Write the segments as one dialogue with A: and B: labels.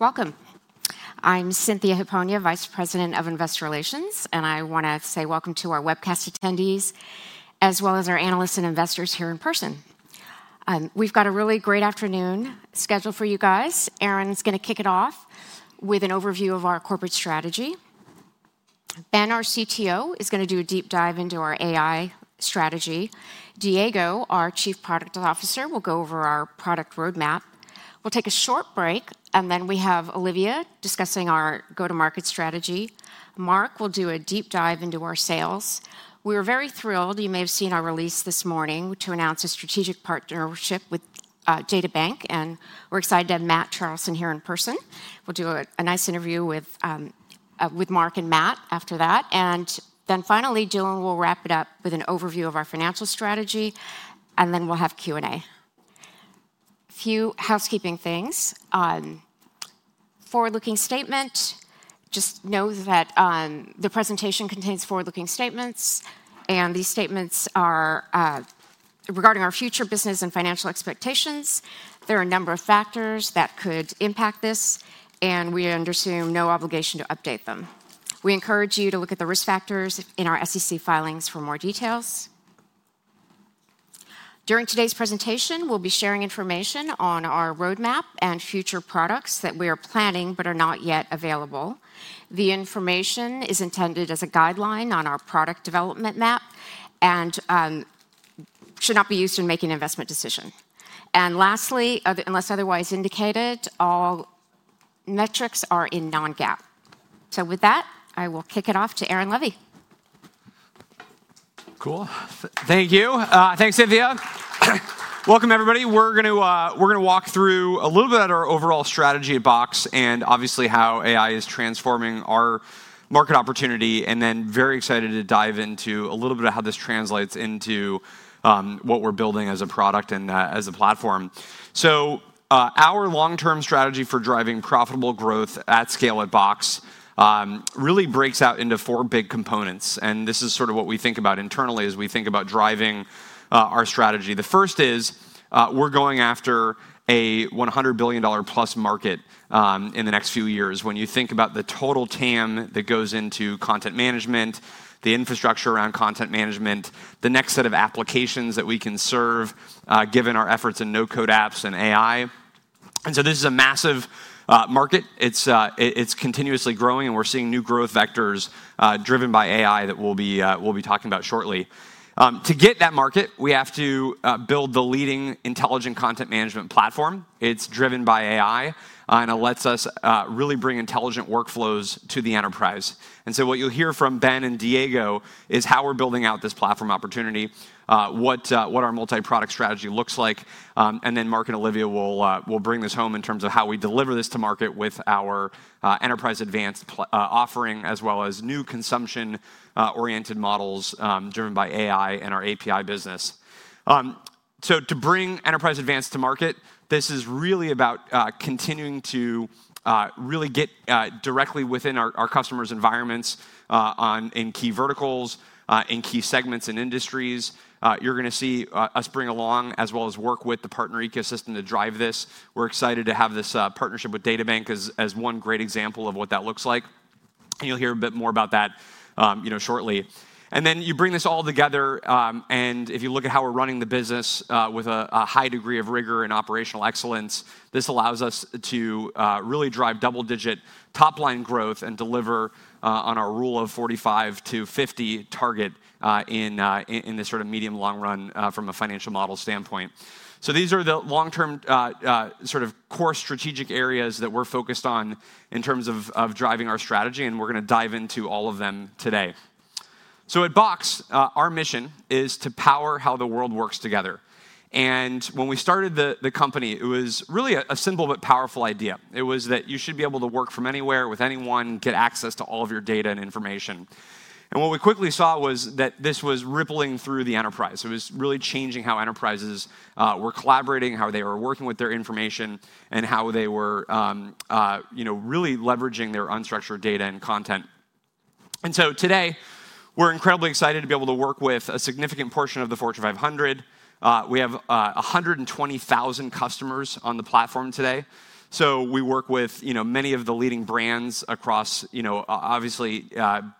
A: Welcome. I'm Cynthia Hiponia, Vice President of Investor Relations, and I want to say welcome to our webcast attendees, as well as our analysts and investors here in person. We've got a really great afternoon scheduled for you guys. Aaron's going to kick it off with an overview of our corporate strategy. Ben, our CTO, is going to do a deep dive into our AI strategy. Diego, our Chief Product Officer, will go over our product roadmap. We'll take a short break, and then we have Olivia discussing our go-to-market strategy. Mark will do a deep dive into our sales. We are very thrilled—you may have seen our release this morning—to announce a strategic partnership with DataBank, and we're excited to have Matt Charlson here in person. We'll do a nice interview with Mark and Matt after that. Finally, Dylan will wrap it up with an overview of our financial strategy, and then we'll have Q&A. A few housekeeping things. Forward-looking statement: just know that the presentation contains forward-looking statements, and these statements are regarding our future business and financial expectations. There are a number of factors that could impact this, and we understand you have no obligation to update them. We encourage you to look at the Risk Factors in our SEC filings for more details. During today's presentation, we'll be sharing information on our roadmap and future products that we are planning but are not yet available. The information is intended as a guideline on our product development map and should not be used in making investment decisions. Lastly, unless otherwise indicated, all metrics are in non-GAAP. With that, I will kick it off to Aaron Levie.
B: Cool. Thank you. Thanks, Cynthia. Welcome, everybody. We're going to walk through a little bit of our overall strategy at Box and obviously how AI is transforming our market opportunity, and then very excited to dive into a little bit of how this translates into what we're building as a product and as a platform. Our long-term strategy for driving profitable growth at scale at Box really breaks out into four big components, and this is sort of what we think about internally as we think about driving our strategy. The first is we're going after a $100 billion+ market in the next few years. When you think about the total TAM that goes into content management, the infrastructure around content management, the next set of applications that we can serve given our efforts in no-code apps and AI. This is a massive market. It's continuously growing, and we're seeing new growth vectors driven by AI that we'll be talking about shortly. To get that market, we have to build the leading intelligent content management platform. It's driven by AI and lets us really bring intelligent workflows to the enterprise. What you'll hear from Ben and Diego is how we're building out this platform opportunity, what our multi-product strategy looks like, and then Mark and Olivia will bring this home in terms of how we deliver this to market with our Enterprise Advanced offering, as well as new consumption-oriented models driven by AI and our API business. To bring Enterprise Advanced to market, this is really about continuing to really get directly within our customers' environments in key verticals, in key segments, and industries. You're going to see us bring along, as well as work with the partner ecosystem to drive this. We're excited to have this partnership with DataBank as one great example of what that looks like. You'll hear a bit more about that shortly. You bring this all together, and if you look at how we're running the business with a high degree of rigor and operational excellence, this allows us to really drive double-digit top-line growth and deliver on our rule of 45-50 target in this sort of medium-long run from a financial model standpoint. These are the long-term sort of core strategic areas that we're focused on in terms of driving our strategy, and we're going to dive into all of them today. At Box, our mission is to power how the world works together. When we started the company, it was really a simple but powerful idea. It was that you should be able to work from anywhere, with anyone, get access to all of your data and information. What we quickly saw was that this was rippling through the enterprise. It was really changing how enterprises were collaborating, how they were working with their information, and how they were really leveraging their unstructured data and content. Today, we're incredibly excited to be able to work with a significant portion of the Fortune 500. We have 120,000 customers on the platform today. We work with many of the leading brands across, obviously,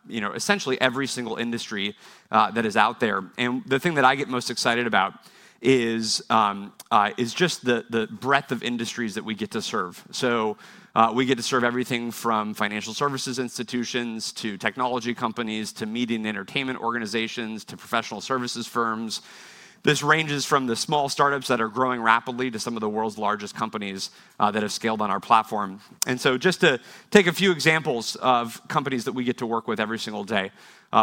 B: essentially every single industry that is out there. The thing that I get most excited about is just the breadth of industries that we get to serve. We get to serve everything from financial services institutions to technology companies to media and entertainment organizations to professional services firms. This ranges from the small startups that are growing rapidly to some of the world's largest companies that have scaled on our platform. Just to take a few examples of companies that we get to work with every single day,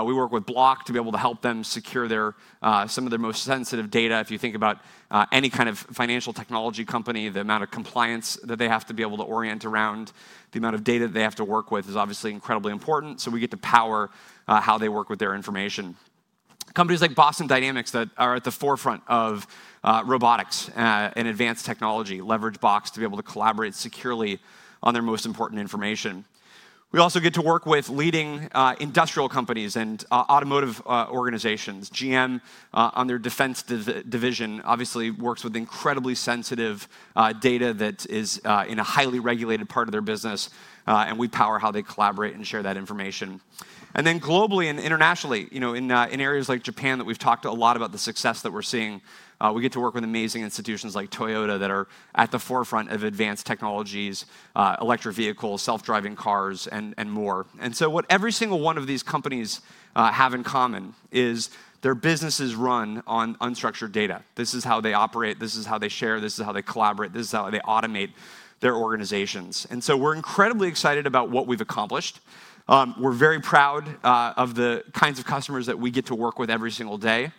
B: we work with Block to be able to help them secure some of their most sensitive data. If you think about any kind of financial technology company, the amount of compliance that they have to be able to orient around, the amount of data that they have to work with is obviously incredibly important. We get to power how they work with their information. Companies like Boston Dynamics that are at the forefront of robotics and advanced technology leverage Box to be able to collaborate securely on their most important information. We also get to work with leading industrial companies and automotive organizations. GM, on their defense division, obviously works with incredibly sensitive data that is in a highly regulated part of their business, and we power how they collaborate and share that information. Globally and internationally, in areas like Japan that we've talked a lot about the success that we're seeing, we get to work with amazing institutions like Toyota that are at the forefront of advanced technologies, electric vehicles, self-driving cars, and more. What every single one of these companies have in common is their businesses run on unstructured data. This is how they operate. This is how they share. This is how they collaborate. This is how they automate their organizations. We're incredibly excited about what we've accomplished. We're very proud of the kinds of customers that we get to work with every single day.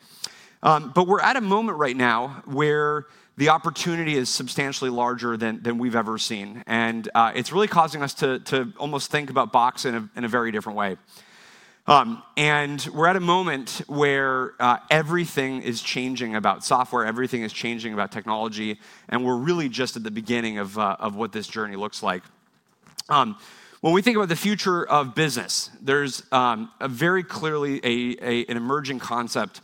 B: We're at a moment right now where the opportunity is substantially larger than we've ever seen, and it's really causing us to almost think about Box in a very different way. We're at a moment where everything is changing about software, everything is changing about technology, and we're really just at the beginning of what this journey looks like. When we think about the future of business, there's very clearly an emerging concept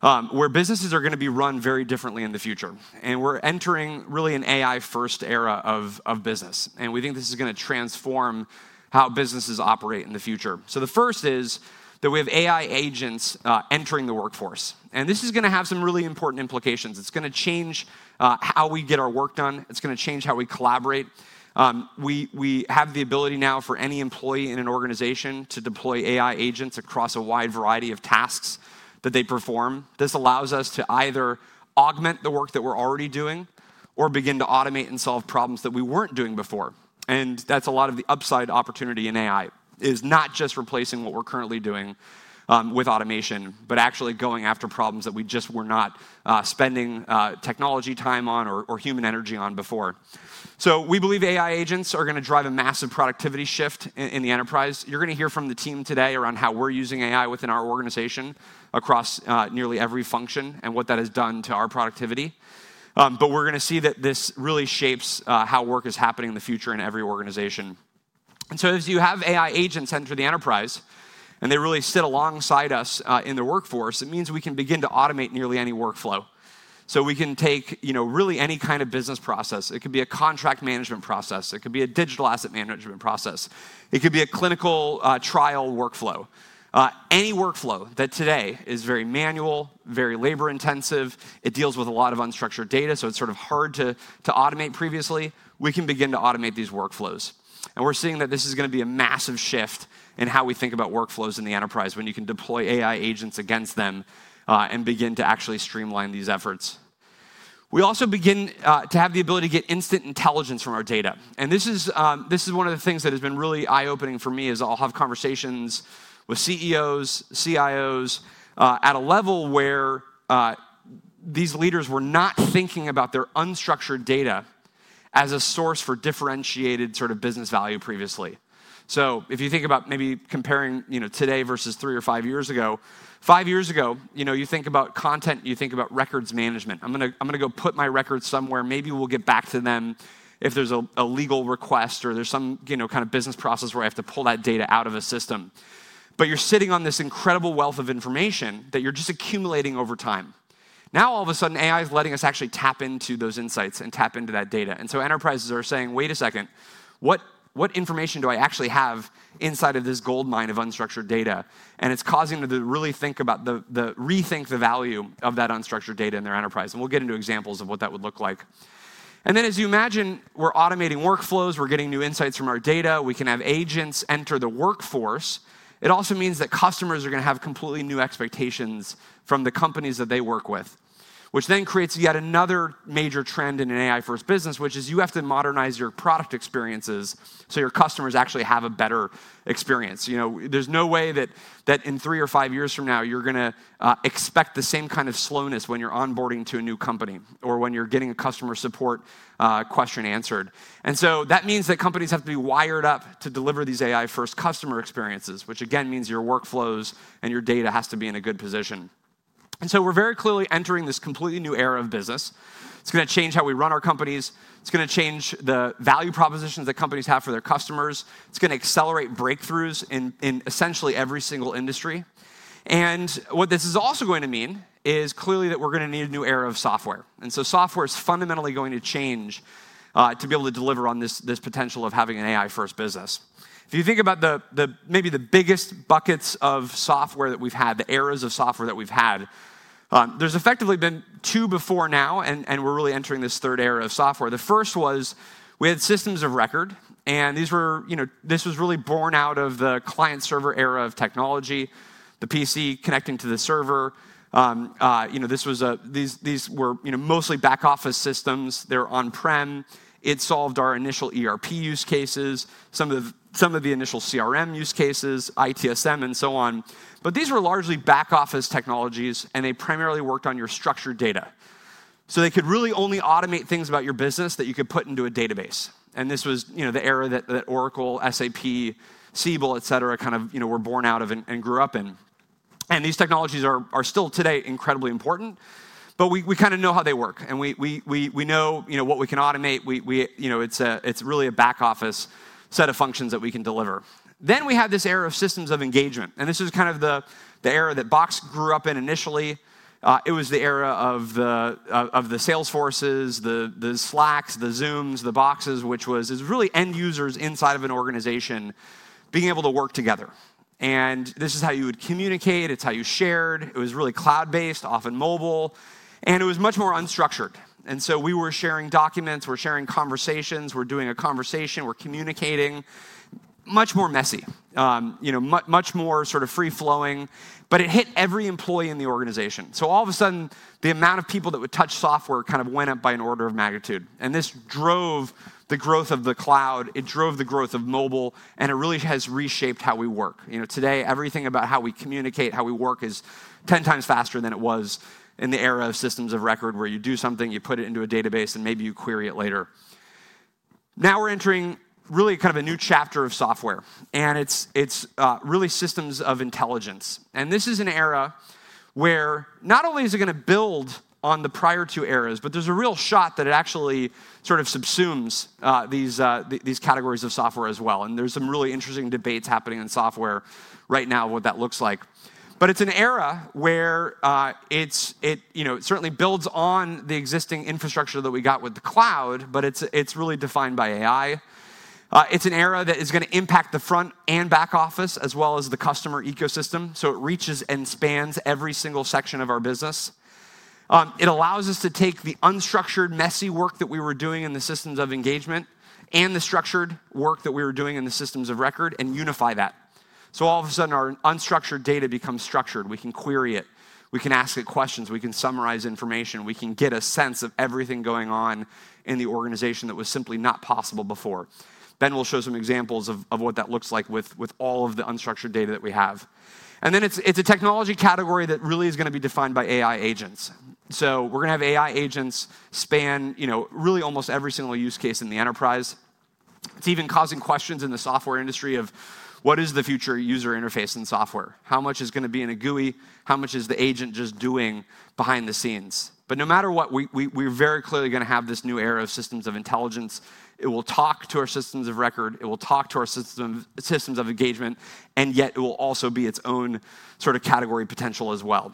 B: where businesses are going to be run very differently in the future. We're entering really an AI-first era of business, and we think this is going to transform how businesses operate in the future. The first is that we have AI agents entering the workforce, and this is going to have some really important implications. It's going to change how we get our work done. It's going to change how we collaborate. We have the ability now for any employee in an organization to deploy AI agents across a wide variety of tasks that they perform. This allows us to either augment the work that we're already doing or begin to automate and solve problems that we weren't doing before. A lot of the upside opportunity in AI is not just replacing what we're currently doing with automation, but actually going after problems that we just were not spending technology time on or human energy on before. We believe AI agents are going to drive a massive productivity shift in the enterprise. You're going to hear from the team today around how we're using AI within our organization across nearly every function and what that has done to our productivity. We're going to see that this really shapes how work is happening in the future in every organization. As you have AI agents enter the enterprise and they really sit alongside us in the workforce, it means we can begin to automate nearly any workflow. We can take really any kind of business process. It could be a contract management process. It could be a digital asset management process. It could be a clinical trial workflow. Any workflow that today is very manual, very labor-intensive, it deals with a lot of unstructured data, so it's sort of hard to automate previously, we can begin to automate these workflows. We're seeing that this is going to be a massive shift in how we think about workflows in the enterprise when you can deploy AI agents against them and begin to actually streamline these efforts. We also begin to have the ability to get instant intelligence from our data. This is one of the things that has been really eye-opening for me is I'll have conversations with CEOs, CIOs at a level where these leaders were not thinking about their unstructured data as a source for differentiated sort of business value previously. If you think about maybe comparing today versus three or five years ago, five years ago, you think about content, you think about records management. I'm going to go put my records somewhere. Maybe we'll get back to them if there's a legal request or there's some kind of business process where I have to pull that data out of a system. You're sitting on this incredible wealth of information that you're just accumulating over time. Now, all of a sudden, AI is letting us actually tap into those insights and tap into that data. Enterprises are saying, "Wait a second. What information do I actually have inside of this gold mine of unstructured data? It is causing them to really think about, to rethink the value of that unstructured data in their enterprise. We will get into examples of what that would look like. As you imagine, we are automating workflows. We are getting new insights from our data. We can have agents enter the workforce. It also means that customers are going to have completely new expectations from the companies that they work with, which then creates yet another major trend in an AI-first business, which is you have to modernize your product experiences so your customers actually have a better experience. There is no way that in three or five years from now, you are going to expect the same kind of slowness when you are onboarding to a new company or when you are getting a customer support question answered. That means that companies have to be wired up to deliver these AI-first customer experiences, which again means your workflows and your data has to be in a good position. We are very clearly entering this completely new era of business. It's going to change how we run our companies. It's going to change the value propositions that companies have for their customers. It's going to accelerate breakthroughs in essentially every single industry. What this is also going to mean is clearly that we are going to need a new era of software. Software is fundamentally going to change to be able to deliver on this potential of having an AI-first business. If you think about maybe the biggest buckets of software that we've had, the eras of software that we've had, there's effectively been two before now, and we're really entering this third era of software. The first was we had systems of record, and this was really born out of the client-server era of technology, the PC connecting to the server. These were mostly back-office systems. They're on-prem. It solved our initial ERP use cases, some of the initial CRM use cases, ITSM, and so on. These were largely back-office technologies, and they primarily worked on your structured data. They could really only automate things about your business that you could put into a database. This was the era that Oracle, SAP, Siebel, et cetera, kind of were born out of and grew up in. These technologies are still today incredibly important, but we kind of know how they work, and we know what we can automate. It is really a back-office set of functions that we can deliver. We have this era of systems of engagement, and this is kind of the era that Box grew up in initially. It was the era of the Salesforces, the Slacks, the Zooms, the Boxes, which was really end users inside of an organization being able to work together. This is how you would communicate. It is how you shared. It was really cloud-based, often mobile, and it was much more unstructured. We were sharing documents. We are sharing conversations. We are doing a conversation. We are communicating. Much more messy, much more sort of free-flowing, but it hit every employee in the organization. All of a sudden, the amount of people that would touch software kind of went up by an order of magnitude. This drove the growth of the cloud. It drove the growth of mobile, and it really has reshaped how we work. Today, everything about how we communicate, how we work is 10 times faster than it was in the era of systems of record where you do something, you put it into a database, and maybe you query it later. Now we're entering really kind of a new chapter of software, and it's really systems of intelligence. This is an era where not only is it going to build on the prior two eras, but there's a real shot that it actually sort of subsumes these categories of software as well. There are some really interesting debates happening in software right now of what that looks like. It is an era where it certainly builds on the existing infrastructure that we got with the cloud, but it is really defined by AI. It is an era that is going to impact the front and back office as well as the customer ecosystem. It reaches and spans every single section of our business. It allows us to take the unstructured, messy work that we were doing in the systems of engagement and the structured work that we were doing in the systems of record and unify that. All of a sudden, our unstructured data becomes structured. We can query it. We can ask it questions. We can summarize information. We can get a sense of everything going on in the organization that was simply not possible before. Ben will show some examples of what that looks like with all of the unstructured data that we have. It is a technology category that really is going to be defined by AI agents. We are going to have AI agents span really almost every single use case in the enterprise. It is even causing questions in the software industry of what is the future user interface in software? How much is going to be in a GUI? How much is the agent just doing behind the scenes? No matter what, we are very clearly going to have this new era of systems of intelligence. It will talk to our systems of record. It will talk to our systems of engagement, and yet it will also be its own sort of category potential as well.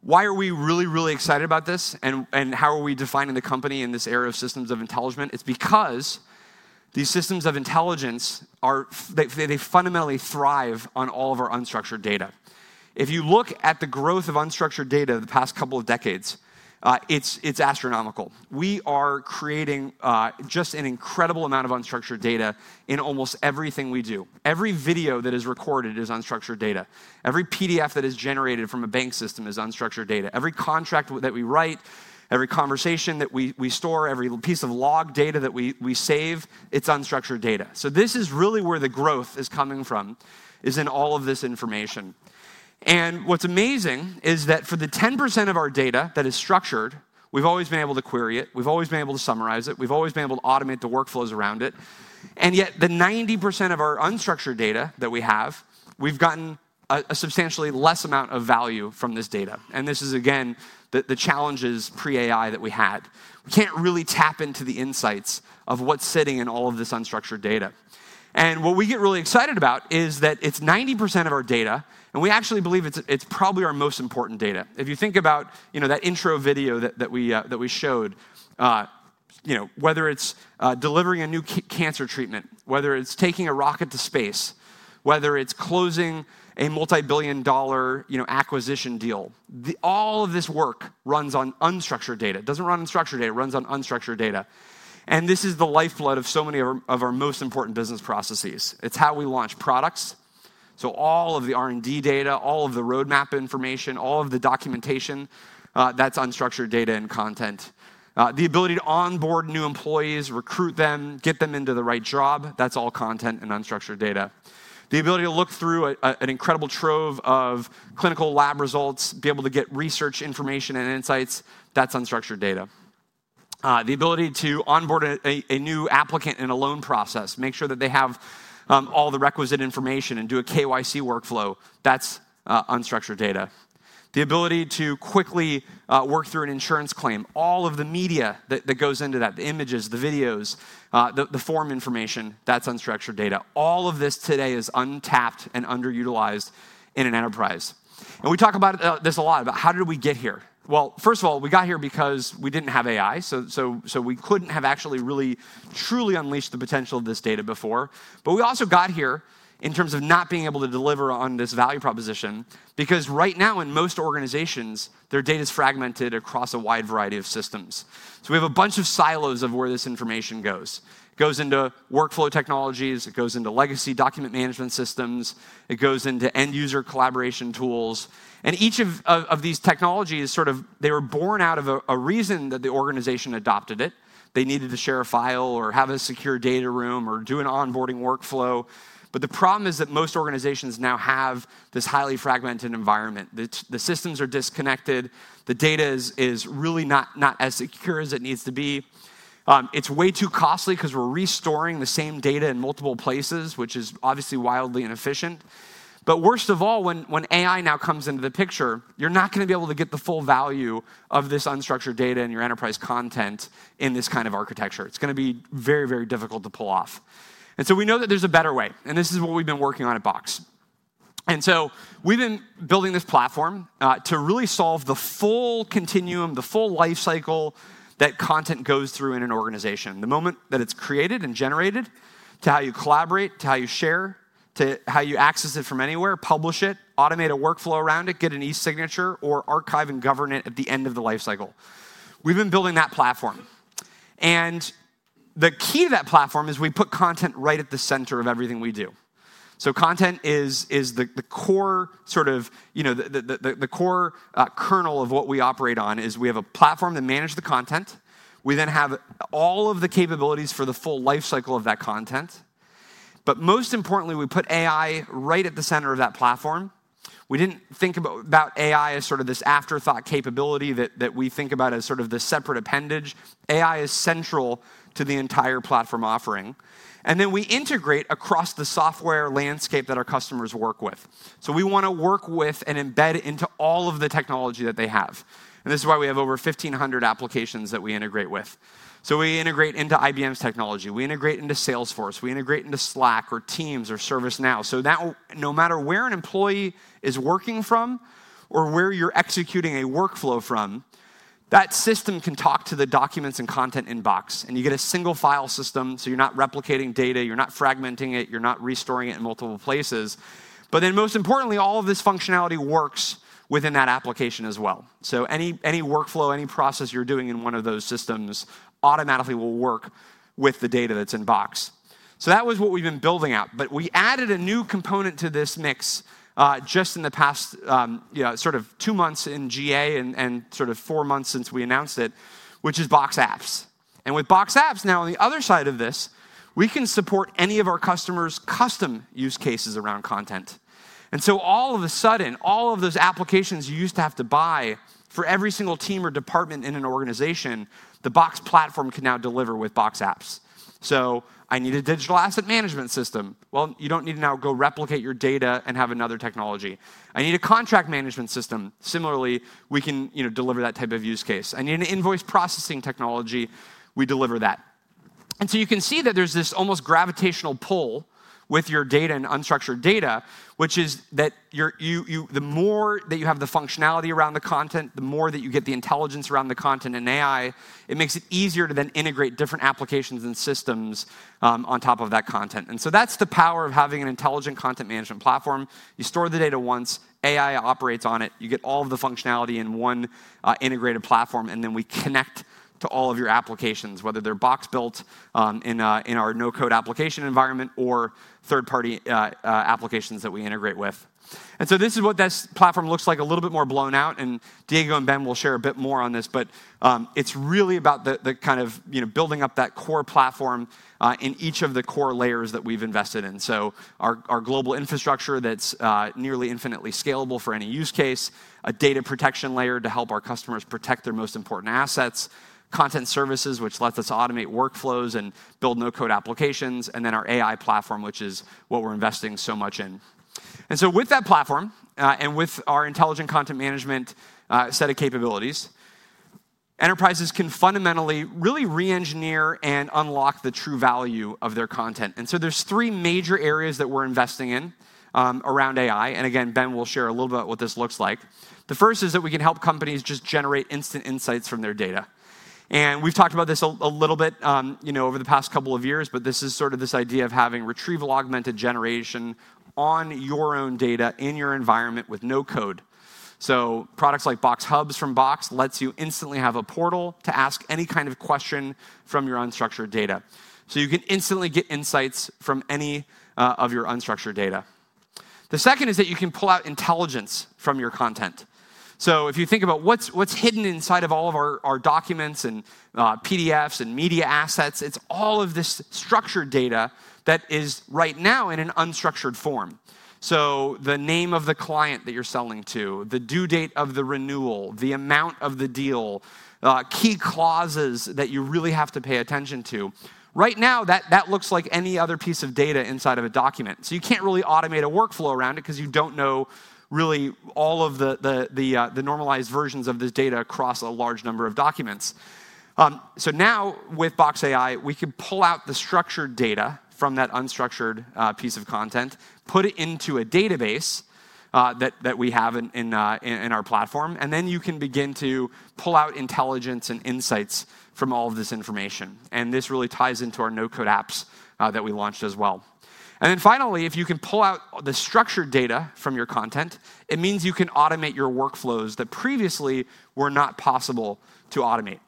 B: Why are we really, really excited about this, and how are we defining the company in this era of systems of intelligence? It's because these systems of intelligence, they fundamentally thrive on all of our unstructured data. If you look at the growth of unstructured data the past couple of decades, it's astronomical. We are creating just an incredible amount of unstructured data in almost everything we do. Every video that is recorded is unstructured data. Every PDF that is generated from a bank system is unstructured data. Every contract that we write, every conversation that we store, every piece of log data that we save, it's unstructured data. This is really where the growth is coming from, is in all of this information. What's amazing is that for the 10% of our data that is structured, we've always been able to query it. We've always been able to summarize it. We've always been able to automate the workflows around it. Yet the 90% of our unstructured data that we have, we've gotten a substantially less amount of value from this data. This is, again, the challenges pre-AI that we had. We can't really tap into the insights of what's sitting in all of this unstructured data. What we get really excited about is that it's 90% of our data, and we actually believe it's probably our most important data. If you think about that intro video that we showed, whether it's delivering a new cancer treatment, whether it's taking a rocket to space, whether it's closing a multi-billion dollar acquisition deal, all of this work runs on unstructured data. It doesn't run on structured data. It runs on unstructured data. This is the lifeblood of so many of our most important business processes. It's how we launch products. All of the R&D data, all of the roadmap information, all of the documentation, that's unstructured data and content. The ability to onboard new employees, recruit them, get them into the right job, that's all content and unstructured data. The ability to look through an incredible trove of clinical lab results, be able to get research information and insights, that's unstructured data. The ability to onboard a new applicant in a loan process, make sure that they have all the requisite information and do a KYC workflow, that's unstructured data. The ability to quickly work through an insurance claim, all of the media that goes into that, the images, the videos, the form information, that's unstructured data. All of this today is untapped and underutilized in an enterprise. We talk about this a lot, about how did we get here. First of all, we got here because we did not have AI. We could not have actually really, truly unleashed the potential of this data before. We also got here in terms of not being able to deliver on this value proposition because right now in most organizations, their data is fragmented across a wide variety of systems. We have a bunch of silos of where this information goes. It goes into workflow technologies. It goes into legacy document management systems. It goes into end user collaboration tools. Each of these technologies, sort of, they were born out of a reason that the organization adopted it. They needed to share a file or have a secure data room or do an onboarding workflow. The problem is that most organizations now have this highly fragmented environment. The systems are disconnected. The data is really not as secure as it needs to be. It's way too costly because we're restoring the same data in multiple places, which is obviously wildly inefficient. Worst of all, when AI now comes into the picture, you're not going to be able to get the full value of this unstructured data in your enterprise content in this kind of architecture. It's going to be very, very difficult to pull off. We know that there's a better way, and this is what we've been working on at Box. We have been building this platform to really solve the full continuum, the full lifecycle that content goes through in an organization, the moment that it is created and generated, to how you collaborate, to how you share, to how you access it from anywhere, publish it, automate a workflow around it, get an e-signature, or archive and govern it at the end of the lifecycle. We have been building that platform. The key to that platform is we put content right at the center of everything we do. Content is the core, sort of the core kernel of what we operate on, as we have a platform that manages the content. We then have all of the capabilities for the full lifecycle of that content. Most importantly, we put AI right at the center of that platform. We didn't think about AI as sort of this afterthought capability that we think about as sort of the separate appendage. AI is central to the entire platform offering. Then we integrate across the software landscape that our customers work with. We want to work with and embed into all of the technology that they have. This is why we have over 1,500 applications that we integrate with. We integrate into IBM's technology. We integrate into Salesforce. We integrate into Slack or Teams or ServiceNow. No matter where an employee is working from or where you're executing a workflow from, that system can talk to the documents and content in Box, and you get a single file system. You're not replicating data. You're not fragmenting it. You're not restoring it in multiple places. Then most importantly, all of this functionality works within that application as well. Any workflow, any process you're doing in one of those systems automatically will work with the data that's in Box. That was what we've been building out. We added a new component to this mix just in the past sort of two months in GA and sort of four months since we announced it, which is Box Apps. With Box Apps, now on the other side of this, we can support any of our customers' custom use cases around content. All of a sudden, all of those applications you used to have to buy for every single team or department in an organization, the Box platform can now deliver with Box Apps. I need a digital asset management system. You do not need to now go replicate your data and have another technology. I need a contract management system. Similarly, we can deliver that type of use case. I need an invoice processing technology. We deliver that. You can see that there is this almost gravitational pull with your data and unstructured data, which is that the more that you have the functionality around the content, the more that you get the intelligence around the content and AI, it makes it easier to then integrate different applications and systems on top of that content. That is the power of having an intelligent content management platform. You store the data once. AI operates on it. You get all of the functionality in one integrated platform, and then we connect to all of your applications, whether they're Box-built in our no-code application environment or third-party applications that we integrate with. This is what this platform looks like a little bit more blown out. Diego and Ben will share a bit more on this, but it's really about the kind of building up that core platform in each of the core layers that we've invested in. Our global infrastructure that's nearly infinitely scalable for any use case, a data protection layer to help our customers protect their most important assets, content services, which lets us automate workflows and build no-code applications, and then our AI platform, which is what we're investing so much in. With that platform and with our intelligent content management set of capabilities, enterprises can fundamentally really re-engineer and unlock the true value of their content. There are three major areas that we're investing in around AI. Again, Ben will share a little bit about what this looks like. The first is that we can help companies just generate instant insights from their data. We've talked about this a little bit over the past couple of years, but this is sort of this idea of having retrieval augmented generation on your own data in your environment with no code. Products like Box Hubs from Box let you instantly have a portal to ask any kind of question from your unstructured data. You can instantly get insights from any of your unstructured data. The second is that you can pull out intelligence from your content. If you think about what's hidden inside of all of our documents and PDFs and media assets, it's all of this structured data that is right now in an unstructured form. The name of the client that you're selling to, the due date of the renewal, the amount of the deal, key clauses that you really have to pay attention to. Right now, that looks like any other piece of data inside of a document. You can't really automate a workflow around it because you don't know really all of the normalized versions of this data across a large number of documents. Now with Box AI, we can pull out the structured data from that unstructured piece of content, put it into a database that we have in our platform, and then you can begin to pull out intelligence and insights from all of this information. This really ties into our no-code apps that we launched as well. Finally, if you can pull out the structured data from your content, it means you can automate your workflows that previously were not possible to automate.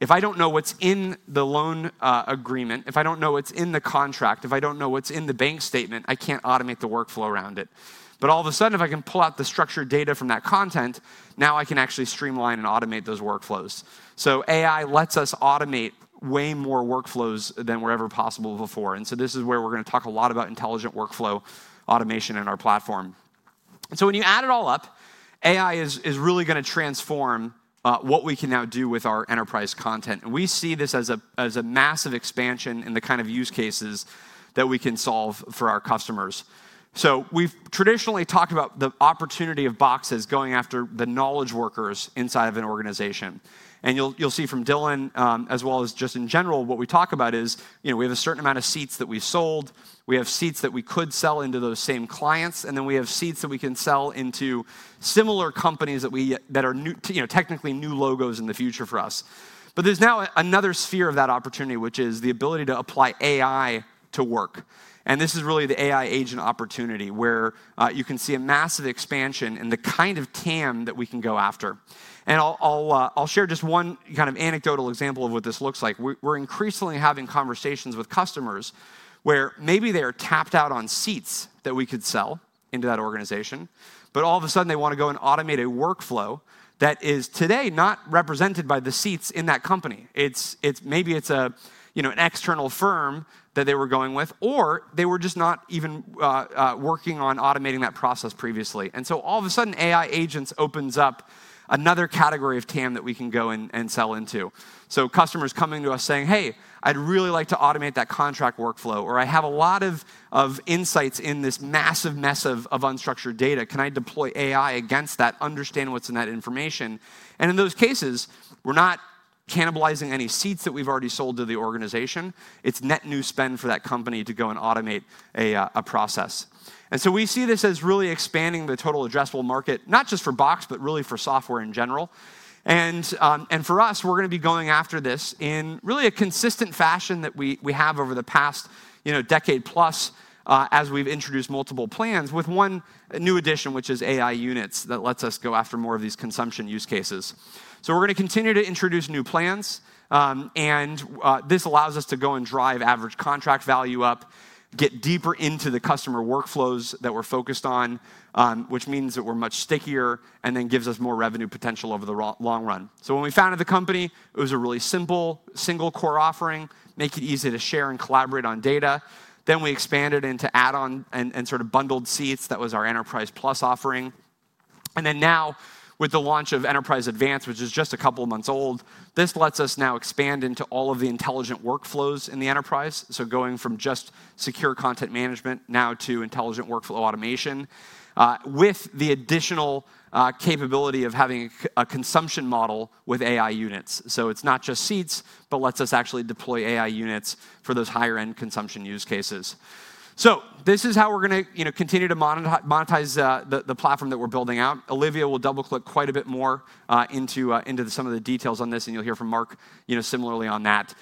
B: If I do not know what is in the loan agreement, if I do not know what is in the contract, if I do not know what is in the bank statement, I cannot automate the workflow around it. All of a sudden, if I can pull out the structured data from that content, now I can actually streamline and automate those workflows. AI lets us automate way more workflows than were ever possible before. This is where we are going to talk a lot about intelligent workflow automation in our platform. When you add it all up, AI is really going to transform what we can now do with our enterprise content. We see this as a massive expansion in the kind of use cases that we can solve for our customers. We have traditionally talked about the opportunity of Box as going after the knowledge workers inside of an organization. You will see from Dylan, as well as just in general, what we talk about is we have a certain amount of seats that we have sold. We have seats that we could sell into those same clients, and then we have seats that we can sell into similar companies that are technically new logos in the future for us. There is now another sphere of that opportunity, which is the ability to apply AI to work. This is really the AI agent opportunity where you can see a massive expansion in the kind of TAM that we can go after. I'll share just one kind of anecdotal example of what this looks like. We're increasingly having conversations with customers where maybe they are tapped out on seats that we could sell into that organization, but all of a sudden, they want to go and automate a workflow that is today not represented by the seats in that company. Maybe it's an external firm that they were going with, or they were just not even working on automating that process previously. All of a sudden, AI agents opens up another category of TAM that we can go and sell into. Customers coming to us saying, "Hey, I'd really like to automate that contract workflow," or, "I have a lot of insights in this massive mess of unstructured data. Can I deploy AI against that, understand what's in that information?" In those cases, we're not cannibalizing any seats that we've already sold to the organization. It's net new spend for that company to go and automate a process. We see this as really expanding the total addressable market, not just for Box, but really for software in general. For us, we're going to be going after this in really a consistent fashion that we have over the past decade plus as we've introduced multiple plans with one new addition, which is AI units that lets us go after more of these consumption use cases. We're going to continue to introduce new plans, and this allows us to go and drive average contract value up, get deeper into the customer workflows that we're focused on, which means that we're much stickier and then gives us more revenue potential over the long run. When we founded the company, it was a really simple, single core offering, make it easy to share and collaborate on data. Then we expanded into add-on and sort of bundled seats. That was our Enterprise Plus offering. Now with the launch of Enterprise Advanced, which is just a couple of months old, this lets us now expand into all of the intelligent workflows in the enterprise. Going from just secure content management now to intelligent workflow automation with the additional capability of having a consumption model with AI units. It is not just seats, but lets us actually deploy AI units for those higher-end consumption use cases. This is how we are going to continue to monetize the platform that we are building out. Olivia will double-click quite a bit more into some of the details on this, and you will hear from Mark similarly on that.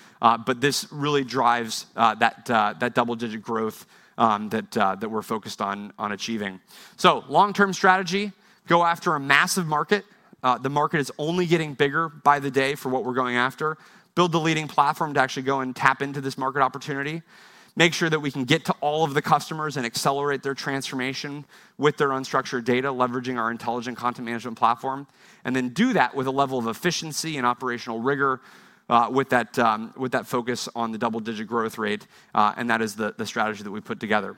B: This really drives that double-digit growth that we are focused on achieving. Long-term strategy, go after a massive market. The market is only getting bigger by the day for what we are going after. Build the leading platform to actually go and tap into this market opportunity. Make sure that we can get to all of the customers and accelerate their transformation with their unstructured data, leveraging our intelligent content management platform. Do that with a level of efficiency and operational rigor with that focus on the double-digit growth rate. That is the strategy that we've put together.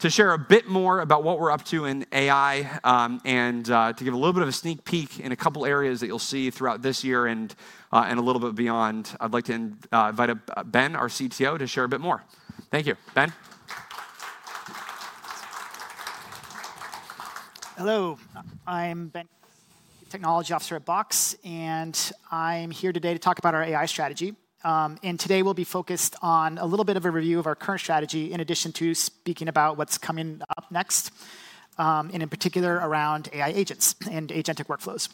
B: To share a bit more about what we're up to in AI and to give a little bit of a sneak peek in a couple of areas that you'll see throughout this year and a little bit beyond, I'd like to invite Ben, our CTO, to share a bit more. Thank you, Ben.
C: Hello. I'm Ben, Technology Officer at Box, and I'm here today to talk about our AI strategy. Today we'll be focused on a little bit of a review of our current strategy in addition to speaking about what's coming up next, and in particular around AI agents and agentic workflows.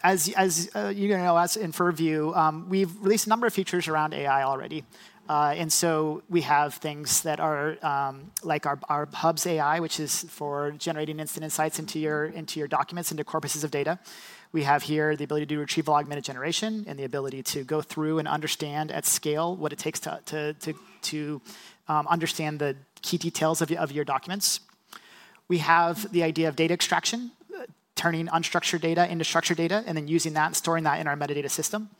C: As you know, as in further view, we've released a number of features around AI already. We have things that are like our Hubs AI, which is for generating instant insights into your documents, into corpuses of data. We have here the ability to do retrieval augmented generation and the ability to go through and understand at scale what it takes to understand the key details of your documents. We have the idea of data extraction, turning unstructured data into structured data and then using that and storing that in our metadata system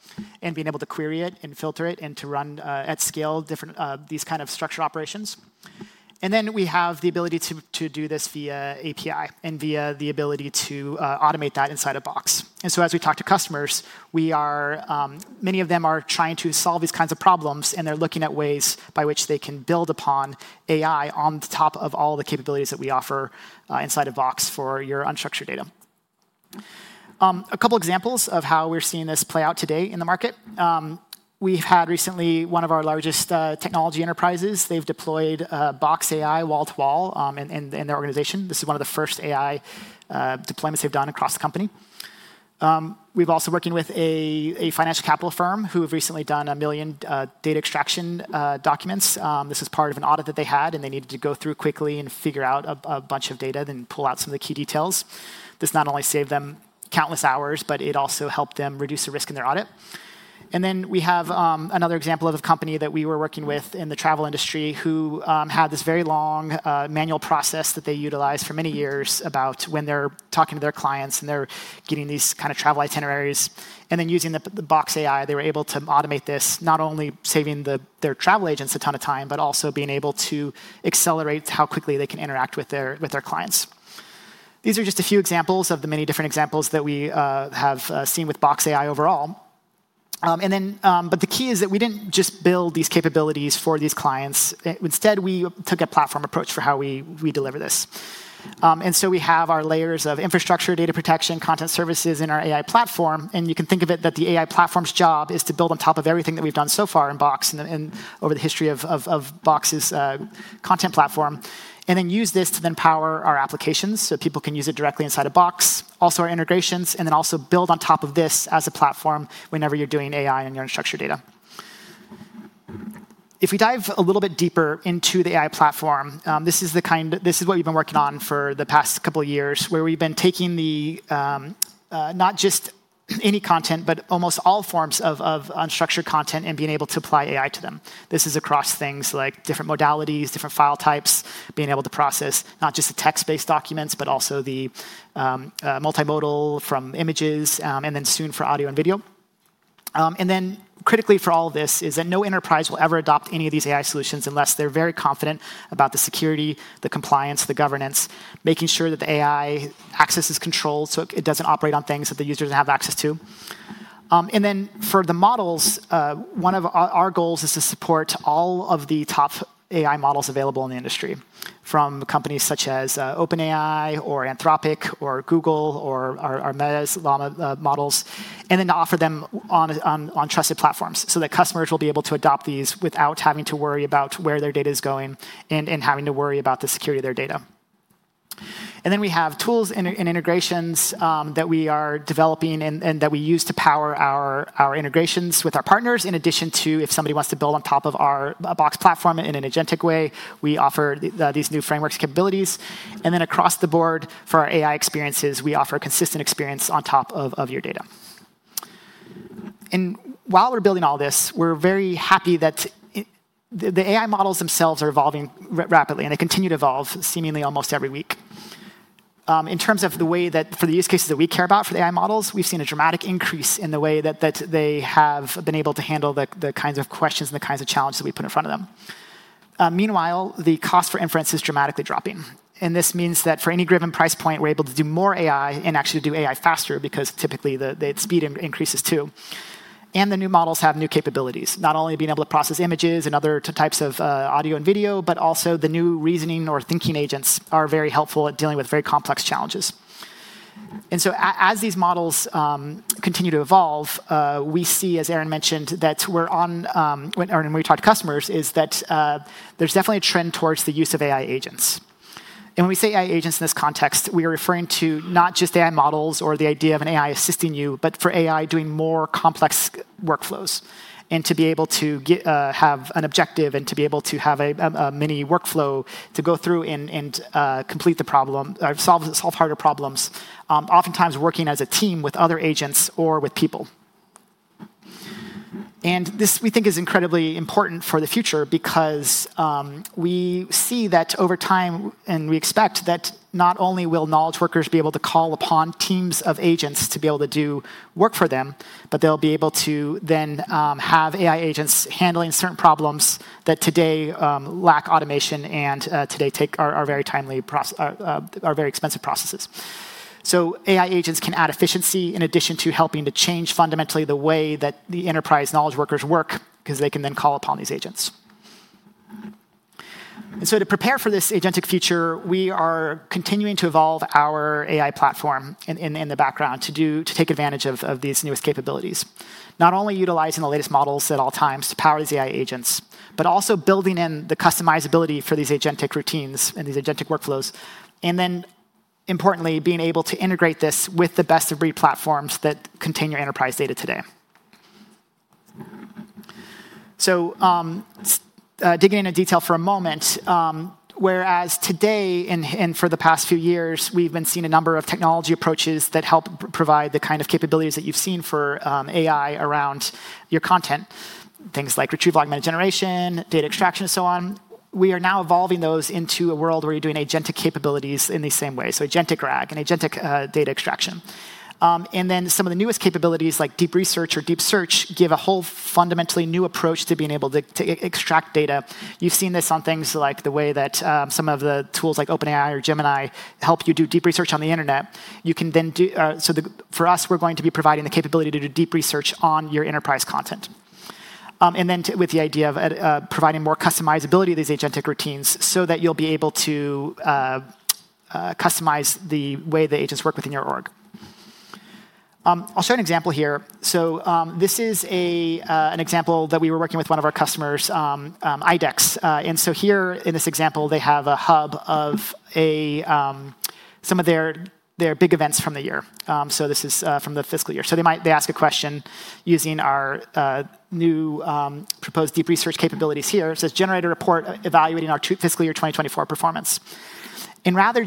C: and being able to query it and filter it and to run at scale these kinds of structured operations. We have the ability to do this via API and via the ability to automate that inside of Box. As we talk to customers, many of them are trying to solve these kinds of problems, and they're looking at ways by which they can build upon AI on top of all the capabilities that we offer inside of Box for your unstructured data. A couple of examples of how we're seeing this play out today in the market. We've had recently one of our largest technology enterprises. They've deployed Box AI wall to wall in their organization. This is one of the first AI deployments they've done across the company. We've also been working with a financial capital firm who have recently done a million data extraction documents. This was part of an audit that they had, and they needed to go through quickly and figure out a bunch of data and pull out some of the key details. This not only saved them countless hours, but it also helped them reduce the risk in their audit. We have another example of a company that we were working with in the travel industry who had this very long manual process that they utilized for many years about when they're talking to their clients and they're getting these kinds of travel itineraries. Using Box AI, they were able to automate this, not only saving their travel agents a ton of time, but also being able to accelerate how quickly they can interact with their clients. These are just a few examples of the many different examples that we have seen with Box AI overall. The key is that we did not just build these capabilities for these clients. Instead, we took a platform approach for how we deliver this. We have our layers of infrastructure, data protection, content services in our AI platform. You can think of it that the AI platform's job is to build on top of everything that we've done so far in Box and over the history of Box's content platform and then use this to then power our applications so people can use it directly inside of Box, also our integrations, and then also build on top of this as a platform whenever you're doing AI on your unstructured data. If we dive a little bit deeper into the AI platform, this is what we've been working on for the past couple of years where we've been taking not just any content, but almost all forms of unstructured content and being able to apply AI to them. This is across things like different modalities, different file types, being able to process not just the text-based documents, but also the multimodal from images and then soon for audio and video. Critically for all of this is that no enterprise will ever adopt any of these AI solutions unless they're very confident about the security, the compliance, the governance, making sure that the AI access is controlled so it doesn't operate on things that the users have access to. For the models, one of our goals is to support all of the top AI models available in the industry from companies such as OpenAI or Anthropic or Google or our Meta models, and to offer them on trusted platforms so that customers will be able to adopt these without having to worry about where their data is going and having to worry about the security of their data. We have tools and integrations that we are developing and that we use to power our integrations with our partners in addition to if somebody wants to build on top of our Box platform in an agentic way, we offer these new frameworks, capabilities. Across the board for our AI experiences, we offer a consistent experience on top of your data. While we're building all this, we're very happy that the AI models themselves are evolving rapidly, and they continue to evolve seemingly almost every week. In terms of the way that for the use cases that we care about for the AI models, we've seen a dramatic increase in the way that they have been able to handle the kinds of questions and the kinds of challenges that we put in front of them. Meanwhile, the cost for inference is dramatically dropping. This means that for any given price point, we're able to do more AI and actually do AI faster because typically the speed increases too. The new models have new capabilities, not only being able to process images and other types of audio and video, but also the new reasoning or thinking agents are very helpful at dealing with very complex challenges. As these models continue to evolve, we see, as Aaron mentioned, that when we talk to customers, there is definitely a trend towards the use of AI agents. When we say AI agents in this context, we are referring to not just AI models or the idea of an AI assisting you, but for AI doing more complex workflows and to be able to have an objective and to be able to have a mini workflow to go through and complete the problem or solve harder problems, oftentimes working as a team with other agents or with people. This we think is incredibly important for the future because we see that over time, and we expect that not only will knowledge workers be able to call upon teams of agents to be able to do work for them, but they'll be able to then have AI agents handling certain problems that today lack automation and today take our very expensive processes. AI agents can add efficiency in addition to helping to change fundamentally the way that the enterprise knowledge workers work because they can then call upon these agents. To prepare for this agentic future, we are continuing to evolve our AI platform in the background to take advantage of these newest capabilities, not only utilizing the latest models at all times to power these AI agents, but also building in the customizability for these agentic routines and these agentic workflows, and then importantly, being able to integrate this with the best-of-breed platforms that contain your enterprise data today. Digging in a detail for a moment, whereas today and for the past few years, we've been seeing a number of technology approaches that help provide the kind of capabilities that you've seen for AI around your content, things like retrieval augmented generation, data extraction, and so on. We are now evolving those into a world where you're doing agentic capabilities in the same way, so agentic RAG and agentic data extraction. Some of the newest capabilities like deep research or deep search give a whole fundamentally new approach to being able to extract data. You've seen this on things like the way that some of the tools like OpenAI or Gemini help you do deep research on the internet. You can then do so for us, we're going to be providing the capability to do deep research on your enterprise content. With the idea of providing more customizability of these agentic routines so that you'll be able to customize the way the agents work within your org. I'll show an example here. This is an example that we were working with one of our customers, IDEX. Here in this example, they have a hub of some of their big events from the year. This is from the fiscal year. They ask a question using our new proposed deep research capabilities here. It says, "Generate a report evaluating our fiscal year 2024 performance." Rather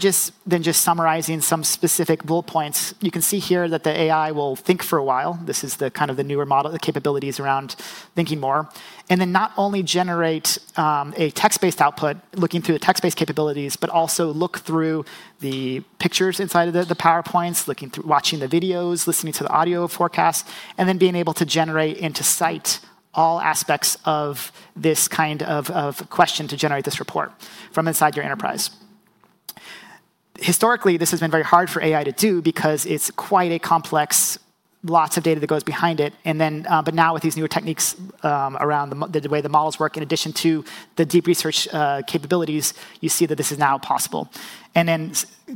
C: than just summarizing some specific bullet points, you can see here that the AI will think for a while. This is kind of the newer model, the capabilities around thinking more. Not only generate a text-based output looking through the text-based capabilities, but also look through the pictures inside of the PowerPoints, watching the videos, listening to the audio forecast, and then being able to generate insight into all aspects of this kind of question to generate this report from inside your enterprise. Historically, this has been very hard for AI to do because it's quite a complex, lots of data that goes behind it. Now with these newer techniques around the way the models work in addition to the deep research capabilities, you see that this is now possible.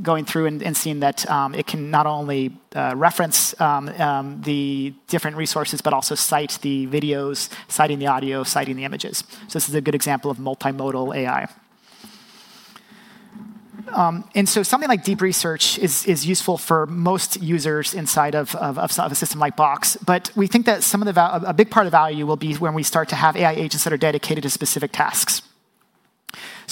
C: Going through and seeing that it can not only reference the different resources, but also cite the videos, citing the audio, citing the images. This is a good example of multimodal AI. Something like deep research is useful for most users inside of a system like Box, but we think that a big part of the value will be when we start to have AI agents that are dedicated to specific tasks.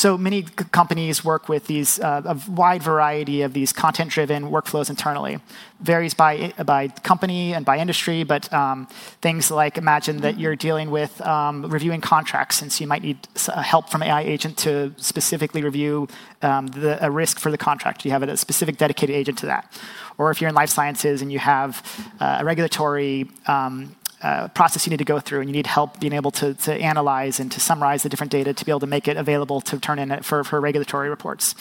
C: Many companies work with a wide variety of these content-driven workflows internally. Varies by company and by industry, but things like imagine that you're dealing with reviewing contracts, and you might need help from an AI agent to specifically review a risk for the contract. You have a specific dedicated agent to that. If you're in life sciences and you have a regulatory process you need to go through and you need help being able to analyze and to summarize the different data to be able to make it available to turn in for regulatory reports.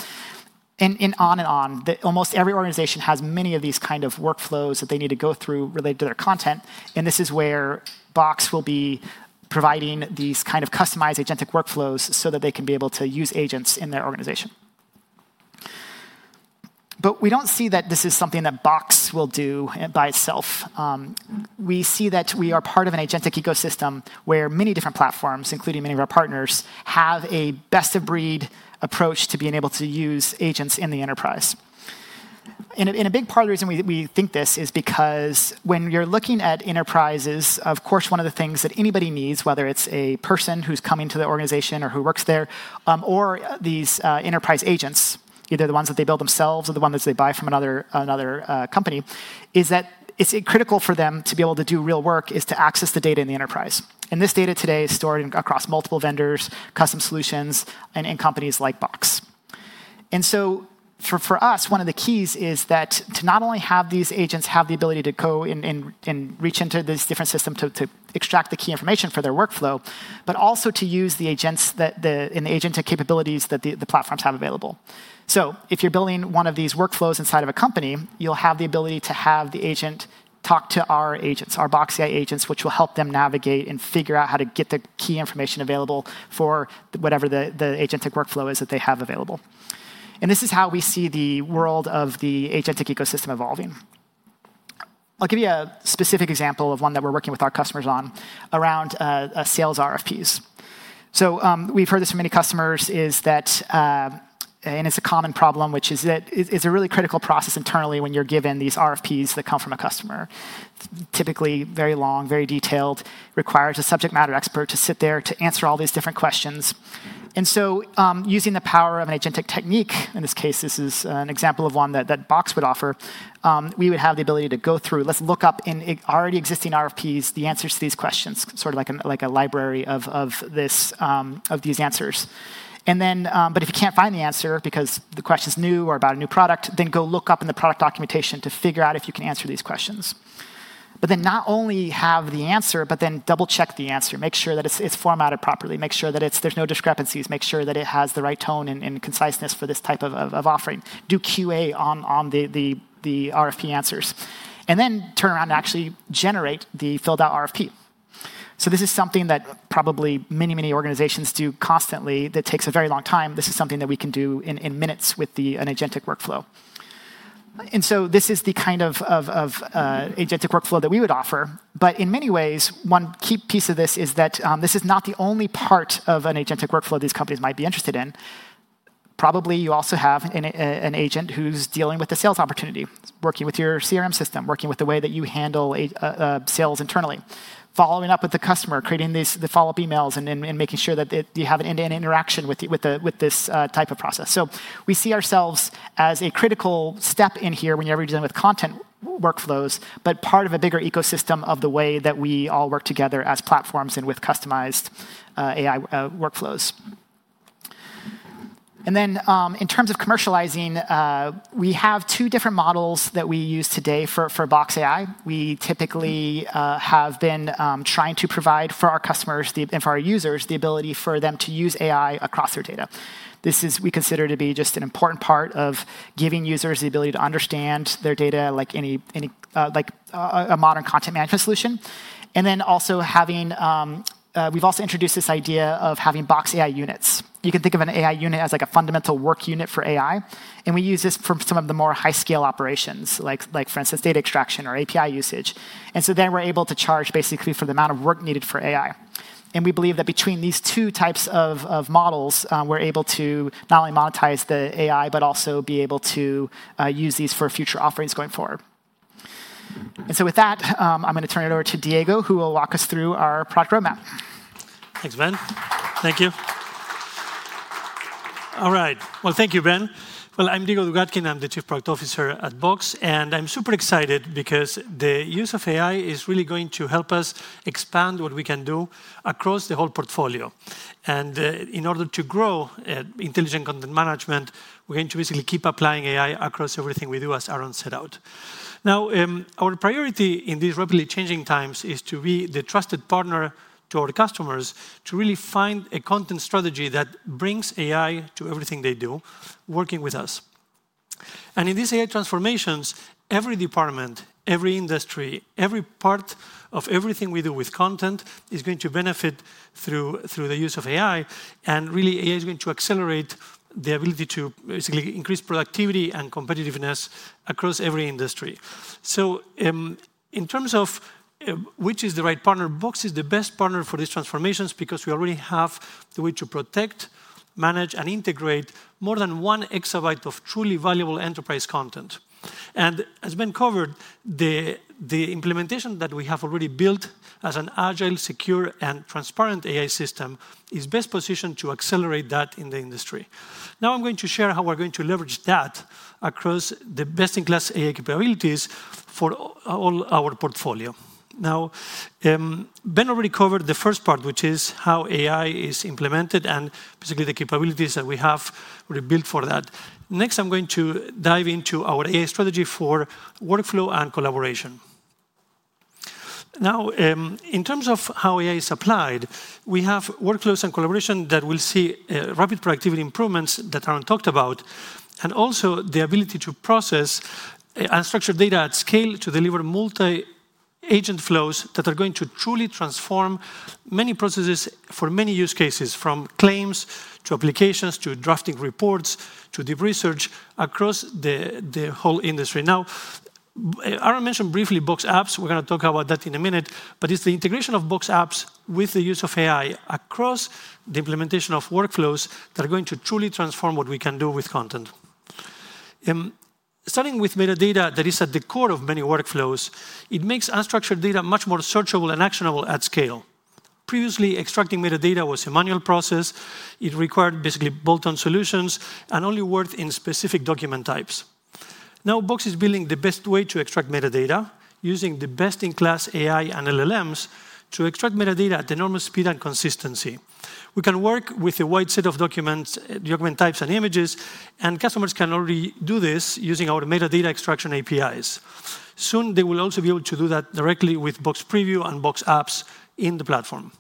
C: On and on, almost every organization has many of these kinds of workflows that they need to go through related to their content. This is where Box will be providing these kinds of customized agentic workflows so that they can be able to use agents in their organization. We do not see that this is something that Box will do by itself. We see that we are part of an agentic ecosystem where many different platforms, including many of our partners, have a best-of-breed approach to being able to use agents in the enterprise. A big part of the reason we think this is because when you're looking at enterprises, of course, one of the things that anybody needs, whether it's a person who's coming to the organization or who works there or these enterprise agents, either the ones that they build themselves or the ones that they buy from another company, is that it's critical for them to be able to do real work is to access the data in the enterprise. This data today is stored across multiple vendors, custom solutions, and companies like Box. For us, one of the keys is that to not only have these agents have the ability to go and reach into this different system to extract the key information for their workflow, but also to use the agents and the agentic capabilities that the platforms have available. If you're building one of these workflows inside of a company, you'll have the ability to have the agent talk to our agents, our Box AI agents, which will help them navigate and figure out how to get the key information available for whatever the agentic workflow is that they have available. This is how we see the world of the agentic ecosystem evolving. I'll give you a specific example of one that we're working with our customers on around sales RFPs. We've heard this from many customers, and it's a common problem, which is that it's a really critical process internally when you're given these RFPs that come from a customer. Typically very long, very detailed, requires a subject matter expert to sit there to answer all these different questions. Using the power of an agentic technique, in this case, this is an example of one that Box would offer, we would have the ability to go through, let's look up in already existing RFPs the answers to these questions, sort of like a library of these answers. If you can't find the answer because the question's new or about a new product, then go look up in the product documentation to figure out if you can answer these questions. Not only have the answer, but then double-check the answer, make sure that it's formatted properly, make sure that there's no discrepancies, make sure that it has the right tone and conciseness for this type of offering. Do QA on the RFP answers. Turn around and actually generate the filled-out RFP. This is something that probably many, many organizations do constantly that takes a very long time. This is something that we can do in minutes with an agentic workflow. This is the kind of agentic workflow that we would offer. In many ways, one key piece of this is that this is not the only part of an agentic workflow these companies might be interested in. Probably you also have an agent who's dealing with the sales opportunity, working with your CRM system, working with the way that you handle sales internally, following up with the customer, creating the follow-up emails, and making sure that you have an end-to-end interaction with this type of process. We see ourselves as a critical step in here when you're ever dealing with content workflows, but part of a bigger ecosystem of the way that we all work together as platforms and with customized AI workflows. In terms of commercializing, we have two different models that we use today for Box AI. We typically have been trying to provide for our customers and for our users the ability for them to use AI across their data. This is we consider to be just an important part of giving users the ability to understand their data like a modern content management solution. Also, we've also introduced this idea of having Box AI units. You can think of an AI unit as like a fundamental work unit for AI. We use this for some of the more high-scale operations, like for instance, data extraction or API usage. We are able to charge basically for the amount of work needed for AI. We believe that between these two types of models, we are able to not only monetize the AI, but also be able to use these for future offerings going forward. With that, I am going to turn it over to Diego, who will walk us through our product roadmap.
D: Thanks, Ben. Thank you. All right. Thank you, Ben. I'm Diego Dugatkin. I'm the Chief Product Officer at Box. I'm super excited because the use of AI is really going to help us expand what we can do across the whole portfolio. In order to grow intelligent content management, we're going to basically keep applying AI across everything we do, as Aaron set out. Our priority in these rapidly changing times is to be the trusted partner to our customers to really find a content strategy that brings AI to everything they do, working with us. In these AI transformations, every department, every industry, every part of everything we do with content is going to benefit through the use of AI. AI is going to accelerate the ability to basically increase productivity and competitiveness across every industry. In terms of which is the right partner, Box is the best partner for these transformations because we already have the way to protect, manage, and integrate more than one exabyte of truly valuable enterprise content. As Ben covered, the implementation that we have already built as an agile, secure, and transparent AI system is best positioned to accelerate that in the industry. Now I'm going to share how we're going to leverage that across the best-in-class AI capabilities for all our portfolio. Ben already covered the first part, which is how AI is implemented and basically the capabilities that we have already built for that. Next, I'm going to dive into our AI strategy for workflow and collaboration. Now, in terms of how AI is applied, we have workflows and collaboration that will see rapid productivity improvements that Aaron talked about, and also the ability to process unstructured data at scale to deliver multi-agent flows that are going to truly transform many processes for many use cases, from claims to applications to drafting reports to deep research across the whole industry. Now, Aaron mentioned briefly Box Apps. We're going to talk about that in a minute, but it's the integration of Box Apps with the use of AI across the implementation of workflows that are going to truly transform what we can do with content. Starting with metadata that is at the core of many workflows, it makes unstructured data much more searchable and actionable at scale. Previously, extracting metadata was a manual process. It required basically bolt-on solutions and only worked in specific document types. Now, Box is building the best way to extract metadata using the best-in-class AI and LLMs to extract metadata at enormous speed and consistency. We can work with a wide set of documents, document types, and images, and customers can already do this using our metadata extraction APIs. Soon, they will also be able to do that directly with Box Preview and Box Apps in the platform.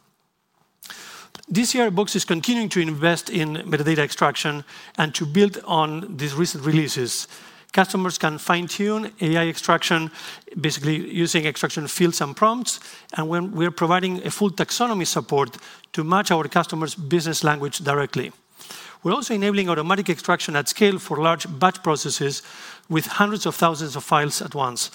D: This year, Box is continuing to invest in metadata extraction and to build on these recent releases. Customers can fine-tune AI extraction basically using extraction fields and prompts, and we're providing a full taxonomy support to match our customers' business language directly. We're also enabling automatic extraction at scale for large batch processes with hundreds of thousands of files at once.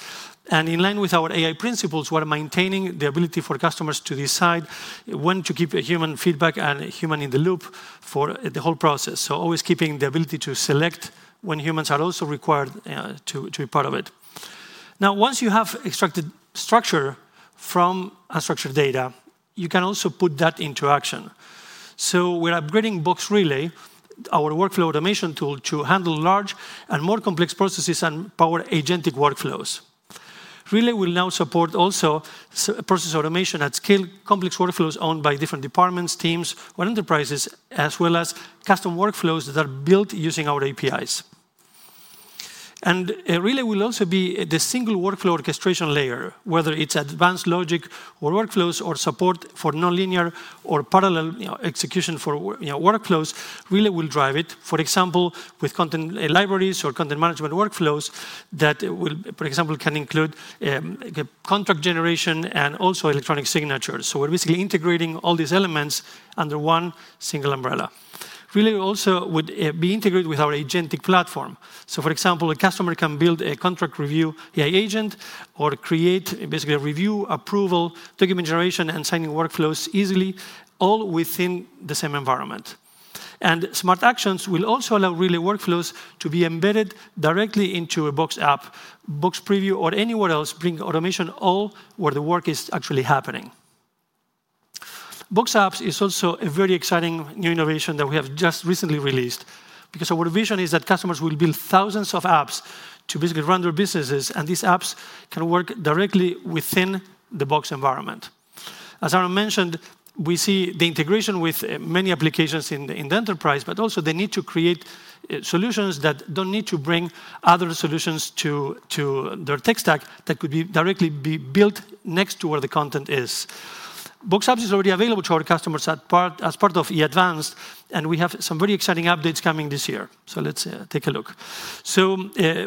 D: In line with our AI principles, we're maintaining the ability for customers to decide when to keep human feedback and human in the loop for the whole process. Always keeping the ability to select when humans are also required to be part of it. Now, once you have extracted structure from unstructured data, you can also put that into action. We're upgrading Box Relay, our workflow automation tool, to handle large and more complex processes and power agentic workflows. Relay will now support also process automation at scale, complex workflows owned by different departments, teams, or enterprises, as well as custom workflows that are built using our APIs. Relay will also be the single workflow orchestration layer, whether it's advanced logic or workflows or support for non-linear or parallel execution for workflows. Relay will drive it, for example, with content libraries or content management workflows that will, for example, can include contract generation and also electronic signatures. We are basically integrating all these elements under one single umbrella. Relay also would be integrated with our agentic platform. For example, a customer can build a contract review AI agent or create basically a review, approval, document generation, and signing workflows easily, all within the same environment. Smart actions will also allow Relay workflows to be embedded directly into a Box App, Box Preview, or anywhere else, bringing automation all where the work is actually happening. Box Apps is also a very exciting new innovation that we have just recently released because our vision is that customers will build thousands of apps to basically run their businesses, and these apps can work directly within the Box environment. As Aaron mentioned, we see the integration with many applications in the enterprise, but also the need to create solutions that do not need to bring other solutions to their tech stack that could be directly built next to where the content is. Box Apps is already available to our customers as part of Enterprise Advanced, and we have some very exciting updates coming this year. Let's take a look.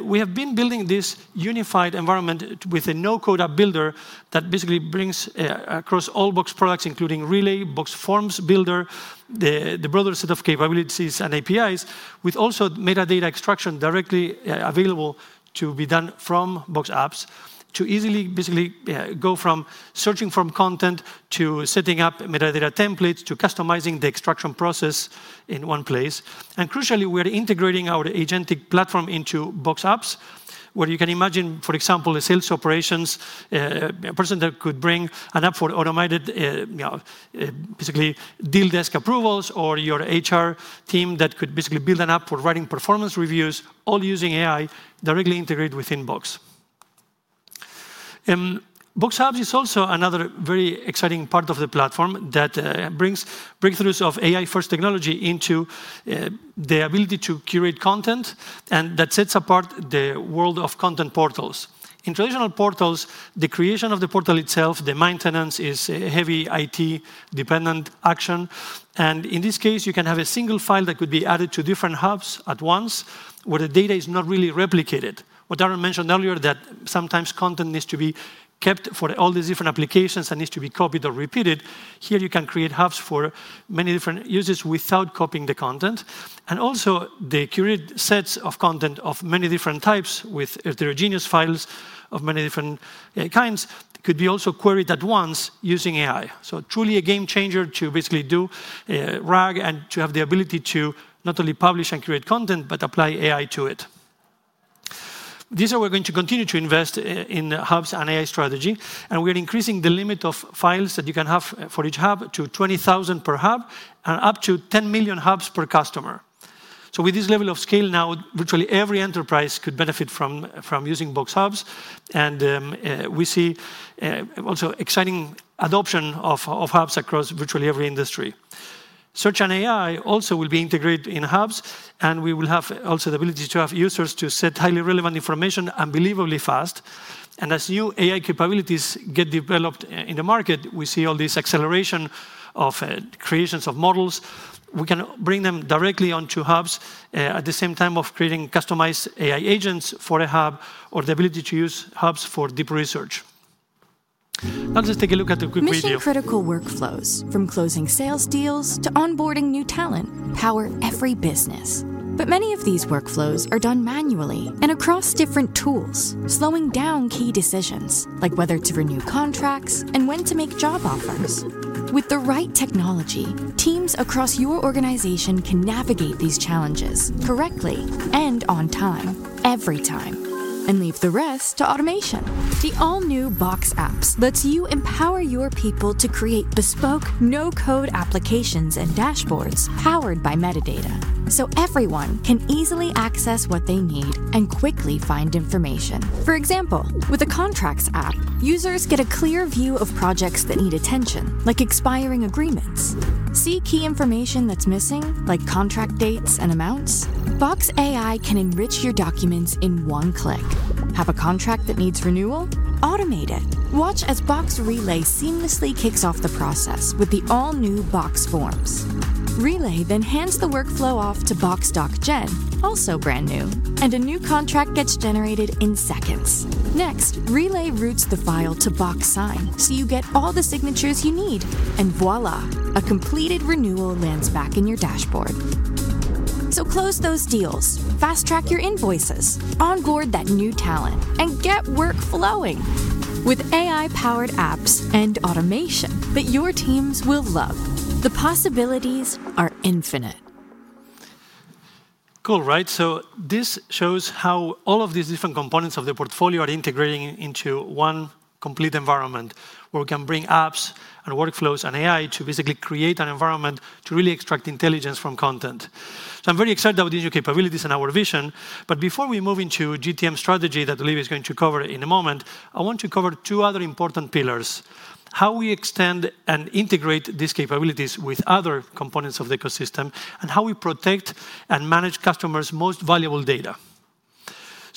D: We have been building this unified environment with a no-code app builder that basically brings across all Box products, including Relay, Box Forms builder, the broader set of capabilities and APIs, with also metadata extraction directly available to be done from Box Apps to easily go from searching from content to setting up metadata templates to customizing the extraction process in one place. Crucially, we are integrating our agentic platform into Box Apps, where you can imagine, for example, a sales operations person that could bring an app for automated basically deal desk approvals or your HR team that could basically build an app for writing performance reviews, all using AI directly integrated within Box. Box Apps is also another very exciting part of the platform that brings breakthroughs of AI-first technology into the ability to curate content and that sets apart the world of content portals. In traditional portals, the creation of the portal itself, the maintenance is heavy IT-dependent action. In this case, you can have a single file that could be added to different hubs at once where the data is not really replicated. What Aaron mentioned earlier, that sometimes content needs to be kept for all these different applications and needs to be copied or repeated. Here, you can create hubs for many different uses without copying the content. Also, the curated sets of content of many different types with heterogeneous files of many different kinds could be queried at once using AI. Truly a game changer to basically do RAG and to have the ability to not only publish and create content, but apply AI to it. We are going to continue to invest in hubs and AI strategy. We are increasing the limit of files that you can have for each hub to 20,000 per hub and up to 10 million hubs per customer. With this level of scale now, virtually every enterprise could benefit from using Box Apps. We see also exciting adoption of hubs across virtually every industry. Search and AI also will be integrated in hubs, and we will have also the ability to have users to set highly relevant information unbelievably fast. As new AI capabilities get developed in the market, we see all this acceleration of creations of models. We can bring them directly onto hubs at the same time of creating customized AI agents for a hub or the ability to use hubs for deep research. Now let's take a look at the quick video. These critical workflows, from closing sales deals to onboarding new talent, power every business. Many of these workflows are done manually and across different tools, slowing down key decisions like whether to renew contracts and when to make job offers. With the right technology, teams across your organization can navigate these challenges correctly and on time, every time, and leave the rest to automation. The all-new Box Apps lets you empower your people to create bespoke no-code applications and dashboards powered by metadata so everyone can easily access what they need and quickly find information. For example, with a contracts app, users get a clear view of projects that need attention, like expiring agreements. See key information that's missing, like contract dates and amounts? Box AI can enrich your documents in one click. Have a contract that needs renewal? Automate it. Watch as Box Relay seamlessly kicks off the process with the all-new Box Forms. Relay then hands the workflow off to Box Doc Gen, also brand new, and a new contract gets generated in seconds. Next, Relay routes the file to Box Sign so you get all the signatures you need. Voilà, a completed renewal lands back in your dashboard. Close those deals, fast-track your invoices, onboard that new talent, and get work flowing with AI-powered apps and automation that your teams will love. The possibilities are infinite. Cool, right? This shows how all of these different components of the portfolio are integrating into one complete environment where we can bring apps and workflows and AI to basically create an environment to really extract intelligence from content. I'm very excited about these new capabilities and our vision. Before we move into GTM strategy that Olivia is going to cover in a moment, I want to cover two other important pillars: how we extend and integrate these capabilities with other components of the ecosystem, and how we protect and manage customers' most valuable data.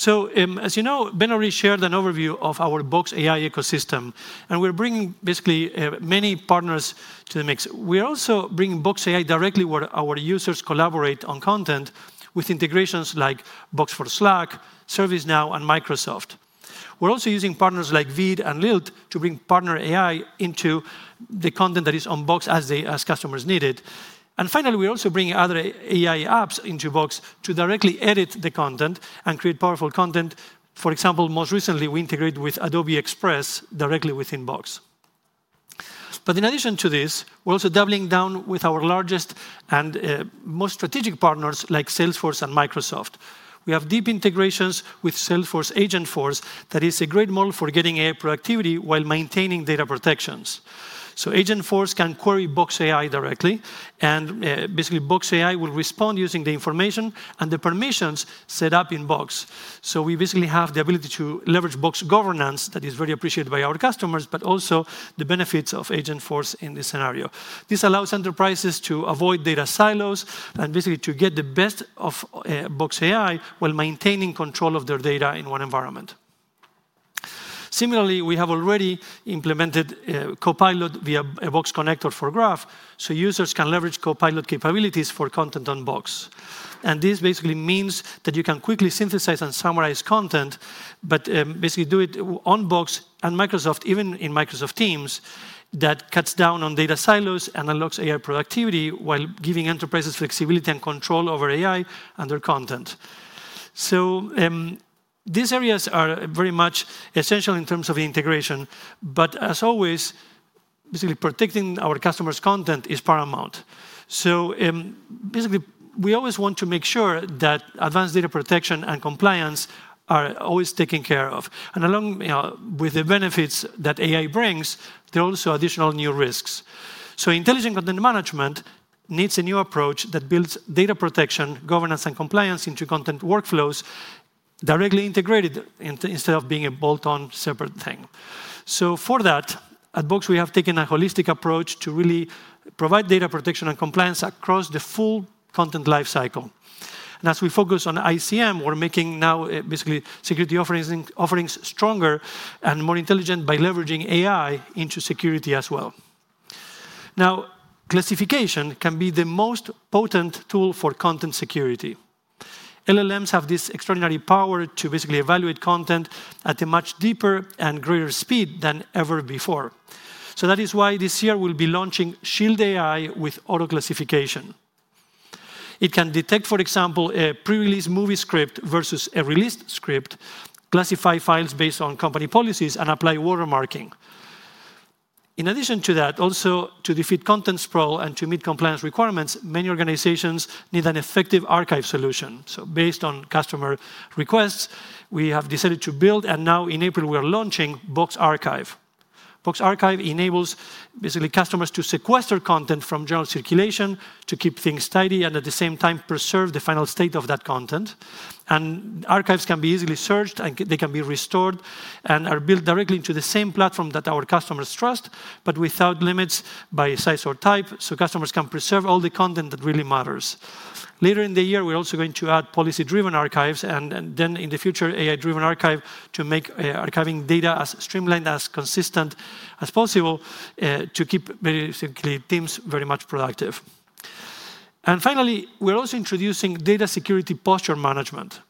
D: As you know, Ben already shared an overview of our Box AI ecosystem, and we're bringing basically many partners to the mix. We're also bringing Box AI directly where our users collaborate on content with integrations like Box for Slack, ServiceNow, and Microsoft. We're also using partners like VEED and LILT to bring partner AI into the content that is on Box as customers need it. Finally, we're also bringing other AI apps into Box to directly edit the content and create powerful content. For example, most recently, we integrate with Adobe Express directly within Box. In addition to this, we're also doubling down with our largest and most strategic partners like Salesforce and Microsoft. We have deep integrations with Salesforce Agentforce that is a great model for getting AI productivity while maintaining data protections. Agentforce can query Box AI directly, and basically Box AI will respond using the information and the permissions set up in Box. We basically have the ability to leverage Box governance that is very appreciated by our customers, but also the benefits of Agentforce in this scenario. This allows enterprises to avoid data silos and basically to get the best of Box AI while maintaining control of their data in one environment. Similarly, we have already implemented Copilot via a Box Connector for Graph, so users can leverage Copilot capabilities for content on Box. This basically means that you can quickly synthesize and summarize content, but basically do it on Box and Microsoft, even in Microsoft Teams, that cuts down on data silos and unlocks AI productivity while giving enterprises flexibility and control over AI and their content. These areas are very much essential in terms of integration, but as always, basically protecting our customers' content is paramount. Basically, we always want to make sure that advanced data protection and compliance are always taken care of. Along with the benefits that AI brings, there are also additional new risks. Intelligent content management needs a new approach that builds data protection, governance, and compliance into content workflows directly integrated instead of being a bolt-on separate thing. For that, at Box, we have taken a holistic approach to really provide data protection and compliance across the full content lifecycle. As we focus on ICM, we're making now basically security offerings stronger and more intelligent by leveraging AI into security as well. Now, classification can be the most potent tool for content security. LLMs have this extraordinary power to basically evaluate content at a much deeper and greater speed than ever before. That is why this year we'll be launching Shield AI with auto classification. It can detect, for example, a pre-released movie script versus a released script, classify files based on company policies, and apply watermarking. In addition to that, also to defeat content sprawl and to meet compliance requirements, many organizations need an effective archive solution. Based on customer requests, we have decided to build, and now in April, we are launching Box Archive. Box Archive enables basically customers to sequester content from general circulation to keep things tidy and at the same time preserve the final state of that content. Archives can be easily searched, and they can be restored and are built directly into the same platform that our customers trust, but without limits by size or type, so customers can preserve all the content that really matters. Later in the year, we're also going to add policy-driven archives and then in the future, AI-driven archive to make archiving data as streamlined and as consistent as possible to keep basically teams very much productive. Finally, we're also introducing data security posture management.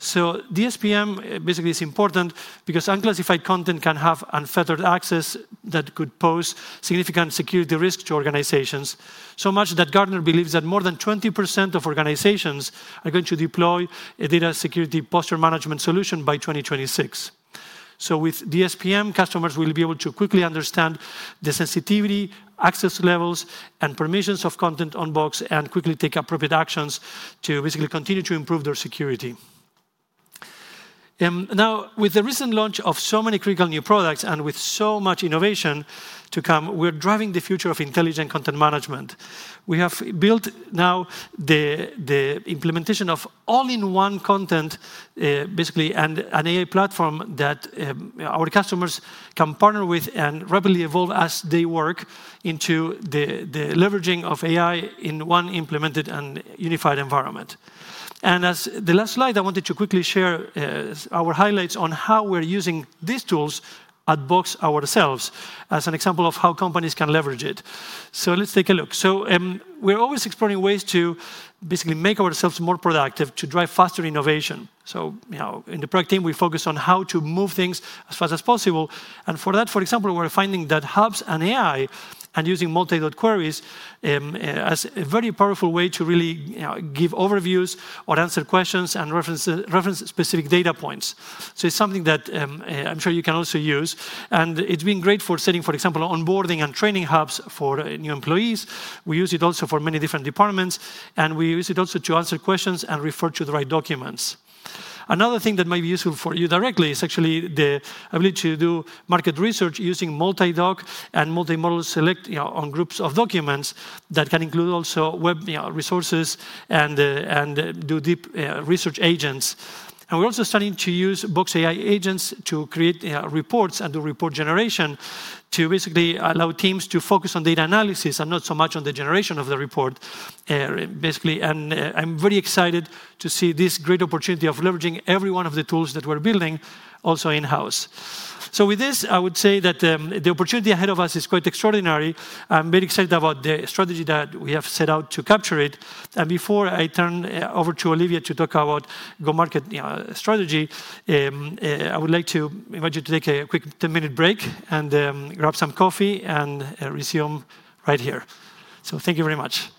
D: DSPM basically is important because unclassified content can have unfettered access that could pose significant security risks to organizations, so much that Gartner believes that more than 20% of organizations are going to deploy a data security posture management solution by 2026. With DSPM, customers will be able to quickly understand the sensitivity, access levels, and permissions of content on Box and quickly take appropriate actions to basically continue to improve their security. Now, with the recent launch of so many critical new products and with so much innovation to come, we're driving the future of intelligent content management. We have built now the implementation of all-in-one content basically and an AI platform that our customers can partner with and rapidly evolve as they work into the leveraging of AI in one implemented and unified environment. As the last slide, I wanted to quickly share our highlights on how we're using these tools at Box ourselves as an example of how companies can leverage it. Let's take a look. We're always exploring ways to basically make ourselves more productive to drive faster innovation. In the product team, we focus on how to move things as fast as possible. For that, for example, we're finding that hubs and AI and using multi-dot queries is a very powerful way to really give overviews or answer questions and reference specific data points. It's something that I'm sure you can also use. It's been great for setting, for example, onboarding and training hubs for new employees. We use it also for many different departments, and we use it also to answer questions and refer to the right documents. Another thing that might be useful for you directly is actually the ability to do market research using multi-doc and multi-model select on groups of documents that can include also web resources and do deep research agents. We're also starting to use Box AI agents to create reports and do report generation to basically allow teams to focus on data analysis and not so much on the generation of the report, basically. I'm very excited to see this great opportunity of leveraging every one of the tools that we're building also in-house. With this, I would say that the opportunity ahead of us is quite extraordinary. I'm very excited about the strategy that we have set out to capture it. Before I turn over to Olivia to talk about go-to-market strategy, I would like to invite you to take a quick 10-minute break and grab some coffee and resume right here. Thank you very much.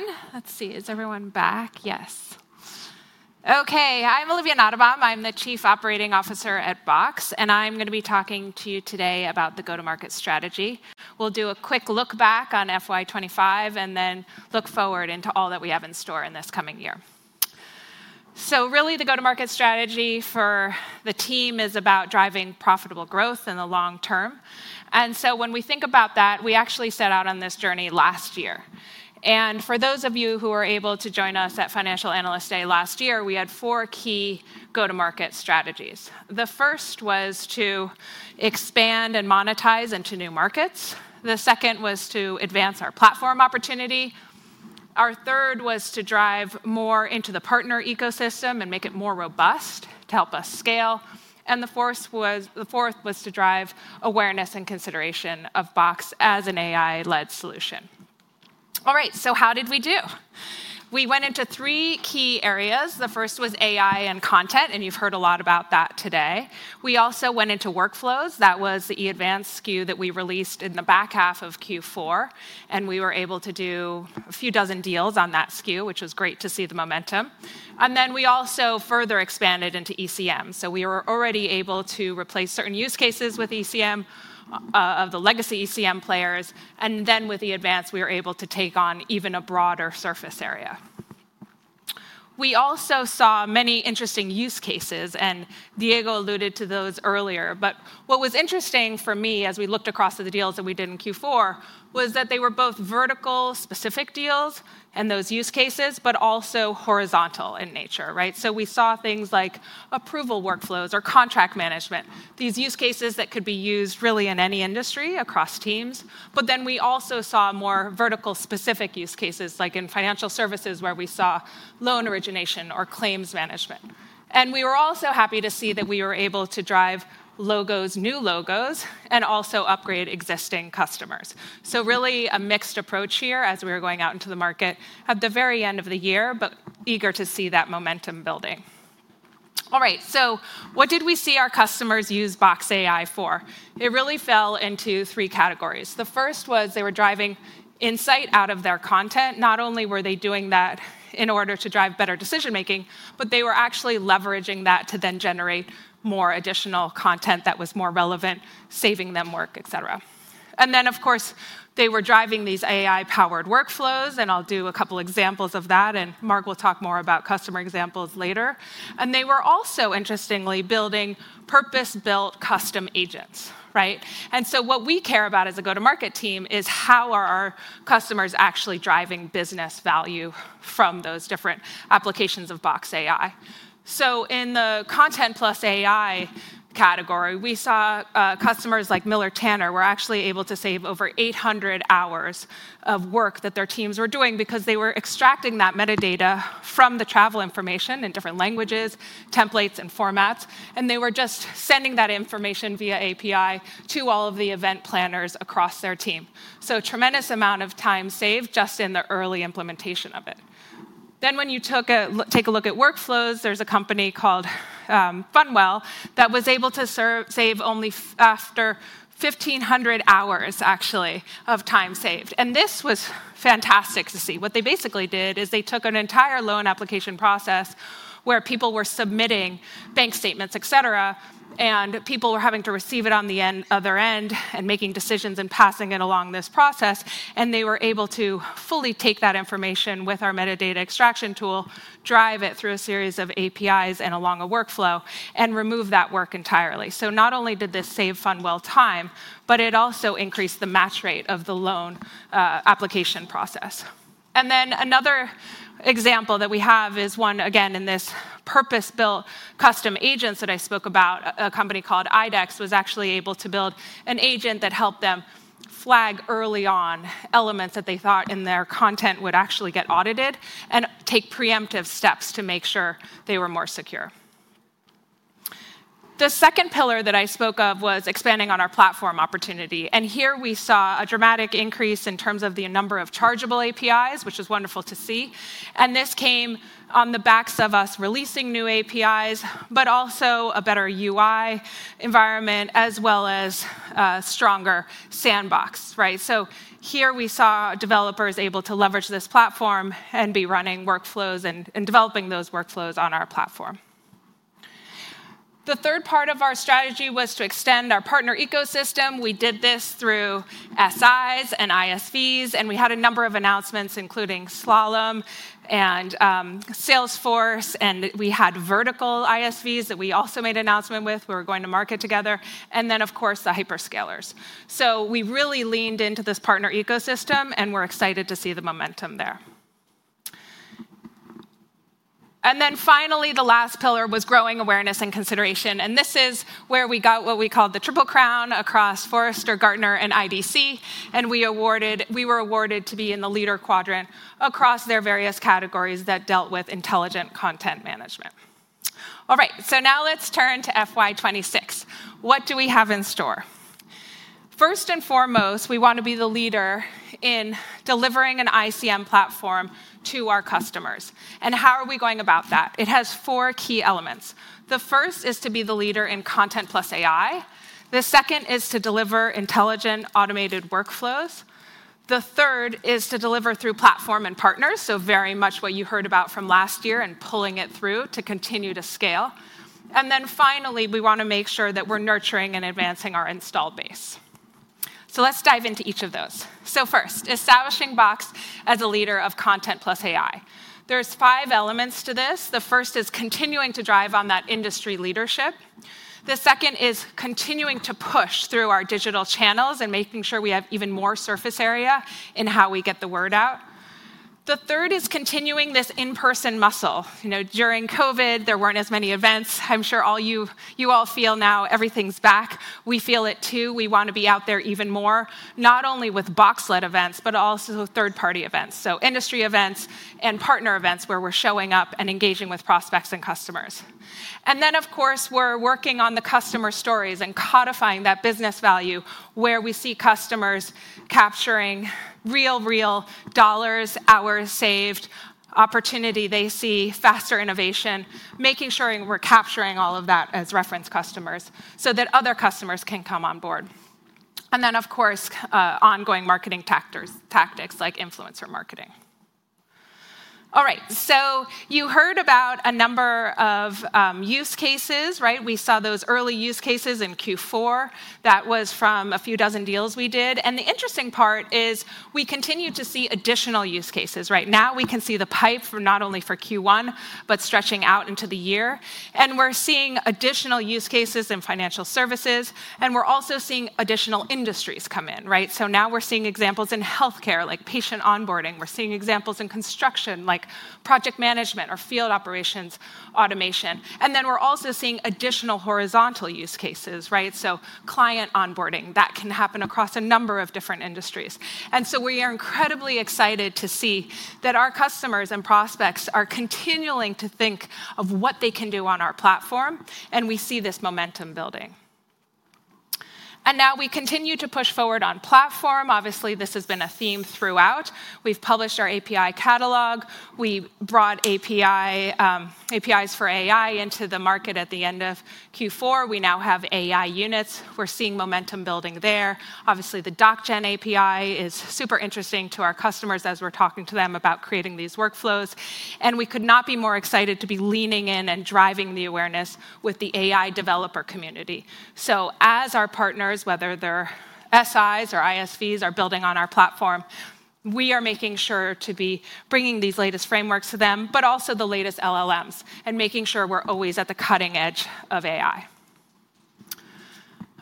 E: All right. Hi everyone. Let's see. Is everyone back? Yes. Okay. I'm Olivia Nottebohm. I'm the Chief Operating Officer at Box, and I'm going to be talking to you today about the go-to-market strategy. We'll do a quick look back on FY 2025 and then look forward into all that we have in store in this coming year. The go-to-market strategy for the team is about driving profitable growth in the long term. When we think about that, we actually set out on this journey last year. For those of you who were able to join us at Financial Analyst Day last year, we had four key go-to-market strategies. The first was to expand and monetize into new markets. The second was to advance our platform opportunity. Our third was to drive more into the partner ecosystem and make it more robust to help us scale. The fourth was to drive awareness and consideration of Box as an AI-led solution. All right. How did we do? We went into three key areas. The first was AI and content, and you've heard a lot about that today. We also went into workflows. That was the e-Advance SKU that we released in the back half of Q4, and we were able to do a few dozen deals on that SKU, which was great to see the momentum. We also further expanded into ECM. We were already able to replace certain use cases with ECM of the legacy ECM players. With e-Advance, we were able to take on even a broader surface area. We also saw many interesting use cases, and Diego alluded to those earlier. What was interesting for me as we looked across the deals that we did in Q4 was that they were both vertical-specific deals and those use cases, but also horizontal in nature. We saw things like approval workflows or contract management, these use cases that could be used really in any industry across teams. We also saw more vertical-specific use cases, like in financial services, where we saw loan origination or claims management. We were also happy to see that we were able to drive logos, new logos, and also upgrade existing customers. Really a mixed approach here as we were going out into the market at the very end of the year, but eager to see that momentum building. All right. What did we see our customers use Box AI for? It really fell into three categories. The first was they were driving insight out of their content. Not only were they doing that in order to drive better decision-making, but they were actually leveraging that to then generate more additional content that was more relevant, saving them work, etc. Of course, they were driving these AI-powered workflows, and I'll do a couple of examples of that, and Mark will talk more about customer examples later. They were also, interestingly, building purpose-built custom agents. What we care about as a go-to-market team is how our customers actually drive business value from those different applications of Box AI. In the content plus AI category, we saw customers like Miller Tanner were actually able to save over 800 hours of work that their teams were doing because they were extracting that metadata from the travel information in different languages, templates, and formats. They were just sending that information via API to all of the event planners across their team. A tremendous amount of time was saved just in the early implementation of it. When you take a look at workflows, there is a company called Funwell that was able to save only after 1,500 hours, actually, of time saved. This was fantastic to see. What they basically did is they took an entire loan application process where people were submitting bank statements, etc., and people were having to receive it on their end and making decisions and passing it along this process. They were able to fully take that information with our metadata extraction tool, drive it through a series of APIs and along a workflow, and remove that work entirely. Not only did this save Funwell time, but it also increased the match rate of the loan application process. Another example that we have is one, again, in this purpose-built custom agents that I spoke about, a company called IDEX was actually able to build an agent that helped them flag early on elements that they thought in their content would actually get audited and take preemptive steps to make sure they were more secure. The second pillar that I spoke of was expanding on our platform opportunity. Here we saw a dramatic increase in terms of the number of chargeable APIs, which is wonderful to see. This came on the backs of us releasing new APIs, but also a better UI environment, as well as a stronger sandbox. Here we saw developers able to leverage this platform and be running workflows and developing those workflows on our platform. The third part of our strategy was to extend our partner ecosystem. We did this through SIs and ISVs, and we had a number of announcements, including Slalom and Salesforce, and we had vertical ISVs that we also made announcements with. We were going to market together. Of course, the hyperscalers. We really leaned into this partner ecosystem, and we are excited to see the momentum there. Finally, the last pillar was growing awareness and consideration. This is where we got what we called the triple crown across Forrester, Gartner, and IDC. We were awarded to be in the leader quadrant across their various categories that dealt with intelligent content management. All right. Now let's turn to FY 2026. What do we have in store? First and foremost, we want to be the leader in delivering an ICM platform to our customers. How are we going about that? It has four key elements. The first is to be the leader in content plus AI. The second is to deliver intelligent automated workflows. The third is to deliver through platform and partners, so very much what you heard about from last year and pulling it through to continue to scale. Finally, we want to make sure that we're nurturing and advancing our install base. Let's dive into each of those. First, establishing Box as a leader of content plus AI. There are five elements to this. The first is continuing to drive on that industry leadership. The second is continuing to push through our digital channels and making sure we have even more surface area in how we get the word out. The third is continuing this in-person muscle. During COVID, there weren't as many events. I'm sure all you all feel now everything's back. We feel it too. We want to be out there even more, not only with Box-led events, but also third-party events. Industry events and partner events where we're showing up and engaging with prospects and customers. Of course, we're working on the customer stories and codifying that business value where we see customers capturing real, real dollars, hours saved, opportunity they see, faster innovation, making sure we're capturing all of that as reference customers so that other customers can come on board. Of course, ongoing marketing tactics like influencer marketing. All right. You heard about a number of use cases. We saw those early use cases in Q4. That was from a few dozen deals we did. The interesting part is we continue to see additional use cases. Now we can see the pipe not only for Q1, but stretching out into the year. We're seeing additional use cases in financial services, and we're also seeing additional industries come in. Now we're seeing examples in healthcare like patient onboarding. We're seeing examples in construction like project management or field operations automation. We are also seeing additional horizontal use cases, so client onboarding. That can happen across a number of different industries. We are incredibly excited to see that our customers and prospects are continuing to think of what they can do on our platform, and we see this momentum building. We continue to push forward on platform. Obviously, this has been a theme throughout. We've published our API catalog. We brought APIs for AI into the market at the end of Q4. We now have AI units. We're seeing momentum building there. Obviously, the DocGen API is super interesting to our customers as we're talking to them about creating these workflows. We could not be more excited to be leaning in and driving the awareness with the AI developer community. As our partners, whether they're SIs or ISVs, are building on our platform, we are making sure to be bringing these latest frameworks to them, but also the latest LLMs and making sure we're always at the cutting edge of AI.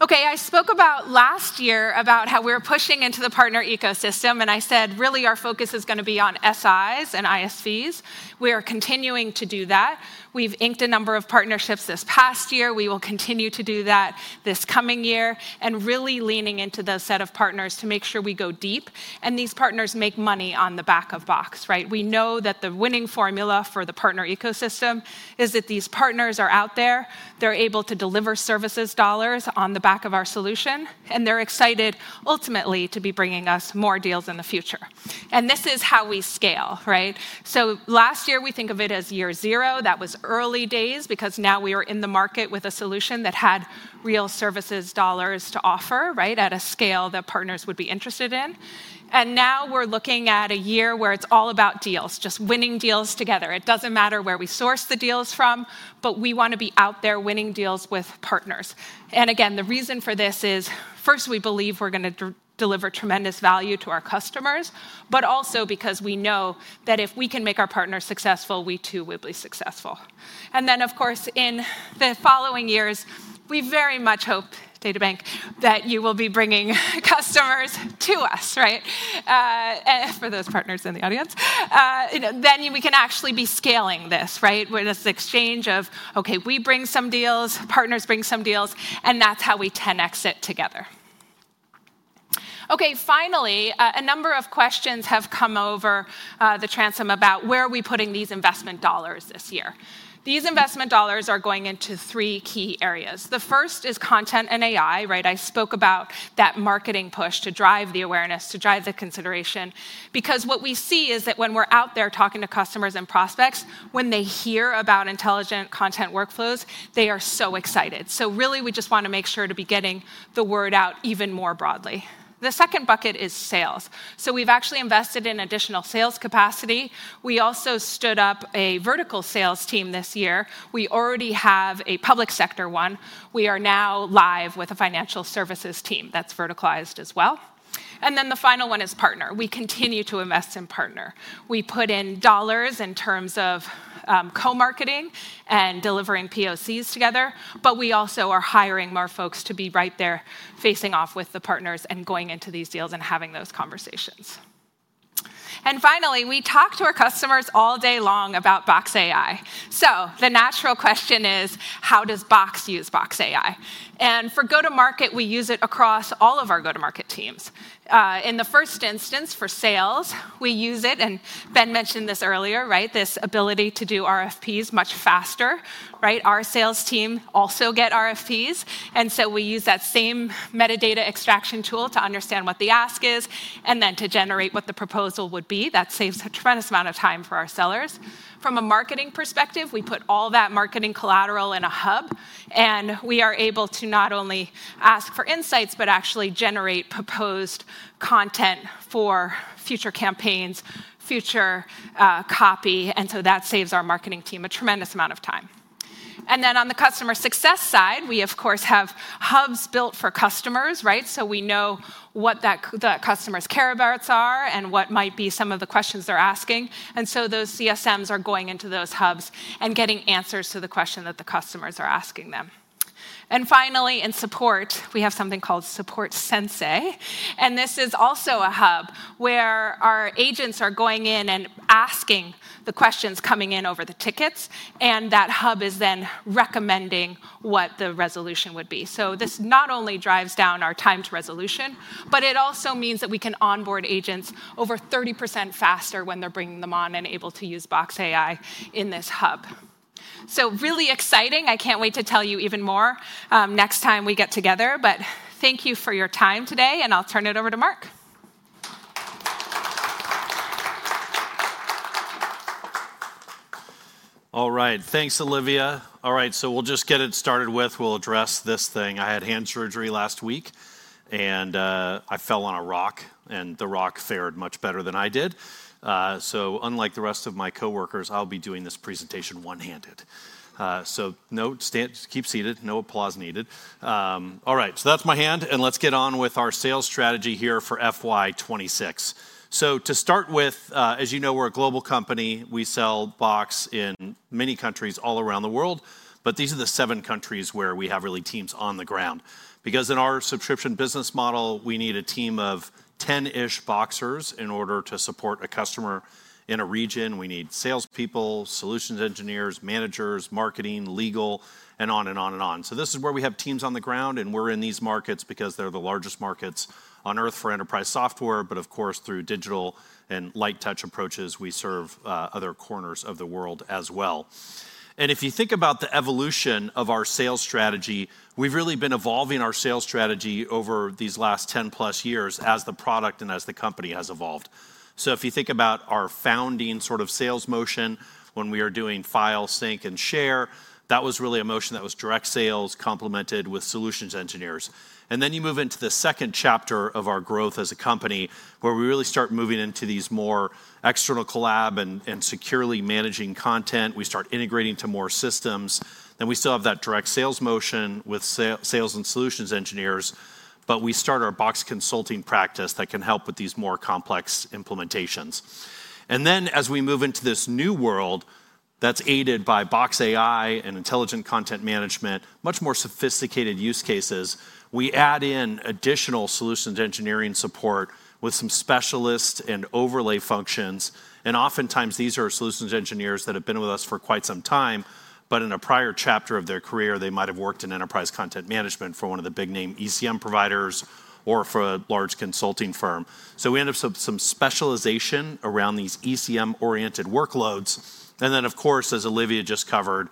E: I spoke about last year about how we were pushing into the partner ecosystem, and I said, "Really, our focus is going to be on SIs and ISVs." We are continuing to do that. We've inked a number of partnerships this past year. We will continue to do that this coming year and really leaning into the set of partners to make sure we go deep. These partners make money on the back of Box. We know that the winning formula for the partner ecosystem is that these partners are out there. They're able to deliver services dollars on the back of our solution, and they're excited ultimately to be bringing us more deals in the future. This is how we scale. Last year, we think of it as year zero. That was early days because now we were in the market with a solution that had real services dollars to offer at a scale that partners would be interested in. Now we're looking at a year where it's all about deals, just winning deals together. It doesn't matter where we source the deals from, but we want to be out there winning deals with partners. Again, the reason for this is, first, we believe we're going to deliver tremendous value to our customers, but also because we know that if we can make our partners successful, we too will be successful. Of course, in the following years, we very much hope, DataBank, that you will be bringing customers to us, for those partners in the audience. We can actually be scaling this with this exchange of, "Okay, we bring some deals, partners bring some deals," and that's how we 10x it together. Finally, a number of questions have come over the transom about where are we putting these investment dollars this year. These investment dollars are going into three key areas. The first is content and AI. I spoke about that marketing push to drive the awareness, to drive the consideration, because what we see is that when we're out there talking to customers and prospects, when they hear about intelligent content workflows, they are so excited. We just want to make sure to be getting the word out even more broadly. The second bucket is sales. We have actually invested in additional sales capacity. We also stood up a vertical sales team this year. We already have a public sector one. We are now live with a financial services team that is verticalized as well. The final one is partner. We continue to invest in partner. We put in dollars in terms of co-marketing and delivering POCs together, but we also are hiring more folks to be right there facing off with the partners and going into these deals and having those conversations. Finally, we talk to our customers all day long about Box AI. The natural question is, how does Box use Box AI? For go-to-market, we use it across all of our go-to-market teams. In the first instance, for sales, we use it, and Ben mentioned this earlier, this ability to do RFPs much faster. Our sales team also get RFPs. We use that same metadata extraction tool to understand what the ask is and then to generate what the proposal would be. That saves a tremendous amount of time for our sellers. From a marketing perspective, we put all that marketing collateral in a hub, and we are able to not only ask for insights, but actually generate proposed content for future campaigns, future copy. That saves our marketing team a tremendous amount of time. On the customer success side, we, of course, have hubs built for customers. We know what the customers' care abouts are and what might be some of the questions they're asking. Those CSMs are going into those hubs and getting answers to the question that the customers are asking them. Finally, in support, we have something called Support Sensei. This is also a hub where our agents are going in and asking the questions coming in over the tickets, and that hub is then recommending what the resolution would be. This not only drives down our time to resolution, but it also means that we can onboard agents over 30% faster when they're bringing them on and able to use Box AI in this hub. Really exciting. I can't wait to tell you even more next time we get together. Thank you for your time today, and I'll turn it over to Mark.
F: All right. Thanks, Olivia. All right. We'll just get it started with, we'll address this thing. I had hand surgery last week, and I fell on a rock, and the rock fared much better than I did. Unlike the rest of my coworkers, I'll be doing this presentation one-handed. Keep seated. No applause needed. All right. That's my hand, and let's get on with our sales strategy here for FY 2026. To start with, as you know, we're a global company. We sell Box in many countries all around the world, but these are the seven countries where we have really teams on the ground. In our subscription business model, we need a team of 10-ish Boxers in order to support a customer in a region. We need salespeople, solutions engineers, managers, marketing, legal, and on and on and on. This is where we have teams on the ground, and we're in these markets because they're the largest markets on Earth for enterprise software. Of course, through digital and light touch approaches, we serve other corners of the world as well. If you think about the evolution of our sales strategy, we've really been evolving our sales strategy over these last 10+ years as the product and as the company has evolved. If you think about our founding sort of sales motion, when we are doing file, sync, and share, that was really a motion that was direct sales complemented with solutions engineers. Then you move into the second chapter of our growth as a company where we really start moving into these more external collab and securely managing content. We start integrating to more systems. We still have that direct sales motion with sales and solutions engineers, but we start our Box Consulting practice that can help with these more complex implementations. As we move into this new world that's aided by Box AI and intelligent content management, much more sophisticated use cases, we add in additional solutions engineering support with some specialists and overlay functions. Oftentimes, these are solutions engineers that have been with us for quite some time, but in a prior chapter of their career, they might have worked in enterprise content management for one of the big-name ECM providers or for a large consulting firm. We end up with some specialization around these ECM-oriented workloads. Of course, as Olivia just covered,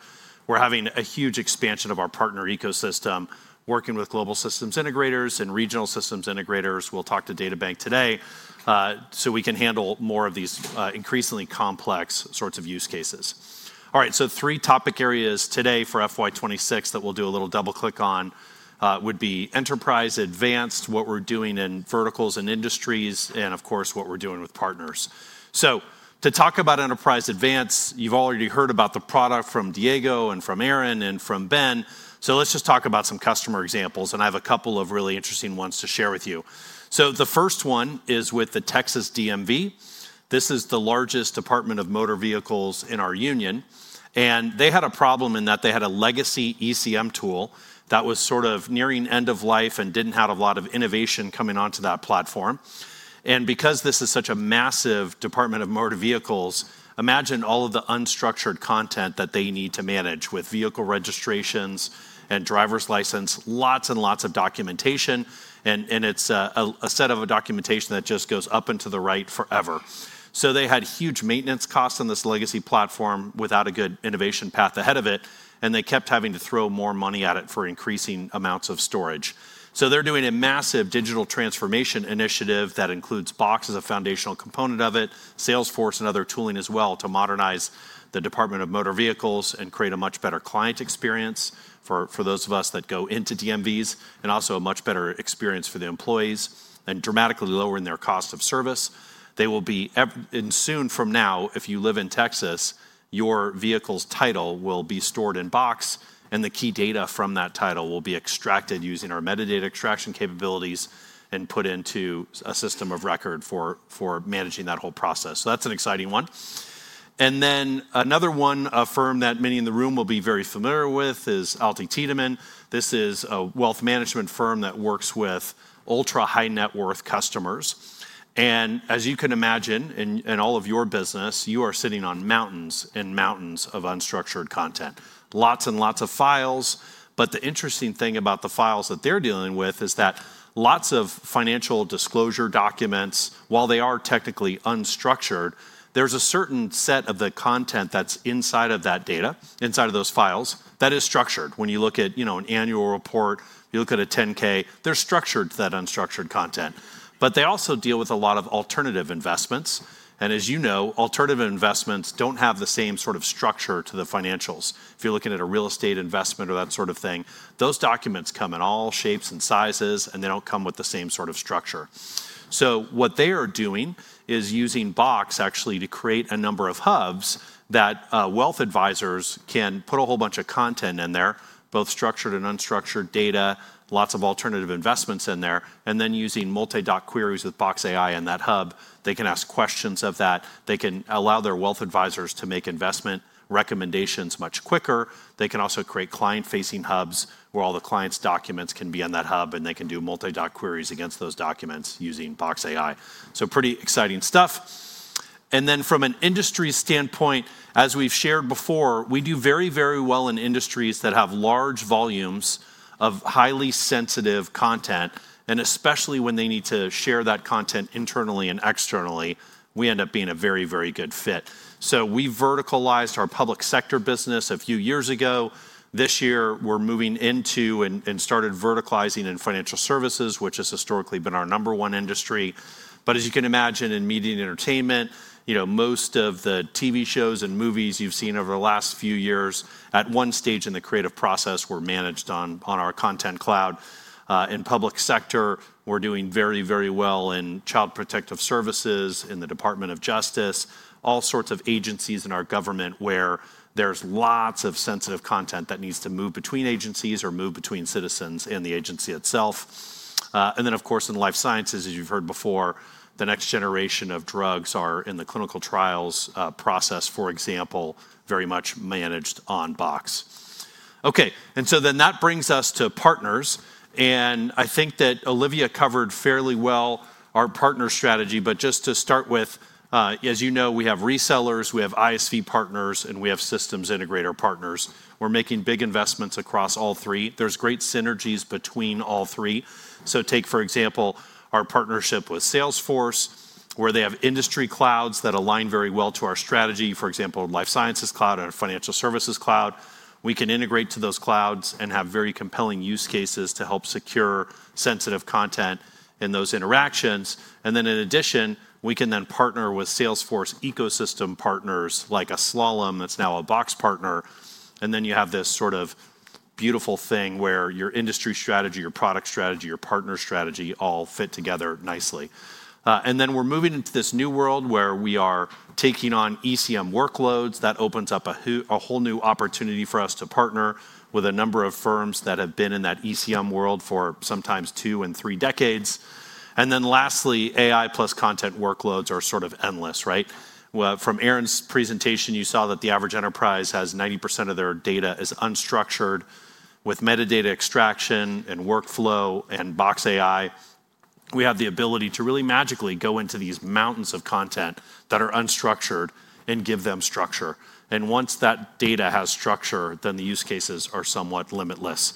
F: we're having a huge expansion of our partner ecosystem, working with global systems integrators and regional systems integrators. We'll talk to DataBank today so we can handle more of these increasingly complex sorts of use cases. All right. Three topic areas today for FY 2026 that we'll do a little double-click on would be Enterprise Advanced, what we're doing in verticals and industries, and of course, what we're doing with partners. To talk about Enterprise Advanced, you've already heard about the product from Diego and from Aaron and from Ben. Let's just talk about some customer examples, and I have a couple of really interesting ones to share with you. The first one is with the Texas DMV. This is the largest department of motor vehicles in our union. They had a problem in that they had a legacy ECM tool that was sort of nearing end of life and didn't have a lot of innovation coming onto that platform. Because this is such a massive Department of Motor Vehicles, imagine all of the unstructured content that they need to manage with vehicle registrations and driver's licenses, lots and lots of documentation. It is a set of documentation that just goes up and to the right forever. They had huge maintenance costs on this legacy platform without a good innovation path ahead of it, and they kept having to throw more money at it for increasing amounts of storage. They are doing a massive digital transformation initiative that includes Box as a foundational component of it, Salesforce, and other tooling as well to modernize the Department of Motor Vehicles and create a much better client experience for those of us that go into DMVs and also a much better experience for the employees and dramatically lowering their cost of service. They will be soon from now, if you live in Texas, your vehicle's title will be stored in Box, and the key data from that title will be extracted using our metadata extraction capabilities and put into a system of record for managing that whole process. That is an exciting one. Another one firm that many in the room will be very familiar with is AlTi Tiedemann. This is a wealth management firm that works with ultra-high-net-worth customers. As you can imagine, in all of your business, you are sitting on mountains and mountains of unstructured content, lots and lots of files. The interesting thing about the files that they are dealing with is that lots of financial disclosure documents, while they are technically unstructured, there is a certain set of the content that is inside of that data, inside of those files that is structured. When you look at an annual report, you look at a 10-K, they're structured to that unstructured content. They also deal with a lot of alternative investments. As you know, alternative investments don't have the same sort of structure to the financials. If you're looking at a real estate investment or that sort of thing, those documents come in all shapes and sizes, and they don't come with the same sort of structure. What they are doing is using Box actually to create a number of hubs that wealth advisors can put a whole bunch of content in there, both structured and unstructured data, lots of alternative investments in there. Using multi-doc queries with Box AI in that hub, they can ask questions of that. They can allow their wealth advisors to make investment recommendations much quicker. They can also create client-facing hubs where all the clients' documents can be in that hub, and they can do multi-doc queries against those documents using Box AI. Pretty exciting stuff. From an industry standpoint, as we've shared before, we do very, very well in industries that have large volumes of highly sensitive content. Especially when they need to share that content internally and externally, we end up being a very, very good fit. We verticalized our public sector business a few years ago. This year, we're moving into and started verticalizing in financial services, which has historically been our number one industry. As you can imagine, in media and entertainment, most of the TV shows and movies you've seen over the last few years, at one stage in the creative process, were managed on our content cloud. In public sector, we're doing very, very well in child protective services, in the Department of Justice, all sorts of agencies in our government where there's lots of sensitive content that needs to move between agencies or move between citizens and the agency itself. Of course, in life sciences, as you've heard before, the next generation of drugs are in the clinical trials process, for example, very much managed on Box. Okay. That brings us to partners. I think that Olivia covered fairly well our partner strategy. Just to start with, as you know, we have resellers, we have ISV partners, and we have systems integrator partners. We're making big investments across all three. There's great synergies between all three. Take, for example, our partnership with Salesforce, where they have industry clouds that align very well to our strategy, for example, life sciences cloud and our financial services cloud. We can integrate to those clouds and have very compelling use cases to help secure sensitive content in those interactions. In addition, we can then partner with Salesforce ecosystem partners like Slalom that's now a Box partner. You have this sort of beautiful thing where your industry strategy, your product strategy, your partner strategy all fit together nicely. We are moving into this new world where we are taking on ECM workloads. That opens up a whole new opportunity for us to partner with a number of firms that have been in that ECM world for sometimes two and three decades. Lastly, AI plus content workloads are sort of endless, right? From Aaron's presentation, you saw that the average enterprise has 90% of their data is unstructured. With metadata extraction and workflow and Box AI, we have the ability to really magically go into these mountains of content that are unstructured and give them structure. Once that data has structure, then the use cases are somewhat limitless.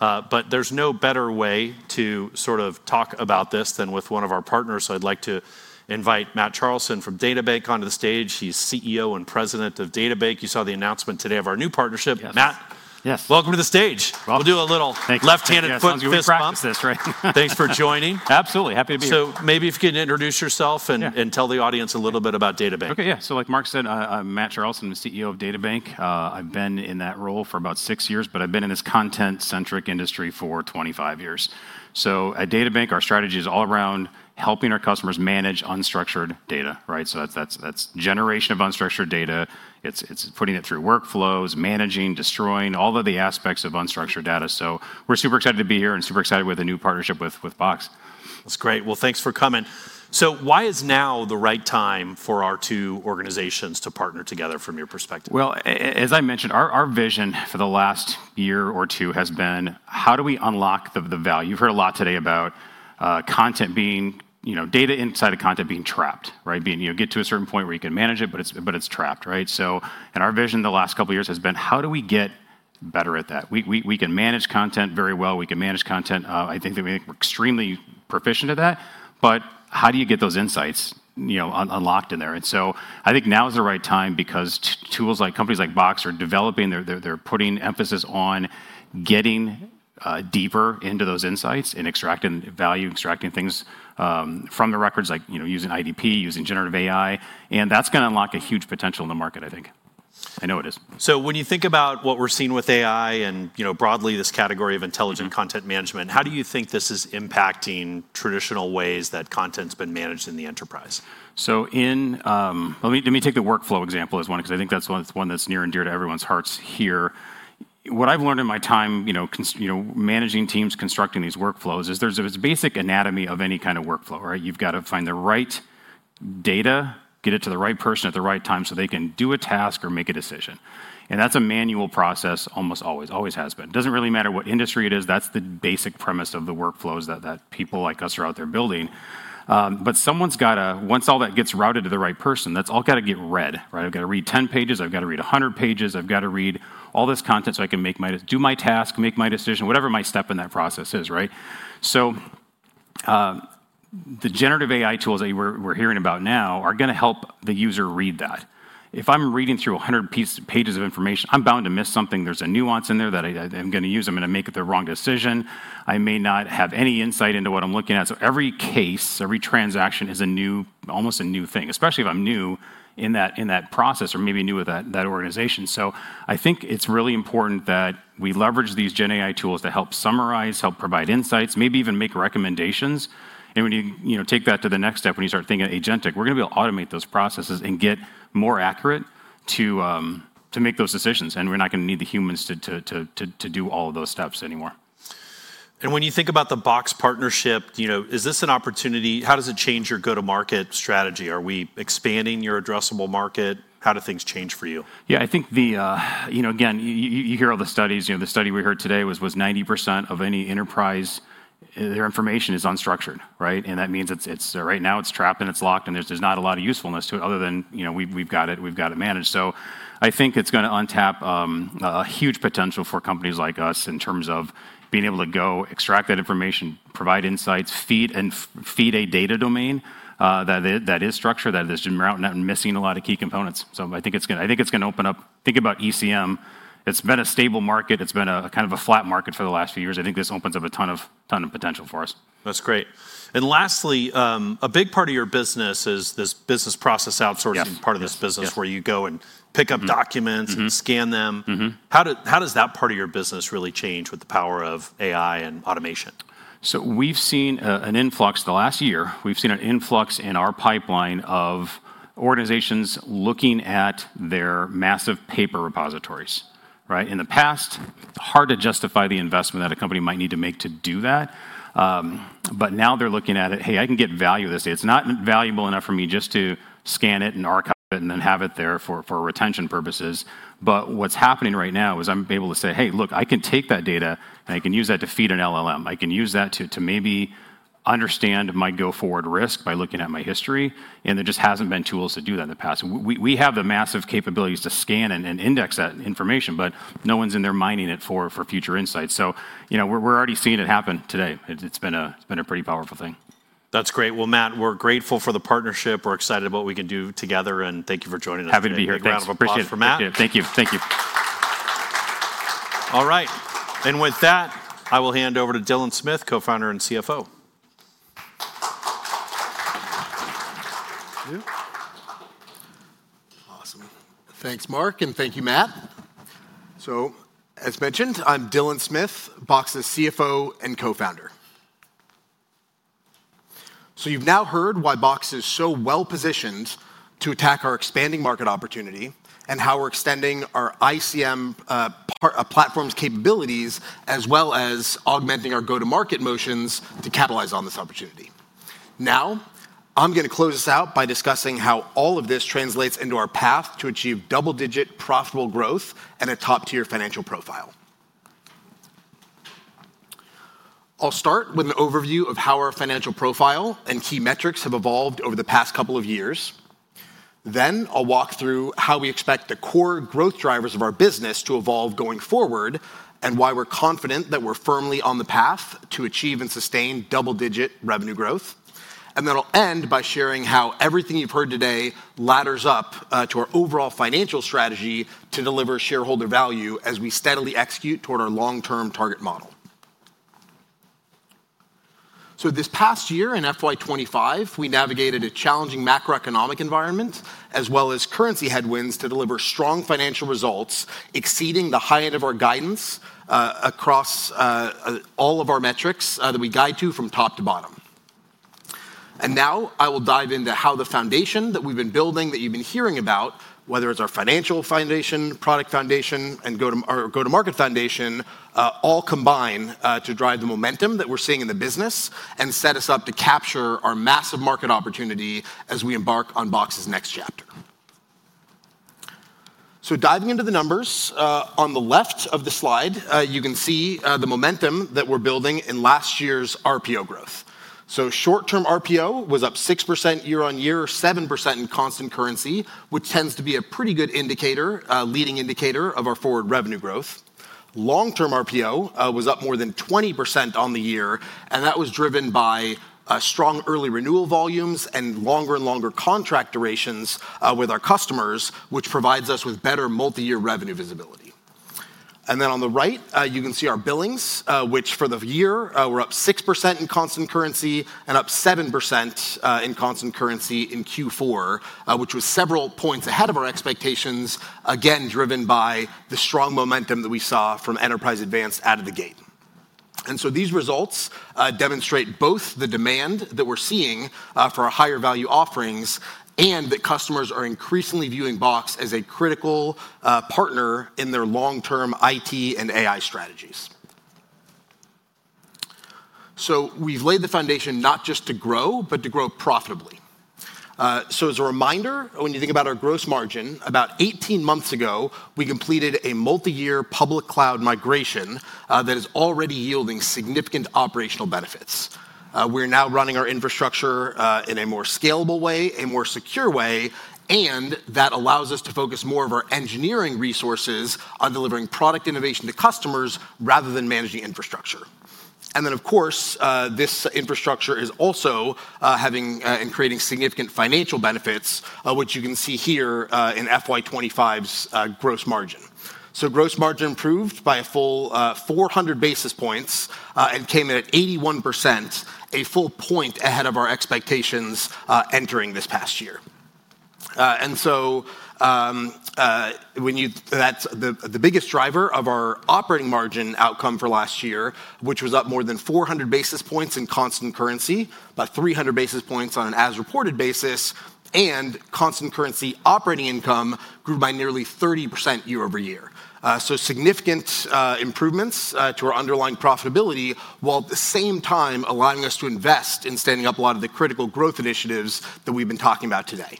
F: There is no better way to sort of talk about this than with one of our partners. I would like to invite Matt Charlson from DataBank onto the stage. He is CEO and President of DataBank. You saw the announcement today of our new partnership, Matt?
G: Yes.
F: Welcome to the stage. We'll do a little left-handed foot twist prompt.
G: Thanks for having us.
F: Thanks for joining.
G: Absolutely. Happy to be here.
F: Maybe if you can introduce yourself and tell the audience a little bit about DataBank.
G: Okay. Yeah. Like Mark said, I'm Matt Charlson, the CEO of DataBank. I've been in that role for about six years, but I've been in this content-centric industry for 25 years. At DataBank, our strategy is all around helping our customers manage unstructured data, right? That's generation of unstructured data. It's putting it through workflows, managing, destroying, all of the aspects of unstructured data. We're super excited to be here and super excited with a new partnership with Box.
F: That's great. Thanks for coming. Why is now the right time for our two organizations to partner together from your perspective?
G: As I mentioned, our vision for the last year or two has been, how do we unlock the value? You've heard a lot today about data inside of content being trapped, right? You get to a certain point where you can manage it, but it's trapped, right? In our vision, the last couple of years has been, how do we get better at that? We can manage content very well. We can manage content. I think we're extremely proficient at that. How do you get those insights unlocked in there? I think now is the right time because tools like companies like Box are developing. They're putting emphasis on getting deeper into those insights and extracting value, extracting things from the records like using IDP, using generative AI. That's going to unlock a huge potential in the market, I think. I know it is.
F: When you think about what we're seeing with AI and broadly this category of intelligent content management, how do you think this is impacting traditional ways that content's been managed in the enterprise?
G: Let me take the workflow example as one because I think that's one that's near and dear to everyone's hearts here. What I've learned in my time managing teams, constructing these workflows is there's a basic anatomy of any kind of workflow, right? You've got to find the right data, get it to the right person at the right time so they can do a task or make a decision. That's a manual process almost always, always has been. It doesn't really matter what industry it is. That's the basic premise of the workflows that people like us are out there building. Someone's got to, once all that gets routed to the right person, that's all got to get read, right? I've got to read 10 pages. I've got to read 100 pages. I've got to read all this content so I can do my task, make my decision, whatever my step in that process is, right? The generative AI tools that we're hearing about now are going to help the user read that. If I'm reading through 100 pages of information, I'm bound to miss something. There's a nuance in there that I'm going to use. I'm going to make the wrong decision. I may not have any insight into what I'm looking at. Every case, every transaction is almost a new thing, especially if I'm new in that process or maybe new with that organization. I think it's really important that we leverage these GenAI tools to help summarize, help provide insights, maybe even make recommendations. When you take that to the next step, when you start thinking agentic, we're going to be able to automate those processes and get more accurate to make those decisions. We're not going to need the humans to do all of those steps anymore.
F: When you think about the Box partnership, is this an opportunity? How does it change your go-to-market strategy? Are we expanding your addressable market? How do things change for you?
G: Yeah, I think, again, you hear all the studies. The study we heard today was 90% of any enterprise, their information is unstructured, right? That means right now it's trapped and it's locked, and there's not a lot of usefulness to it other than we've got it. We've got it managed. I think it's going to untap a huge potential for companies like us in terms of being able to go extract that information, provide insights, feed a data domain that is structured, that is missing a lot of key components. I think it's going to open up. Think about ECM. It's been a stable market. It's been kind of a flat market for the last few years. I think this opens up a ton of potential for us.
F: That's great. Lastly, a big part of your business is this business process outsourcing part of this business where you go and pick up documents and scan them. How does that part of your business really change with the power of AI and automation?
G: We have seen an influx the last year. We have seen an influx in our pipeline of organizations looking at their massive paper repositories, right? In the past, hard to justify the investment that a company might need to make to do that. Now they are looking at it, "Hey, I can get value this. It's not valuable enough for me just to scan it and archive it and then have it there for retention purposes." What is happening right now is I am able to say, "Hey, look, I can take that data and I can use that to feed an LLM. I can use that to maybe understand my go forward risk by looking at my history." There just has not been tools to do that in the past. We have the massive capabilities to scan and index that information, but no one is in there mining it for future insights. We're already seeing it happen today. It's been a pretty powerful thing.
F: That's great. Matt, we're grateful for the partnership. We're excited about what we can do together. Thank you for joining us.
G: Happy to be here.
F: Thank you.
G: Appreciate it.
F: Thank you. Thank you. All right. With that, I will hand over to Dylan Smith, Co-Founder and CFO.
H: Awesome. Thanks, Mark, and thank you, Matt. As mentioned, I'm Dylan Smith, Box's CFO and Co-founder. You've now heard why Box is so well positioned to attack our expanding market opportunity and how we're extending our ICM platform's capabilities as well as augmenting our go-to-market motions to capitalize on this opportunity. Now, I'm going to close this out by discussing how all of this translates into our path to achieve double-digit profitable growth and a top-tier financial profile. I'll start with an overview of how our financial profile and key metrics have evolved over the past couple of years. Then I'll walk through how we expect the core growth drivers of our business to evolve going forward and why we're confident that we're firmly on the path to achieve and sustain double-digit revenue growth. I'll end by sharing how everything you've heard today ladders up to our overall financial strategy to deliver shareholder value as we steadily execute toward our long-term target model. This past year in FY 2025, we navigated a challenging macroeconomic environm ent as well as currency headwinds to deliver strong financial results exceeding the high end of our guidance across all of our metrics that we guide to from top to bottom. I will dive into how the foundation that we've been building that you've been hearing about, whether it's our financial foundation, product foundation, and go-to-market foundation, all combine to drive the momentum that we're seeing in the business and set us up to capture our massive market opportunity as we embark on Box's next chapter. Diving into the numbers, on the left of the slide, you can see the momentum that we're building in last year's RPO growth. Short-term RPO was up 6% year-on-year, 7% in constant currency, which tends to be a pretty good leading indicator of our forward revenue growth. Long-term RPO was up more than 20% on the year, and that was driven by strong early renewal volumes and longer and longer contract durations with our customers, which provides us with better multi-year revenue visibility. On the right, you can see our billings, which for the year were up 6% in constant currency and up 7% in constant currency in Q4, which was several points ahead of our expectations, again driven by the strong momentum that we saw from Enterprise Advanced out of the gate. These results demonstrate both the demand that we're seeing for our higher value offerings and that customers are increasingly viewing Box as a critical partner in their long-term IT and AI strategies. We've laid the foundation not just to grow, but to grow profitably. As a reminder, when you think about our gross margin, about 18 months ago, we completed a multi-year public cloud migration that is already yielding significant operational benefits. We're now running our infrastructure in a more scalable way, a more secure way, and that allows us to focus more of our engineering resources on delivering product innovation to customers rather than managing infrastructure. This infrastructure is also having and creating significant financial benefits, which you can see here in FY 2025's gross margin. Gross margin improved by a full 400 basis points and came in at 81%, a full point ahead of our expectations entering this past year. That is the biggest driver of our operating margin outcome for last year, which was up more than 400 basis points in constant currency, about 300 basis points on an as-reported basis, and constant currency operating income grew by nearly 30% year-over-year. Significant improvements to our underlying profitability while at the same time allowing us to invest in standing up a lot of the critical growth initiatives that we have been talking about today.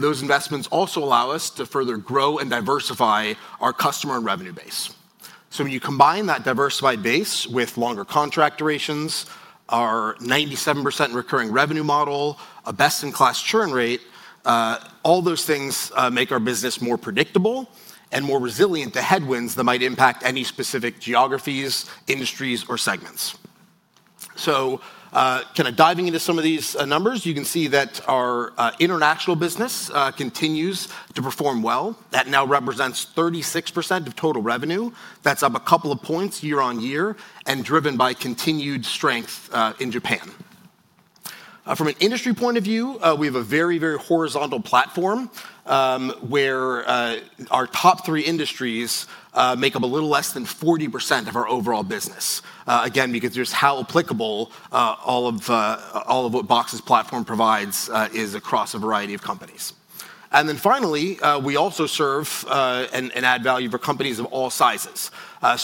H: Those investments also allow us to further grow and diversify our customer and revenue base. When you combine that diversified base with longer contract durations, our 97% recurring revenue model, a best-in-class churn rate, all those things make our business more predictable and more resilient to headwinds that might impact any specific geographies, industries, or segments. Kind of diving into some of these numbers, you can see that our international business continues to perform well. That now represents 36% of total revenue. That is up a couple of points year on year and driven by continued strength in Japan. From an industry point of view, we have a very, very horizontal platform where our top three industries make up a little less than 40% of our overall business. Again, because just how applicable all of what Box's platform provides is across a variety of companies. Finally, we also serve and add value for companies of all sizes.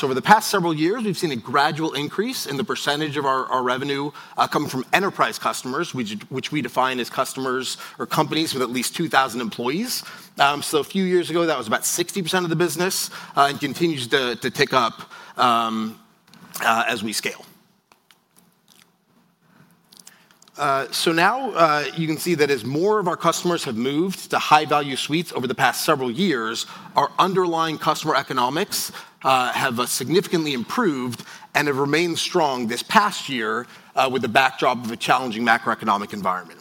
H: Over the past several years, we've seen a gradual increase in the percentage of our revenue coming from enterprise customers, which we define as customers or companies with at least 2,000 employees. A few years ago, that was about 60% of the business and continues to tick up as we scale. Now you can see that as more of our customers have moved to high-value suites over the past several years, our underlying customer economics have significantly improved and have remained strong this past year with the backdrop of a challenging macroeconomic environment.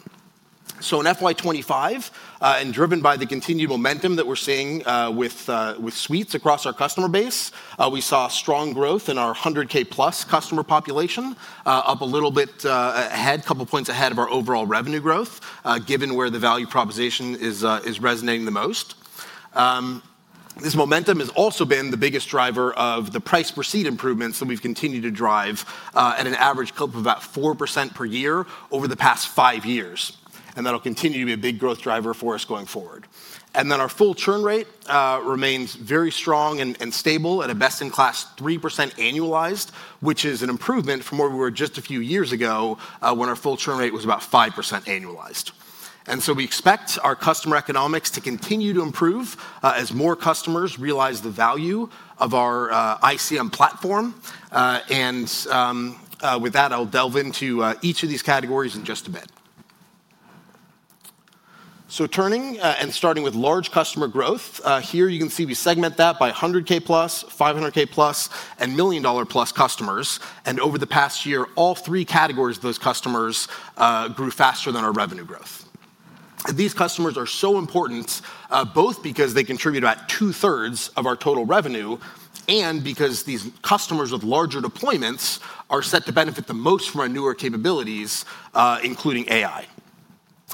H: In FY 2025, and driven by the continued momentum that we're seeing with suites across our customer base, we saw strong growth in our $100,000+ customer population, up a little bit ahead, a couple of points ahead of our overall revenue growth, given where the value proposition is resonating the most. This momentum has also been the biggest driver of the price per seat improvements that we've continued to drive at an average clip of about 4% per year over the past five years. That'll continue to be a big growth driver for us going forward. Our full churn rate remains very strong and stable at a best-in-class 3% annualized, which is an improvement from where we were just a few years ago when our full churn rate was about 5% annualized. We expect our customer economics to continue to improve as more customers realize the value of our ICM platform. With that, I'll delve into each of these categories in just a bit. Turning and starting with large customer growth, here you can see we segment that by 100,000+, 500,000+ and million-dollar plus customers. Over the past year, all three categories of those customers grew faster than our revenue growth. These customers are so important, both because they contribute about 2/3 of our total revenue and because these customers with larger deployments are set to benefit the most from our newer capabilities, including AI.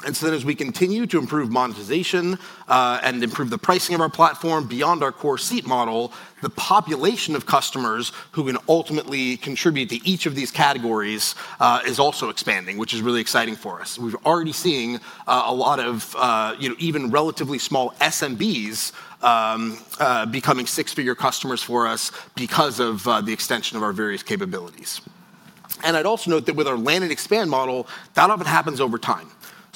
H: As we continue to improve monetization and improve the pricing of our platform beyond our core seat model, the population of customers who can ultimately contribute to each of these categories is also expanding, which is really exciting for us. We're already seeing a lot of even relatively small SMBs becoming six-figure customers for us because of the extension of our various capabilities. I'd also note that with our land and expand model, that often happens over time.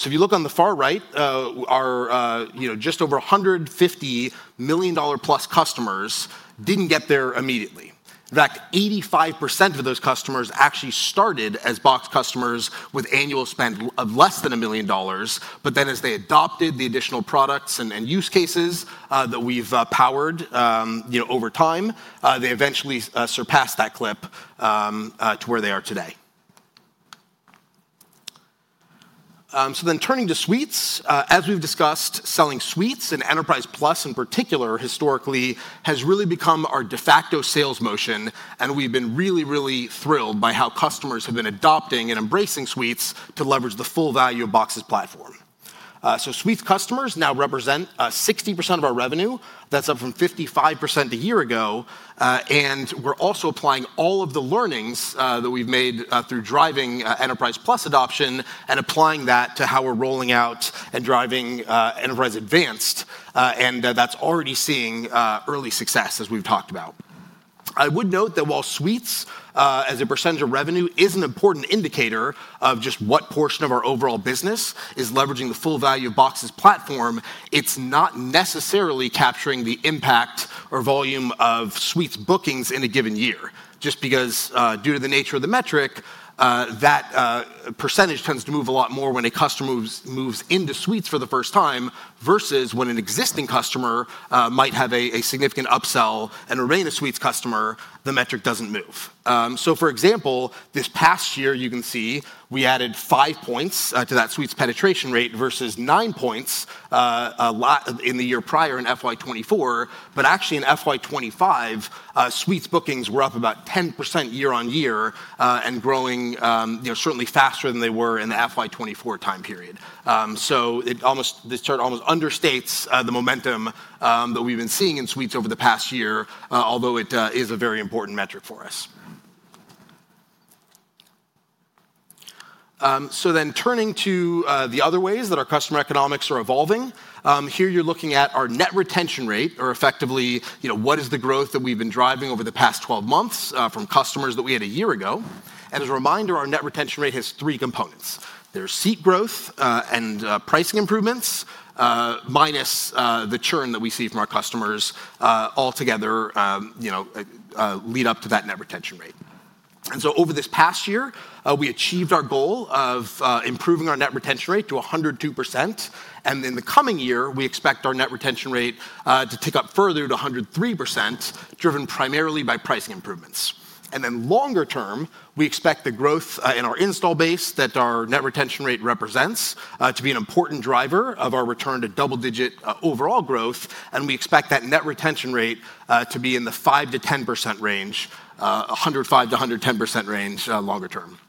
H: If you look on the far right, just over $150 million+ customers did not get there immediately. In fact, 85% of those customers actually started as Box customers with annual spend of less than a million dollars. As they adopted the additional products and use cases that we have powered over time, they eventually surpassed that clip to where they are today. Turning to suites, as we have discussed, selling suites and Enterprise Plus in particular historically has really become our de facto sales motion. We have been really, really thrilled by how customers have been adopting and embracing suites to leverage the full value of Box's platform. Suites customers now represent 60% of our revenue. That is up from 55% a year ago. We're also applying all of the learnings that we've made through driving Enterprise Plus adoption and applying that to how we're rolling out and driving Enterprise Advanced. That's already seeing early success as we've talked about. I would note that while suites as a percentage of revenue is an important indicator of just what portion of our overall business is leveraging the full value of Box's platform, it's not necessarily capturing the impact or volume of suites bookings in a given year. Just because due to the nature of the metric, that percentage tends to move a lot more when a customer moves into suites for the first time versus when an existing customer might have a significant upsell and remain a suites customer, the metric doesn't move. For example, this past year, you can see we added five points to that suites penetration rate versus nine points in the year prior in FY 2024. Actually, in FY 2025, suites bookings were up about 10% year on year and growing certainly faster than they were in the FY 2024 time period. This chart almost understates the momentum that we've been seeing in suites over the past year, although it is a very important metric for us. Turning to the other ways that our customer economics are evolving, here you're looking at our net retention rate or effectively what is the growth that we've been driving over the past 12 months from customers that we had a year ago. As a reminder, our net retention rate has three components. There's seat growth and pricing improvements minus the churn that we see from our customers altogether lead up to that net retention rate. Over this past year, we achieved our goal of improving our net retention rate to 102%. In the coming year, we expect our net retention rate to tick up further to 103%, driven primarily by pricing improvements. Longer term, we expect the growth in our install base that our net retention rate represents to be an important driver of our return to double-digit overall growth. We expect that net retention rate to be in the 105%-110% range longer term.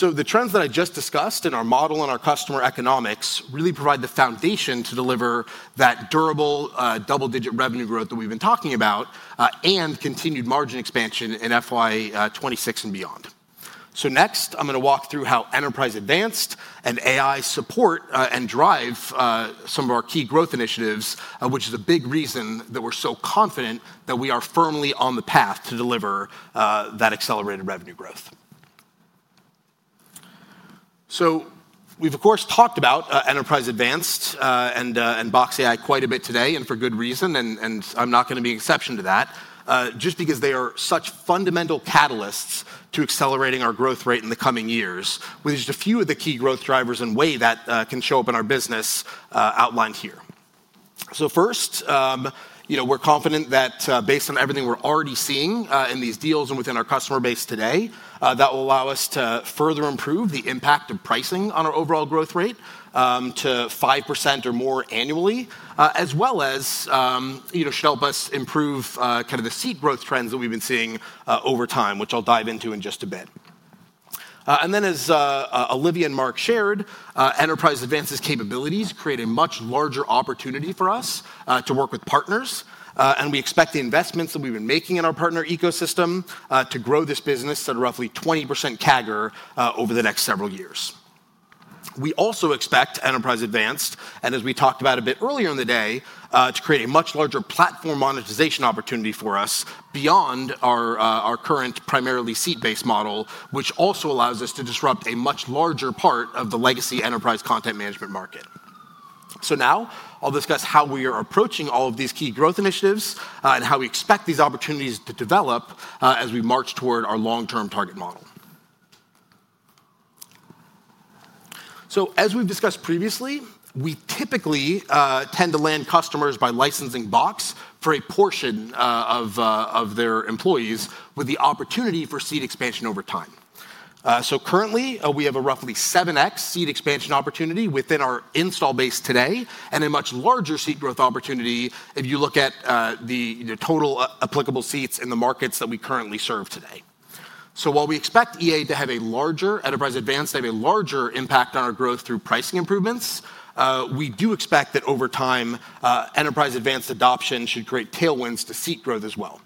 H: The trends that I just discussed in our model and our customer economics really provide the foundation to deliver that durable double-digit revenue growth that we've been talking about and continued margin expansion in FY 2026 and beyond. Next, I'm going to walk through how Enterprise Advanced and AI support and drive some of our key growth initiatives, which is a big reason that we're so confident that we are firmly on the path to deliver that accelerated revenue growth. We've, of course, talked about Enterprise Advanced and Box AI quite a bit today, and for good reason. I'm not going to be an exception to that just because they are such fundamental catalysts to accelerating our growth rate in the coming years, with just a few of the key growth drivers in way that can show up in our business outlined here. First, we're confident that based on everything we're already seeing in these deals and within our customer base today, that will allow us to further improve the impact of pricing on our overall growth rate to 5% or more annually, as well as should help us improve kind of the seat growth trends that we've been seeing over time, which I'll dive into in just a bit. As Olivia and Mark shared, Enterprise Advanced's capabilities create a much larger opportunity for us to work with partners. We expect the investments that we've been making in our partner ecosystem to grow this business at a roughly 20% CAGR over the next several years. We also expect Enterprise Advanced, and as we talked about a bit earlier in the day, to create a much larger platform monetization opportunity for us beyond our current primarily seat-based model, which also allows us to disrupt a much larger part of the legacy enterprise content management market. Now I'll discuss how we are approaching all of these key growth initiatives and how we expect these opportunities to develop as we march toward our long-term target model. As we've discussed previously, we typically tend to land customers by licensing Box for a portion of their employees with the opportunity for seat expansion over time. Currently, we have a roughly 7x seat expansion opportunity within our install base today and a much larger seat growth opportunity if you look at the total applicable seats in the markets that we currently serve today. While we expect EA to have a larger Enterprise Advanced, they have a larger impact on our growth through pricing improvements. We do expect that over time, Enterprise Advanced adoption should create tailwinds to seat growth as well.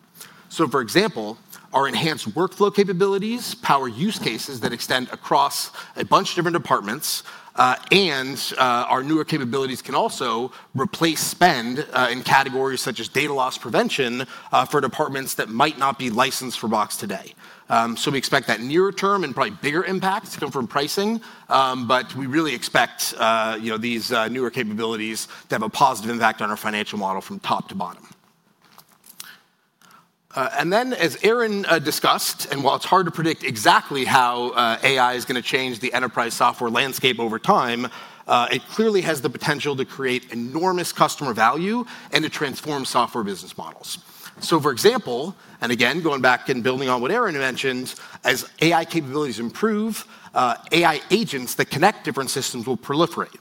H: For example, our enhanced workflow capabilities power use cases that extend across a bunch of different departments. Our newer capabilities can also replace spend in categories such as data loss prevention for departments that might not be licensed for Box today. We expect that nearer term and probably bigger impact to come from pricing. We really expect these newer capabilities to have a positive impact on our financial model from top to bottom. As Aaron discussed, and while it's hard to predict exactly how AI is going to change the enterprise software landscape over time, it clearly has the potential to create enormous customer value and to transform software business models. For example, and again, going back and building on what Aaron mentioned, as AI capabilities improve, AI agents that connect different systems will proliferate.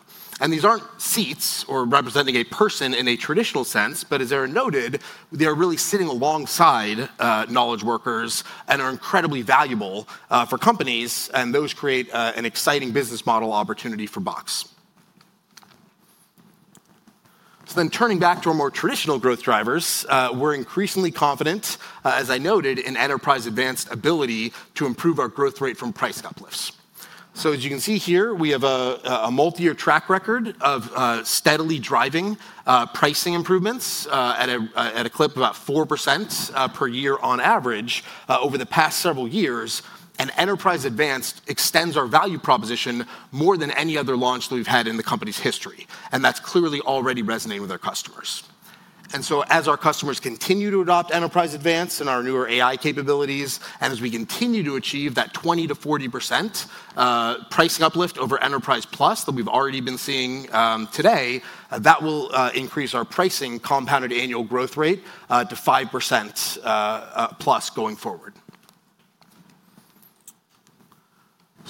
H: These aren't seats or representing a person in a traditional sense, but as Aaron noted, they are really sitting alongside knowledge workers and are incredibly valuable for companies. Those create an exciting business model opportunity for Box. Turning back to our more traditional growth drivers, we're increasingly confident, as I noted, in Enterprise Advanced ability to improve our growth rate from price uplifts. As you can see here, we have a multi-year track record of steadily driving pricing improvements at a clip of about 4% per year on average over the past several years. Enterprise Advanced extends our value proposition more than any other launch that we've had in the company's history. That's clearly already resonating with our customers. As our customers continue to adopt Enterprise Advanced and our newer AI capabilities, and as we continue to achieve that 20%-40% pricing uplift over Enterprise Plus that we've already been seeing today, that will increase our pricing compounded annual growth rate to 5%+ going forward.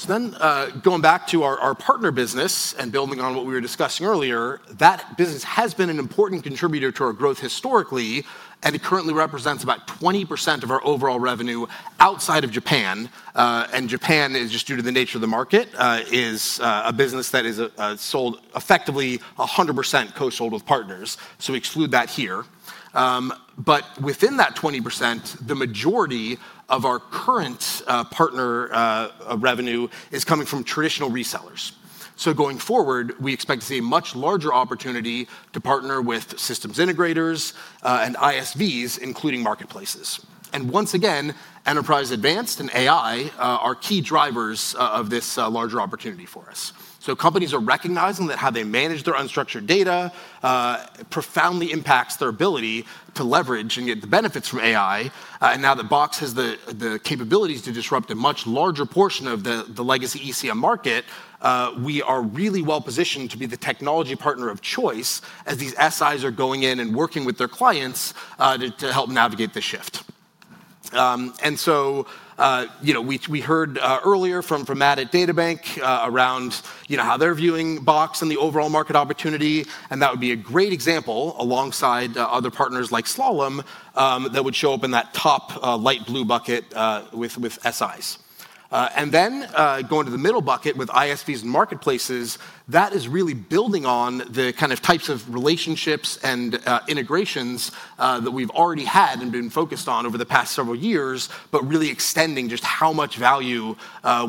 H: Going back to our partner business and building on what we were discussing earlier, that business has been an important contributor to our growth historically, and it currently represents about 20% of our overall revenue outside of Japan. Japan, just due to the nature of the market, is a business that is sold effectively 100% co-sold with partners. We exclude that here. Within that 20%, the majority of our current partner revenue is coming from traditional resellers. Going forward, we expect to see a much larger opportunity to partner with systems integrators and ISVs, including marketplaces. Once again, Enterprise Advanced and AI are key drivers of this larger opportunity for us. Companies are recognizing that how they manage their unstructured data profoundly impacts their ability to leverage and get the benefits from AI. Now that Box has the capabilities to disrupt a much larger portion of the legacy ECM market, we are really well positioned to be the technology partner of choice as these SIs are going in and working with their clients to help navigate the shift. We heard earlier from Matt at DataBank around how they're viewing Box and the overall market opportunity. That would be a great example alongside other partners like Slalom that would show up in that top light blue bucket with SIs. Going to the middle bucket with ISVs and marketplaces, that is really building on the kind of types of relationships and integrations that we've already had and been focused on over the past several years, but really extending just how much value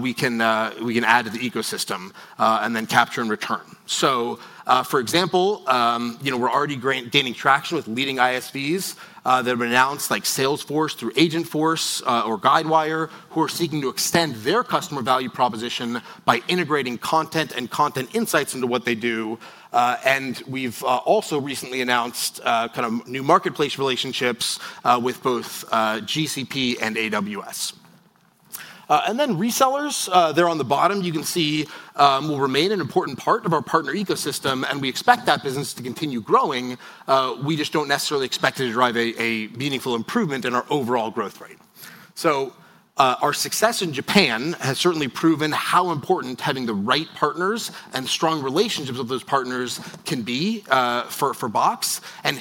H: we can add to the ecosystem and then capture and return. For example, we're already gaining traction with leading ISVs that have been announced like Salesforce through Agentforce or Guidewire, who are seeking to extend their customer value proposition by integrating content and content insights into what they do. We have also recently announced kind of new marketplace relationships with both GCP and AWS. Resellers, there on the bottom, you can see will remain an important part of our partner ecosystem. We expect that business to continue growing. We just do not necessarily expect it to drive a meaningful improvement in our overall growth rate. Our success in Japan has certainly proven how important having the right partners and strong relationships with those partners can be for Box.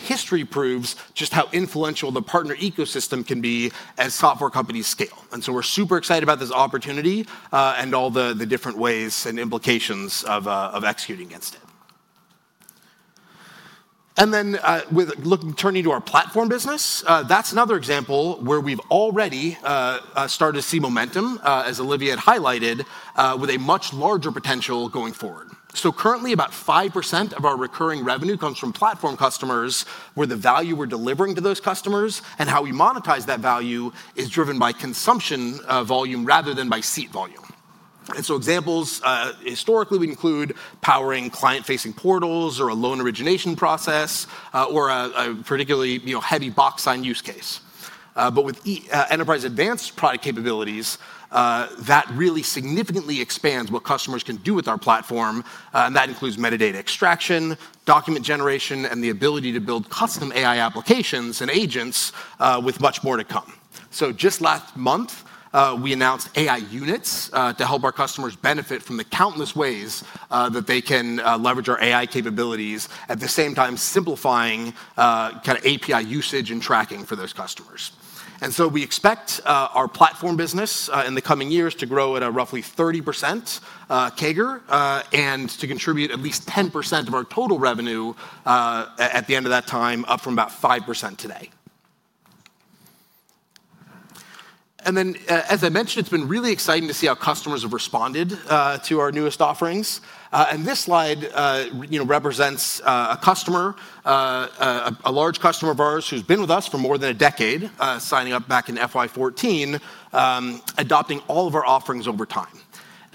H: History proves just how influential the partner ecosystem can be as software companies scale. We are super excited about this opportunity and all the different ways and implications of executing against it. Turning to our platform business, that is another example where we have already started to see momentum, as Olivia had highlighted, with a much larger potential going forward. Currently, about 5% of our recurring revenue comes from platform customers, where the value we're delivering to those customers and how we monetize that value is driven by consumption volume rather than by seat volume. Examples historically would include powering client-facing portals or a loan origination process or a particularly heavy Box Sign use case. With Enterprise Advanced product capabilities, that really significantly expands what customers can do with our platform. That includes metadata extraction, document generation, and the ability to build custom AI applications and agents with much more to come. Just last month, we announced AI units to help our customers benefit from the countless ways that they can leverage our AI capabilities at the same time simplifying kind of API usage and tracking for those customers. We expect our platform business in the coming years to grow at a roughly 30% CAGR and to contribute at least 10% of our total revenue at the end of that time, up from about 5% today. As I mentioned, it has been really exciting to see how customers have responded to our newest offerings. This slide represents a customer, a large customer of ours who has been with us for more than a decade, signing up back in FY 2014, adopting all of our offerings over time.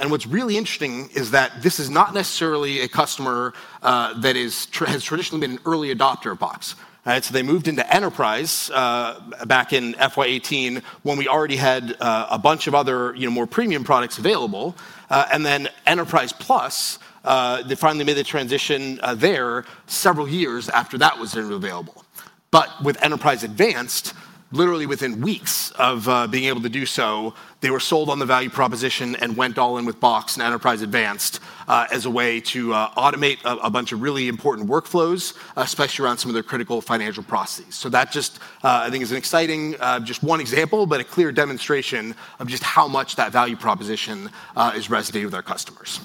H: What is really interesting is that this is not necessarily a customer that has traditionally been an early adopter of Box. They moved into enterprise back in FY 2018 when we already had a bunch of other more premium products available. Enterprise Plus, they finally made the transition there several years after that was available. With Enterprise Advanced, literally within weeks of being able to do so, they were sold on the value proposition and went all in with Box and Enterprise Advanced as a way to automate a bunch of really important workflows, especially around some of their critical financial processes. That just, I think, is an exciting just one example, but a clear demonstration of just how much that value proposition is resonating with our customers.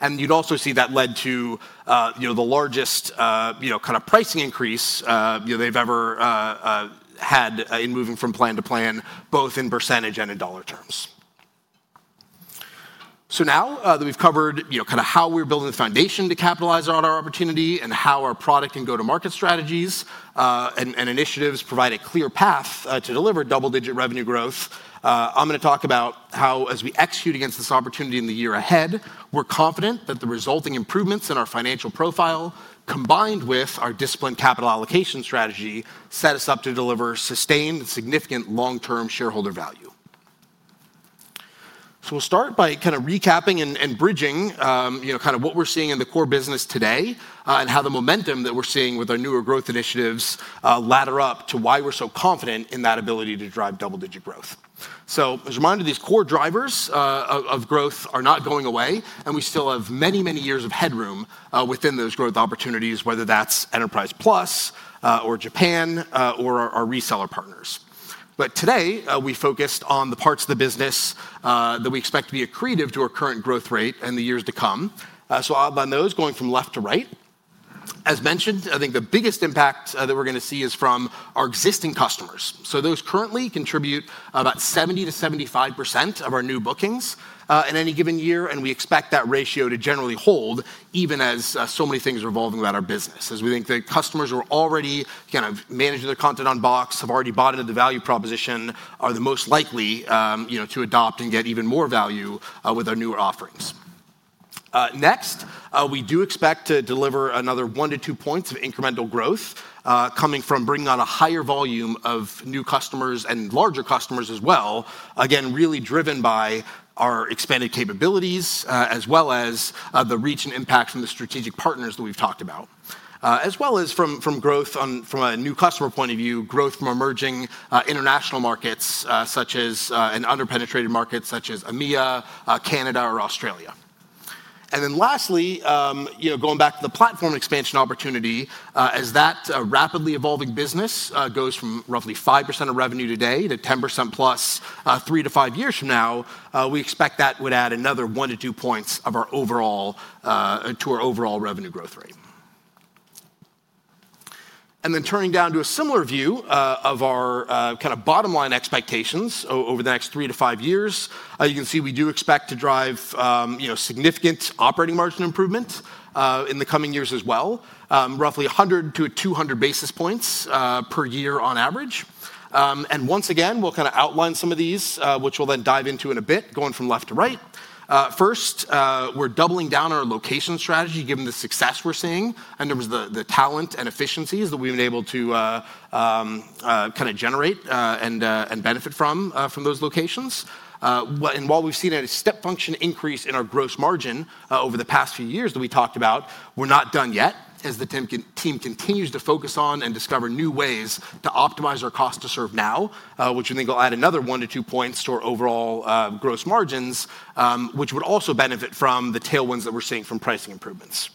H: You would also see that led to the largest kind of pricing increase they have ever had in moving from plan to plan, both in percentage and in dollar terms. Now that we've covered kind of how we're building the foundation to capitalize on our opportunity and how our product and go-to-market strategies and initiatives provide a clear path to deliver double-digit revenue growth, I'm going to talk about how, as we execute against this opportunity in the year ahead, we're confident that the resulting improvements in our financial profile combined with our disciplined capital allocation strategy set us up to deliver sustained and significant long-term shareholder value. We'll start by kind of recapping and bridging kind of what we're seeing in the core business today and how the momentum that we're seeing with our newer growth initiatives ladder up to why we're so confident in that ability to drive double-digit growth. As reminded, these core drivers of growth are not going away, and we still have many, many years of headroom within those growth opportunities, whether that's Enterprise Plus or Japan or our reseller partners. Today, we focused on the parts of the business that we expect to be accretive to our current growth rate in the years to come. I'll add on those going from left to right. As mentioned, I think the biggest impact that we're going to see is from our existing customers. Those currently contribute about 70%-75% of our new bookings in any given year. We expect that ratio to generally hold, even as so many things are evolving about our business. As we think that customers who are already kind of managing their content on Box have already bought into the value proposition, are the most likely to adopt and get even more value with our newer offerings. Next, we do expect to deliver another one to two points of incremental growth coming from bringing on a higher volume of new customers and larger customers as well. Again, really driven by our expanded capabilities, as well as the reach and impact from the strategic partners that we've talked about, as well as from growth from a new customer point of view, growth from emerging international markets such as an under-penetrated market such as EMEA, Canada, or Australia. Lastly, going back to the platform expansion opportunity, as that rapidly evolving business goes from roughly 5% of revenue today to 10%+ three to five years from now, we expect that would add another one to two points to our overall revenue growth rate. Turning down to a similar view of our kind of bottom line expectations over the next three to five years, you can see we do expect to drive significant operating margin improvement in the coming years as well, roughly 100 to 200 basis points per year on average. Once again, we'll kind of outline some of these, which we'll then dive into in a bit going from left to right. First, we're doubling down on our location strategy given the success we're seeing in terms of the talent and efficiencies that we've been able to kind of generate and benefit from those locations. While we've seen a step function increase in our gross margin over the past few years that we talked about, we're not done yet as the team continues to focus on and discover new ways to optimize our cost to serve now, which I think will add another one to two points to our overall gross margins, which would also benefit from the tailwinds that we're seeing from pricing improvements.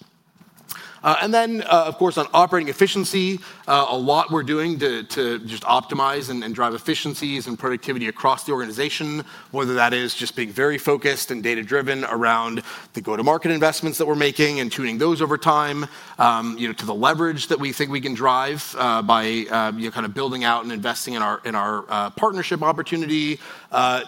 H: Of course, on operating efficiency, a lot we're doing to just optimize and drive efficiencies and productivity across the organization, whether that is just being very focused and data-driven around the go-to-market investments that we're making and tuning those over time to the leverage that we think we can drive by kind of building out and investing in our partnership opportunity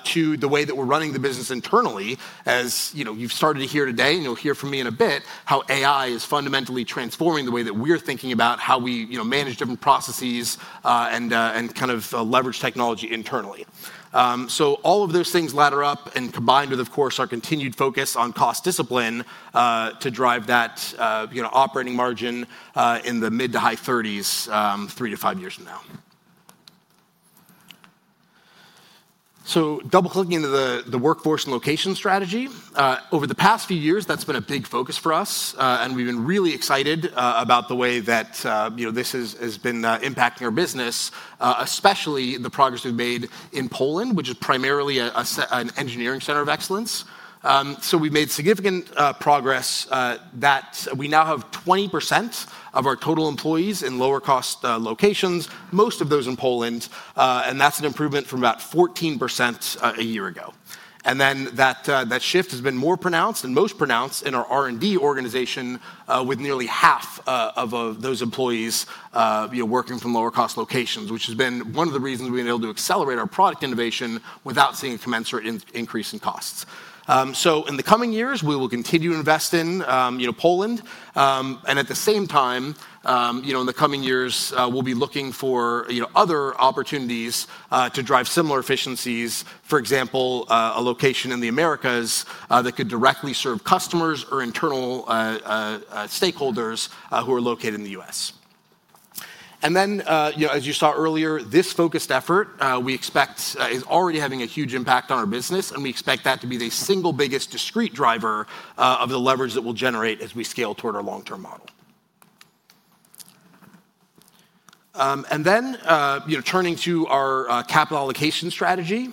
H: to the way that we're running the business internally. As you've started to hear today, and you'll hear from me in a bit how AI is fundamentally transforming the way that we're thinking about how we manage different processes and kind of leverage technology internally. All of those things ladder up and combined with, of course, our continued focus on cost discipline to drive that operating margin in the mid to high 30s three to five years from now. Double-clicking into the workforce and location strategy, over the past few years, that's been a big focus for us. We've been really excited about the way that this has been impacting our business, especially the progress we've made in Poland, which is primarily an engineering center of excellence. We've made significant progress that we now have 20% of our total employees in lower-cost locations, most of those in Poland. That's an improvement from about 14% a year ago. That shift has been more pronounced and most pronounced in our R&D organization with nearly half of those employees working from lower-cost locations, which has been one of the reasons we've been able to accelerate our product innovation without seeing a commensurate increase in costs. In the coming years, we will continue to invest in Poland. At the same time, in the coming years, we'll be looking for other opportunities to drive similar efficiencies, for example, a location in the Americas that could directly serve customers or internal stakeholders who are located in the U.S. As you saw earlier, this focused effort we expect is already having a huge impact on our business. We expect that to be the single biggest discrete driver of the leverage that we'll generate as we scale toward our long-term model. Turning to our capital allocation strategy,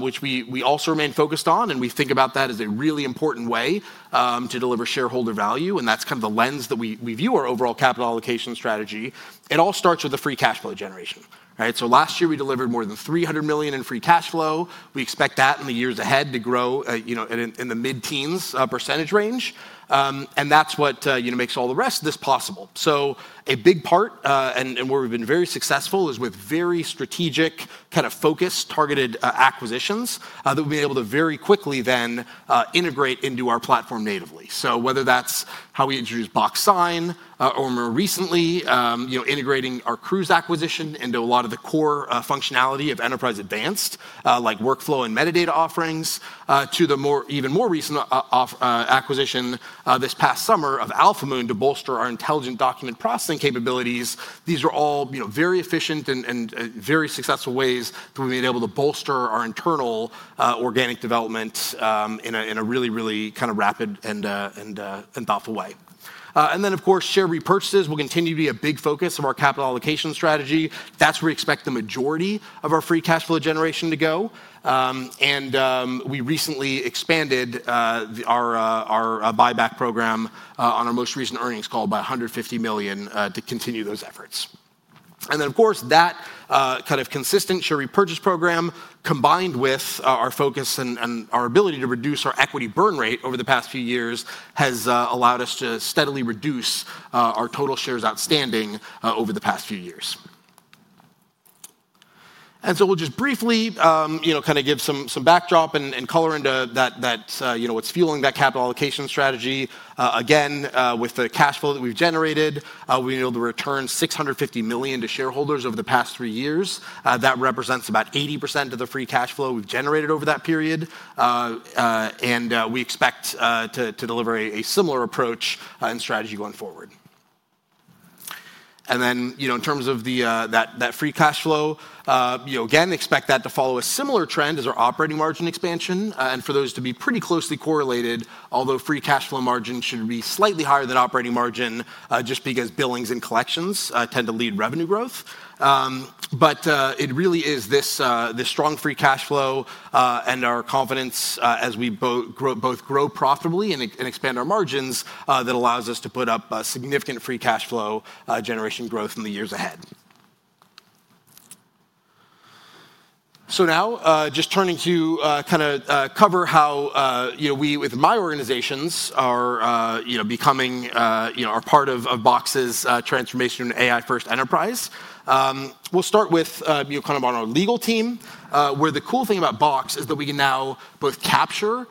H: which we also remain focused on, we think about that as a really important way to deliver shareholder value. That's kind of the lens that we view our overall capital allocation strategy. It all starts with the free cash flow generation. Last year, we delivered more than $300 million in free cash flow. We expect that in the years ahead to grow in the mid-teens percentage range. That is what makes all the rest of this possible. A big part, and where we have been very successful, is with very strategic kind of focused, targeted acquisitions that we have been able to very quickly then integrate into our platform natively. Whether that is how we introduce Box Sign or more recently integrating our Cruise acquisition into a lot of the core functionality of Enterprise Advanced, like workflow and metadata offerings, to the even more recent acquisition this past summer of Alphamoon to bolster our intelligent document processing capabilities. These are all very efficient and very successful ways that we have been able to bolster our internal organic development in a really, really kind of rapid and thoughtful way. Of course, share repurchases will continue to be a big focus of our capital allocation strategy. That is where we expect the majority of our free cash flow generation to go. We recently expanded our buyback program on our most recent earnings call by $150 million to continue those efforts. That kind of consistent share repurchase program, combined with our focus and our ability to reduce our equity burn rate over the past few years, has allowed us to steadily reduce our total shares outstanding over the past few years. We will just briefly give some backdrop and color into what is fueling that capital allocation strategy. Again, with the cash flow that we have generated, we have been able to return $650 million to shareholders over the past three years. That represents about 80% of the free cash flow we've generated over that period. We expect to deliver a similar approach and strategy going forward. In terms of that free cash flow, again, expect that to follow a similar trend as our operating margin expansion. For those to be pretty closely correlated, although free cash flow margin should be slightly higher than operating margin just because billings and collections tend to lead revenue growth. It really is this strong free cash flow and our confidence as we both grow profitably and expand our margins that allows us to put up significant free cash flow generation growth in the years ahead. Now, just turning to kind of cover how we, with my organizations, are becoming a part of Box's transformation to an AI-first enterprise. We'll start with kind of our legal team, where the cool thing about Box is that we can now both capture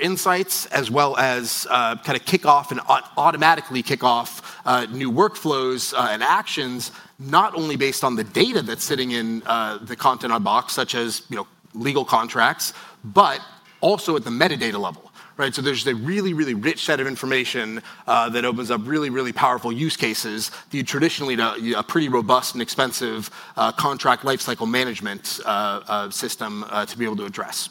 H: insights as well as kind of kick off and automatically kick off new workflows and actions, not only based on the data that's sitting in the content on Box, such as legal contracts, but also at the metadata level. There is a really, really rich set of information that opens up really, really powerful use cases that you traditionally need a pretty robust and expensive contract lifecycle management system to be able to address.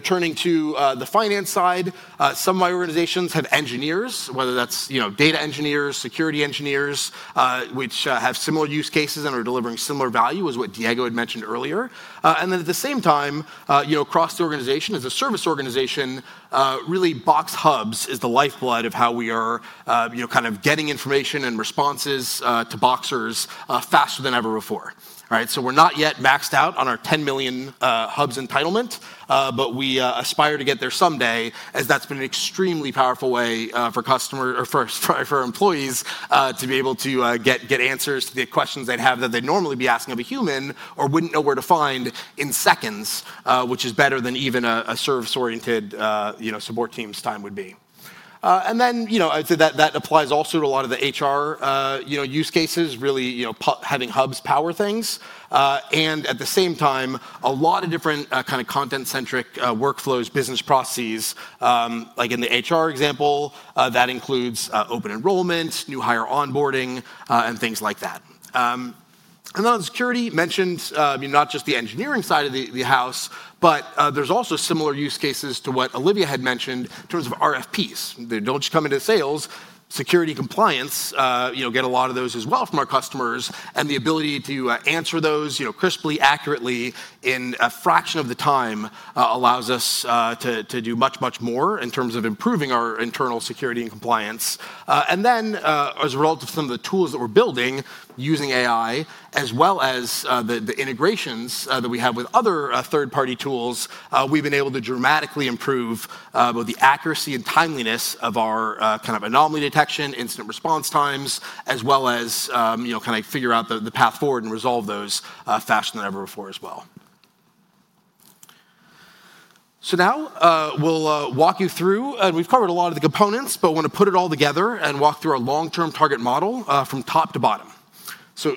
H: Turning to the finance side, some of my organizations have engineers, whether that's data engineers, security engineers, which have similar use cases and are delivering similar value, as what Diego had mentioned earlier. At the same time, across the organization, as a service organization, really Box Hubs is the lifeblood of how we are kind of getting information and responses to Boxers faster than ever before. We're not yet maxed out on our 10 million Hubs entitlement, but we aspire to get there someday, as that's been an extremely powerful way for customers or for employees to be able to get answers to the questions they'd have that they'd normally be asking of a human or wouldn't know where to find in seconds, which is better than even a service-oriented support team's time would be. I'd say that applies also to a lot of the HR use cases, really having Hubs power things. At the same time, a lot of different kind of content-centric workflows, business processes, like in the HR example, that includes open enrollment, new hire onboarding, and things like that. On security, mentioned not just the engineering side of the house, but there's also similar use cases to what Olivia had mentioned in terms of RFPs. They do not just come into sales. Security compliance get a lot of those as well from our customers. The ability to answer those crisply, accurately in a fraction of the time allows us to do much, much more in terms of improving our internal security and compliance. As a result of some of the tools that we're building using AI, as well as the integrations that we have with other third-party tools, we've been able to dramatically improve both the accuracy and timeliness of our kind of anomaly detection, incident response times, as well as kind of figure out the path forward and resolve those faster than ever before as well. Now we'll walk you through, and we've covered a lot of the components, but I want to put it all together and walk through our long-term target model from top to bottom.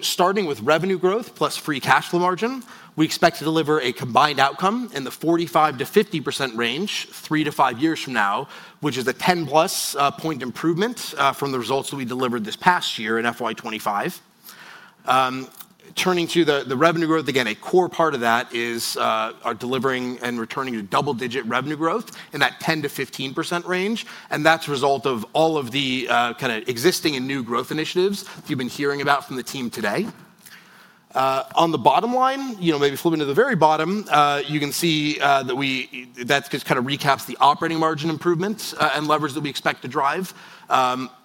H: Starting with revenue growth plus free cash flow margin, we expect to deliver a combined outcome in the 45%-50% range three to five years from now, which is a 10+ point improvement from the results that we delivered this past year in FY 2025. Turning to the revenue growth, again, a core part of that is our delivering and returning to double-digit revenue growth in that 10%-15% range. That is a result of all of the kind of existing and new growth initiatives that you have been hearing about from the team today. On the bottom line, maybe flipping to the very bottom, you can see that that kind of recaps the operating margin improvements and leverage that we expect to drive.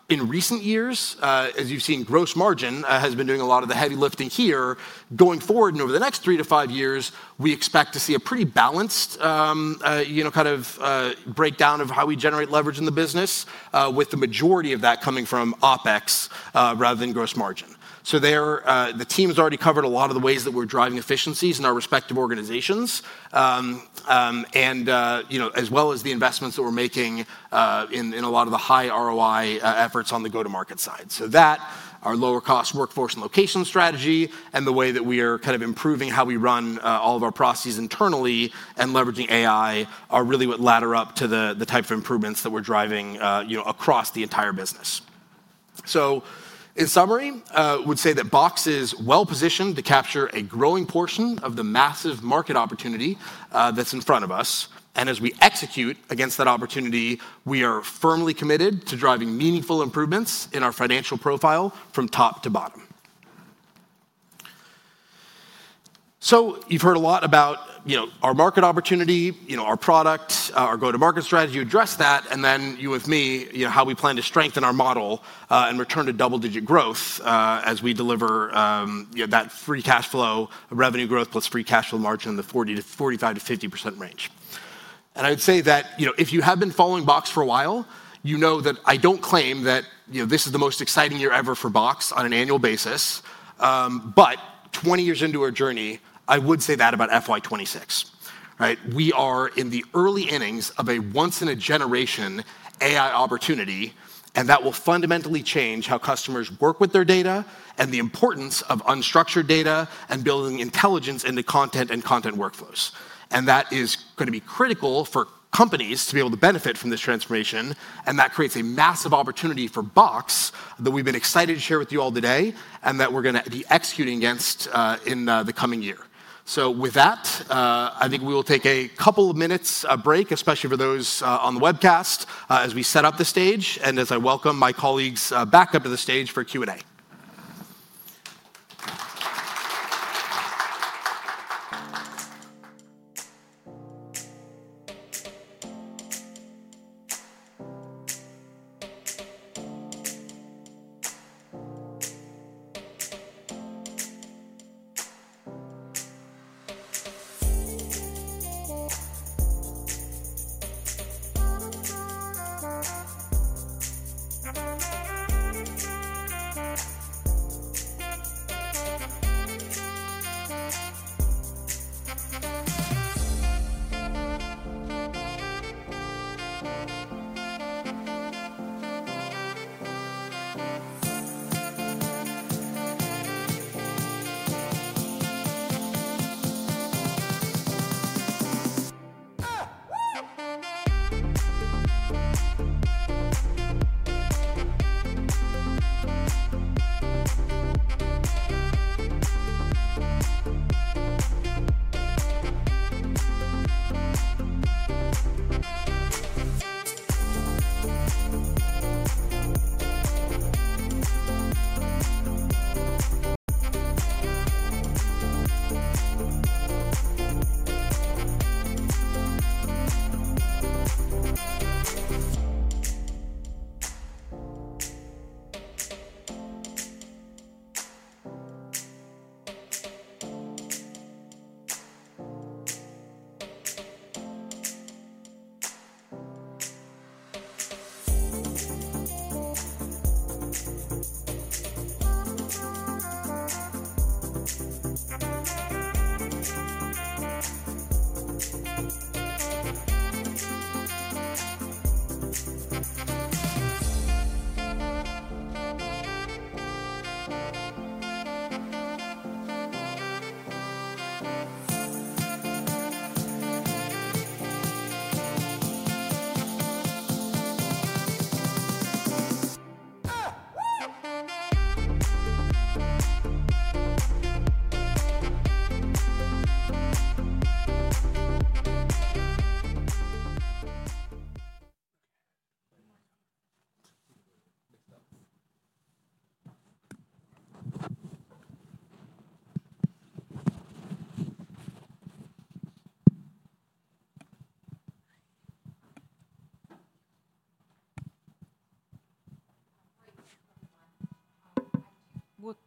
H: In recent years, as you have seen, gross margin has been doing a lot of the heavy lifting here. Going forward and over the next three to five years, we expect to see a pretty balanced kind of breakdown of how we generate leverage in the business, with the majority of that coming from OpEx rather than gross margin. The team has already covered a lot of the ways that we're driving efficiencies in our respective organizations, as well as the investments that we're making in a lot of the high ROI efforts on the go-to-market side. That, our lower-cost workforce and location strategy, and the way that we are kind of improving how we run all of our processes internally and leveraging AI are really what ladder up to the type of improvements that we're driving across the entire business. In summary, I would say that Box is well positioned to capture a growing portion of the massive market opportunity that's in front of us. As we execute against that opportunity, we are firmly committed to driving meaningful improvements in our financial profile from top to bottom. You've heard a lot about our market opportunity, our product, our go-to-market strategy. You address that, and then you with me, how we plan to strengthen our model and return to double-digit growth as we deliver that free cash flow, revenue growth plus free cash flow margin in the 45%-50% range. I would say that if you have been following Box for a while, you know that I don't claim that this is the most exciting year ever for Box on an annual basis. Twenty years into our journey, I would say that about FY 2026. We are in the early innings of a once-in-a-generation AI opportunity, and that will fundamentally change how customers work with their data and the importance of unstructured data and building intelligence into content and content workflows. That is going to be critical for companies to be able to benefit from this transformation. That creates a massive opportunity for Box that we've been excited to share with you all today and that we're going to be executing against in the coming year. With that, I think we will take a couple of minutes break, especially for those on the webcast, as we set up the stage and as I welcome my colleagues back up to the stage for Q&A.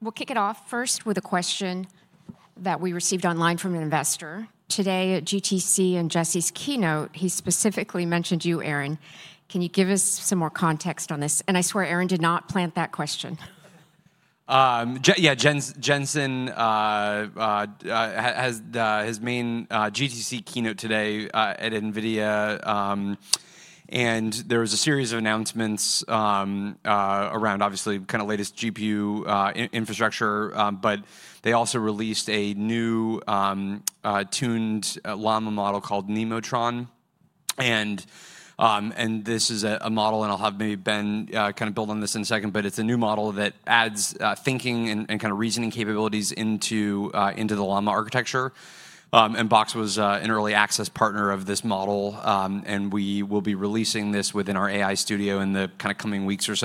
A: We'll kick it off first with a question that we received online from an investor. Today at GTC and Jensen's keynote, he specifically mentioned you, Aaron. Can you give us some more context on this? I swear Aaron did not plant that question.
B: Yeah, Jensen has his main GTC keynote today at NVIDIA. There was a series of announcements around, obviously, kind of latest GPU infrastructure. They also released a new tuned Llama model called Nemotron.This is a model, and I'll have maybe Ben kind of build on this in a second, but it's a new model that adds thinking and kind of reasoning capabilities into the Llama architecture. Box was an early access partner of this model. We will be releasing this within our AI Studio in the coming weeks or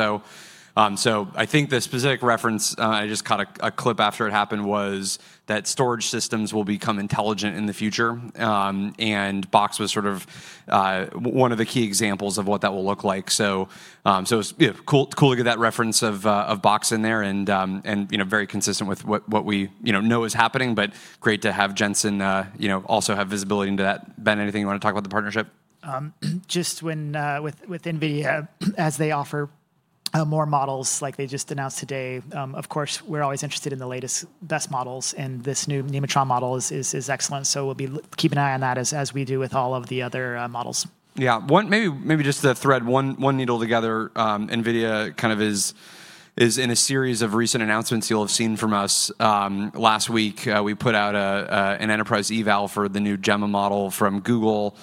B: so. I think the specific reference I just caught a clip after it happened was that storage systems will become intelligent in the future. Box was sort of one of the key examples of what that will look like. It was cool to get that reference of Box in there and very consistent with what we know is happening. Great to have Jensen also have visibility into that. Ben, anything you want to talk about the partnership? Just with NVIDIA, as they offer more models like they just announced today, of course, we're always interested in the latest, best models. This new Nemotron model is excellent. We'll be keeping an eye on that as we do with all of the other models. Maybe just to thread one needle together, NVIDIA kind of is in a series of recent announcements you'll have seen from us. Last week, we put out an enterprise eval for the new Gemma model from Google.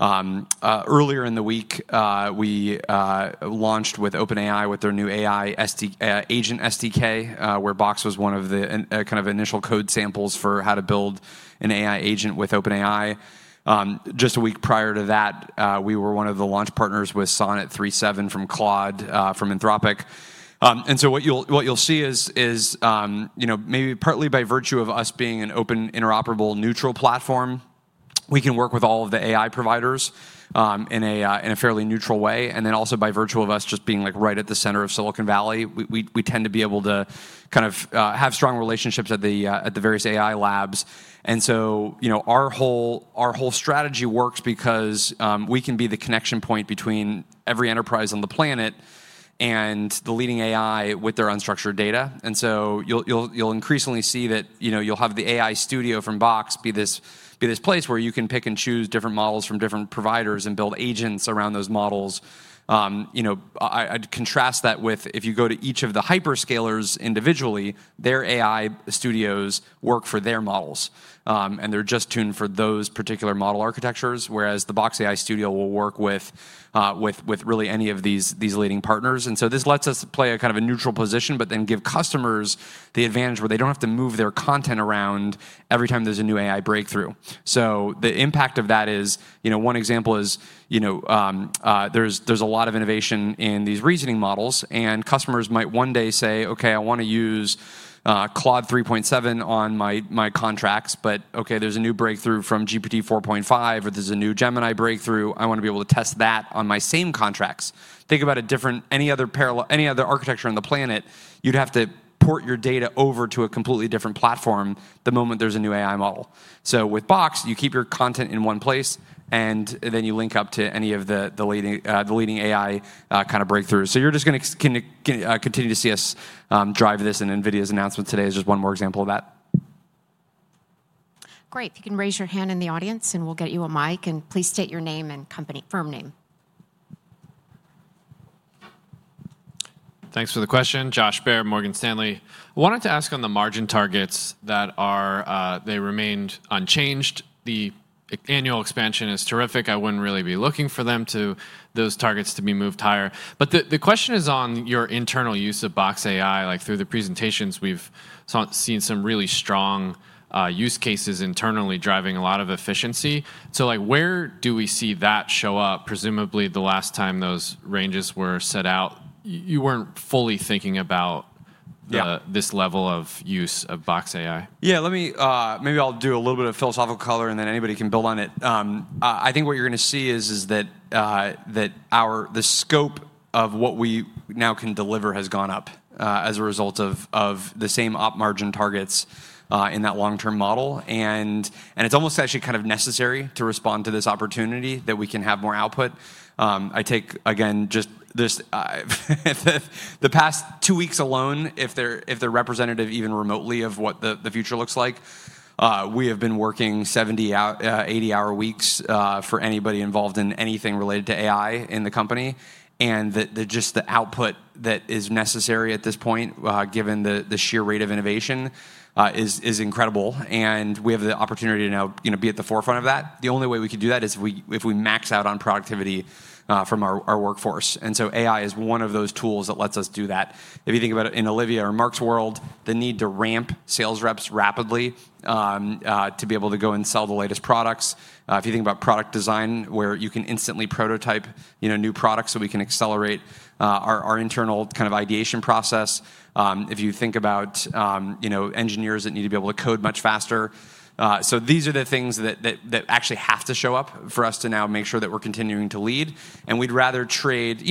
B: Earlier in the week, we launched with OpenAI with their new AI agent SDK, where Box was one of the kind of initial code samples for how to build an AI agent with OpenAI. Just a week prior to that, we were one of the launch partners with Sonnet 3.7 from Claude from Anthropic. What you'll see is maybe partly by virtue of us being an open interoperable neutral platform, we can work with all of the AI providers in a fairly neutral way. Also by virtue of us just being right at the center of Silicon Valley, we tend to be able to kind of have strong relationships at the various AI Labs. Our whole strategy works because we can be the connection point between every enterprise on the planet and the leading AI with their unstructured data. You'll increasingly see that you'll have the AI Studio from Box be this place where you can pick and choose different models from different providers and build agents around those models. I'd contrast that with if you go to each of the hyperscalers individually, their AI Studios work for their models. They're just tuned for those particular model architectures, whereas the Box AI Studio will work with really any of these leading partners. This lets us play a kind of a neutral position, but then give customers the advantage where they don't have to move their content around every time there's a new AI breakthrough. The impact of that is one example is there's a lot of innovation in these reasoning models. Customers might one day say, "Okay, I want to use Claude 3.7 on my contracts. Okay, there's a new breakthrough from GPT 4.5, or there's a new Gemini breakthrough. I want to be able to test that on my same contracts." Think about any other architecture on the planet. You'd have to port your data over to a completely different platform the moment there's a new AI model. With Box, you keep your content in one place, and then you link up to any of the leading AI kind of breakthroughs. You're just going to continue to see us drive this. NVIDIA's announcement today is just one more example of that.
A: Great. If you can raise your hand in the audience, we'll get you a mic. Please state your name and firm name.
I: Thanks for the question. Josh Baer, Morgan Stanley. I wanted to ask on the margin targets that they remained unchanged. The annual expansion is terrific. I wouldn't really be looking for those targets to be moved higher. The question is on your internal use of Box AI. Through the presentations, we've seen some really strong use cases internally driving a lot of efficiency. Where do we see that show up? Presumably, the last time those ranges were set out, you were not fully thinking about this level of use of Box AI.
B: Yeah, maybe I'll do a little bit of philosophical color, and then anybody can build on it. I think what you're going to see is that the scope of what we now can deliver has gone up as a result of the same op margin targets in that long-term model. It is almost actually kind of necessary to respond to this opportunity that we can have more output. I take, again, just the past two weeks alone, if they are representative even remotely of what the future looks like, we have been working 70-80 hour weeks for anybody involved in anything related to AI in the company. Just the output that is necessary at this point, given the sheer rate of innovation, is incredible. We have the opportunity to now be at the forefront of that. The only way we can do that is if we max out on productivity from our workforce. AI is one of those tools that lets us do that. If you think about it in Olivia or Mark's world, the need to ramp sales reps rapidly to be able to go and sell the latest products. If you think about product design, where you can instantly prototype new products so we can accelerate our internal kind of ideation process. If you think about engineers that need to be able to code much faster. These are the things that actually have to show up for us to now make sure that we're continuing to lead. We'd rather trade.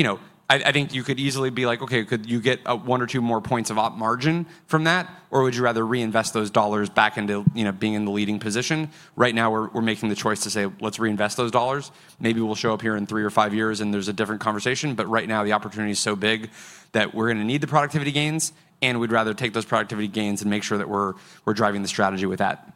B: I think you could easily be like, "Okay, could you get one or two more points of op margin from that?" or would you rather reinvest those dollars back into being in the leading position? Right now, we're making the choice to say, "Let's reinvest those dollars." Maybe we'll show up here in three or five years, and there's a different conversation. Right now, the opportunity is so big that we're going to need the productivity gains. We'd rather take those productivity gains and make sure that we're driving the strategy with that.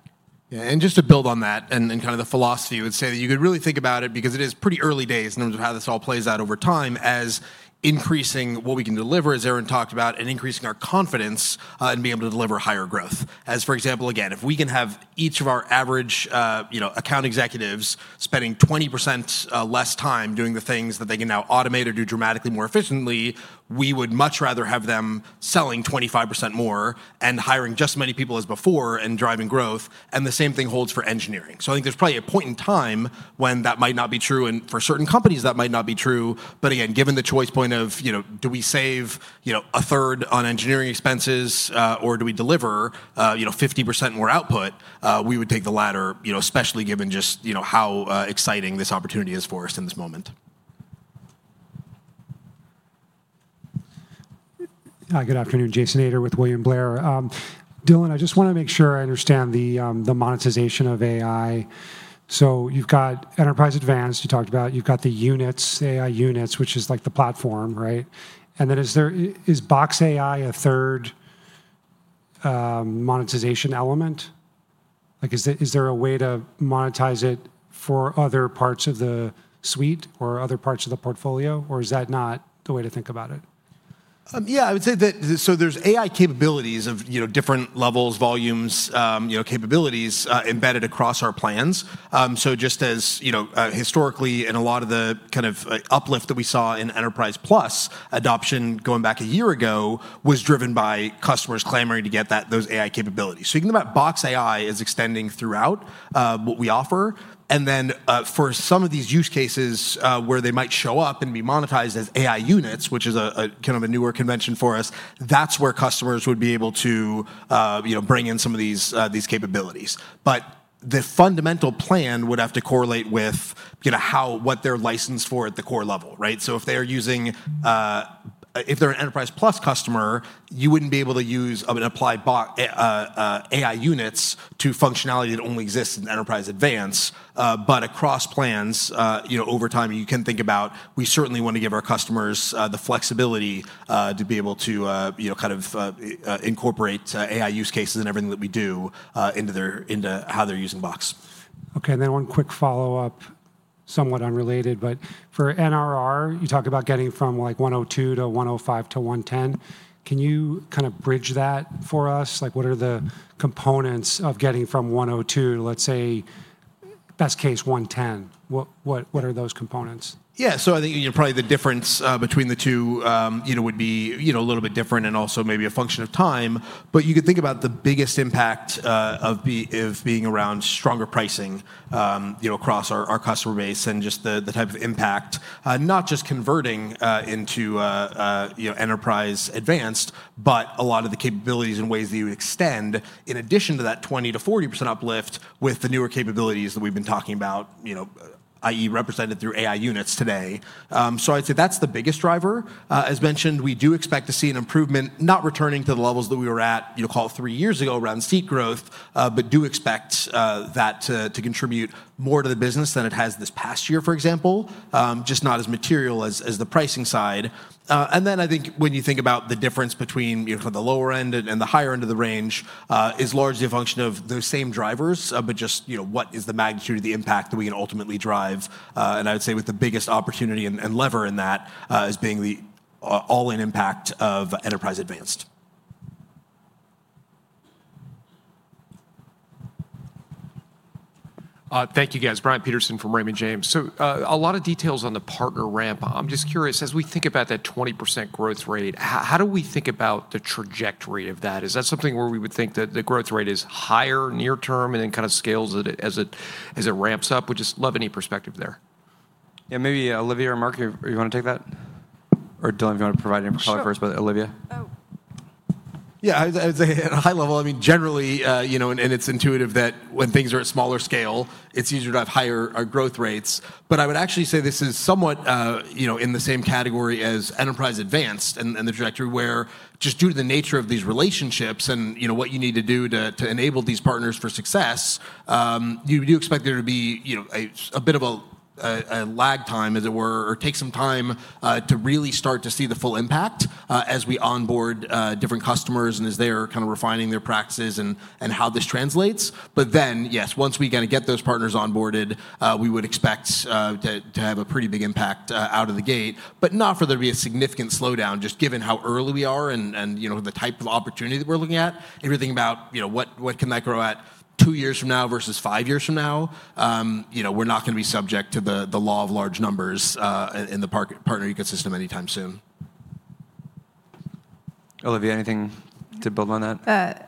H: Yeah, and just to build on that and kind of the philosophy, I would say that you could really think about it, because it is pretty early days in terms of how this all plays out over time, as increasing what we can deliver, as Aaron talked about, and increasing our confidence in being able to deliver higher growth. For example, again, if we can have each of our average account executives spending 20% less time doing the things that they can now automate or do dramatically more efficiently, we would much rather have them selling 25% more and hiring just as many people as before and driving growth. The same thing holds for engineering. I think there's probably a point in time when that might not be true. For certain companies, that might not be true. Again, given the choice point of, "Do we save a third on engineering expenses, or do we deliver 50% more output?" we would take the latter, especially given just how exciting this opportunity is for us in this moment.
J: Hi, good afternoon. Jason Ader with William Blair. Dylan, I just want to make sure I understand the monetization of AI. You have Enterprise Advanced, you talked about. You have the units, AI units, which is like the platform, right? Then is Box AI a third monetization element? Is there a way to monetize it for other parts of the suite or other parts of the portfolio? Or is that not the way to think about it?
H: I would say that there are AI capabilities of different levels, volumes, capabilities embedded across our plans. Just as historically, and a lot of the kind of uplift that we saw in Enterprise Plus adoption going back a year ago was driven by customers clamoring to get those AI capabilities. You can think about Box AI as extending throughout what we offer. For some of these use cases where they might show up and be monetized as AI units, which is kind of a newer convention for us, that's where customers would be able to bring in some of these capabilities. The fundamental plan would have to correlate with what they're licensed for at the core level, right? If they're an Enterprise Plus customer, you wouldn't be able to use AI units to functionality that only exists in Enterprise Advanced. Across plans, over time, you can think about, "We certainly want to give our customers the flexibility to be able to kind of incorporate AI use cases and everything that we do into how they're using Box."
J: Okay, and then one quick follow-up, somewhat unrelated, but for NRR, you talk about getting from 102 to 105 to 110. Can you kind of bridge that for us? What are the components of getting from 102, let's say, best case, 110? What are those components?
H: Yeah, I think probably the difference between the two would be a little bit different and also maybe a function of time. You could think about the biggest impact of being around stronger pricing across our customer base and just the type of impact, not just converting into Enterprise Advanced, but a lot of the capabilities and ways that you extend in addition to that 20%-40% uplift with the newer capabilities that we've been talking about, i.e., represented through AI units today. I'd say that's the biggest driver. As mentioned, we do expect to see an improvement, not returning to the levels that we were at, call it three years ago around seat growth, but do expect that to contribute more to the business than it has this past year, for example, just not as material as the pricing side. I think when you think about the difference between the lower end and the higher end of the range is largely a function of those same drivers, but just what is the magnitude of the impact that we can ultimately drive. I would say with the biggest opportunity and lever in that as being the all-in impact of Enterprise Advanced.
K: Thank you, guys. Brian Peterson from Raymond James. A lot of details on the partner ramp. I'm just curious, as we think about that 20% growth rate, how do we think about the trajectory of that? Is that something where we would think that the growth rate is higher near term and then kind of scales as it ramps up? We just love any perspective there.
H: Yeah, maybe Olivia or Mark, you want to take that? Dylan, if you want to provide any follow-up first, but Olivia.
F: Yeah, I would say at a high level, I mean, generally, and it's intuitive that when things are at smaller scale, it's easier to have higher growth rates. I would actually say this is somewhat in the same category as Enterprise Advanced and the trajectory where just due to the nature of these relationships and what you need to do to enable these partners for success, you do expect there to be a bit of a lag time, as it were, or take some time to really start to see the full impact as we onboard different customers and as they're kind of refining their practices and how this translates. Yes, once we kind of get those partners onboarded, we would expect to have a pretty big impact out of the gate, but not for there to be a significant slowdown, just given how early we are and the type of opportunity that we're looking at. If you're thinking about what can that grow at two years from now versus five years from now, we're not going to be subject to the law of large numbers in the partner ecosystem anytime soon.
H: Olivia, anything to build on that?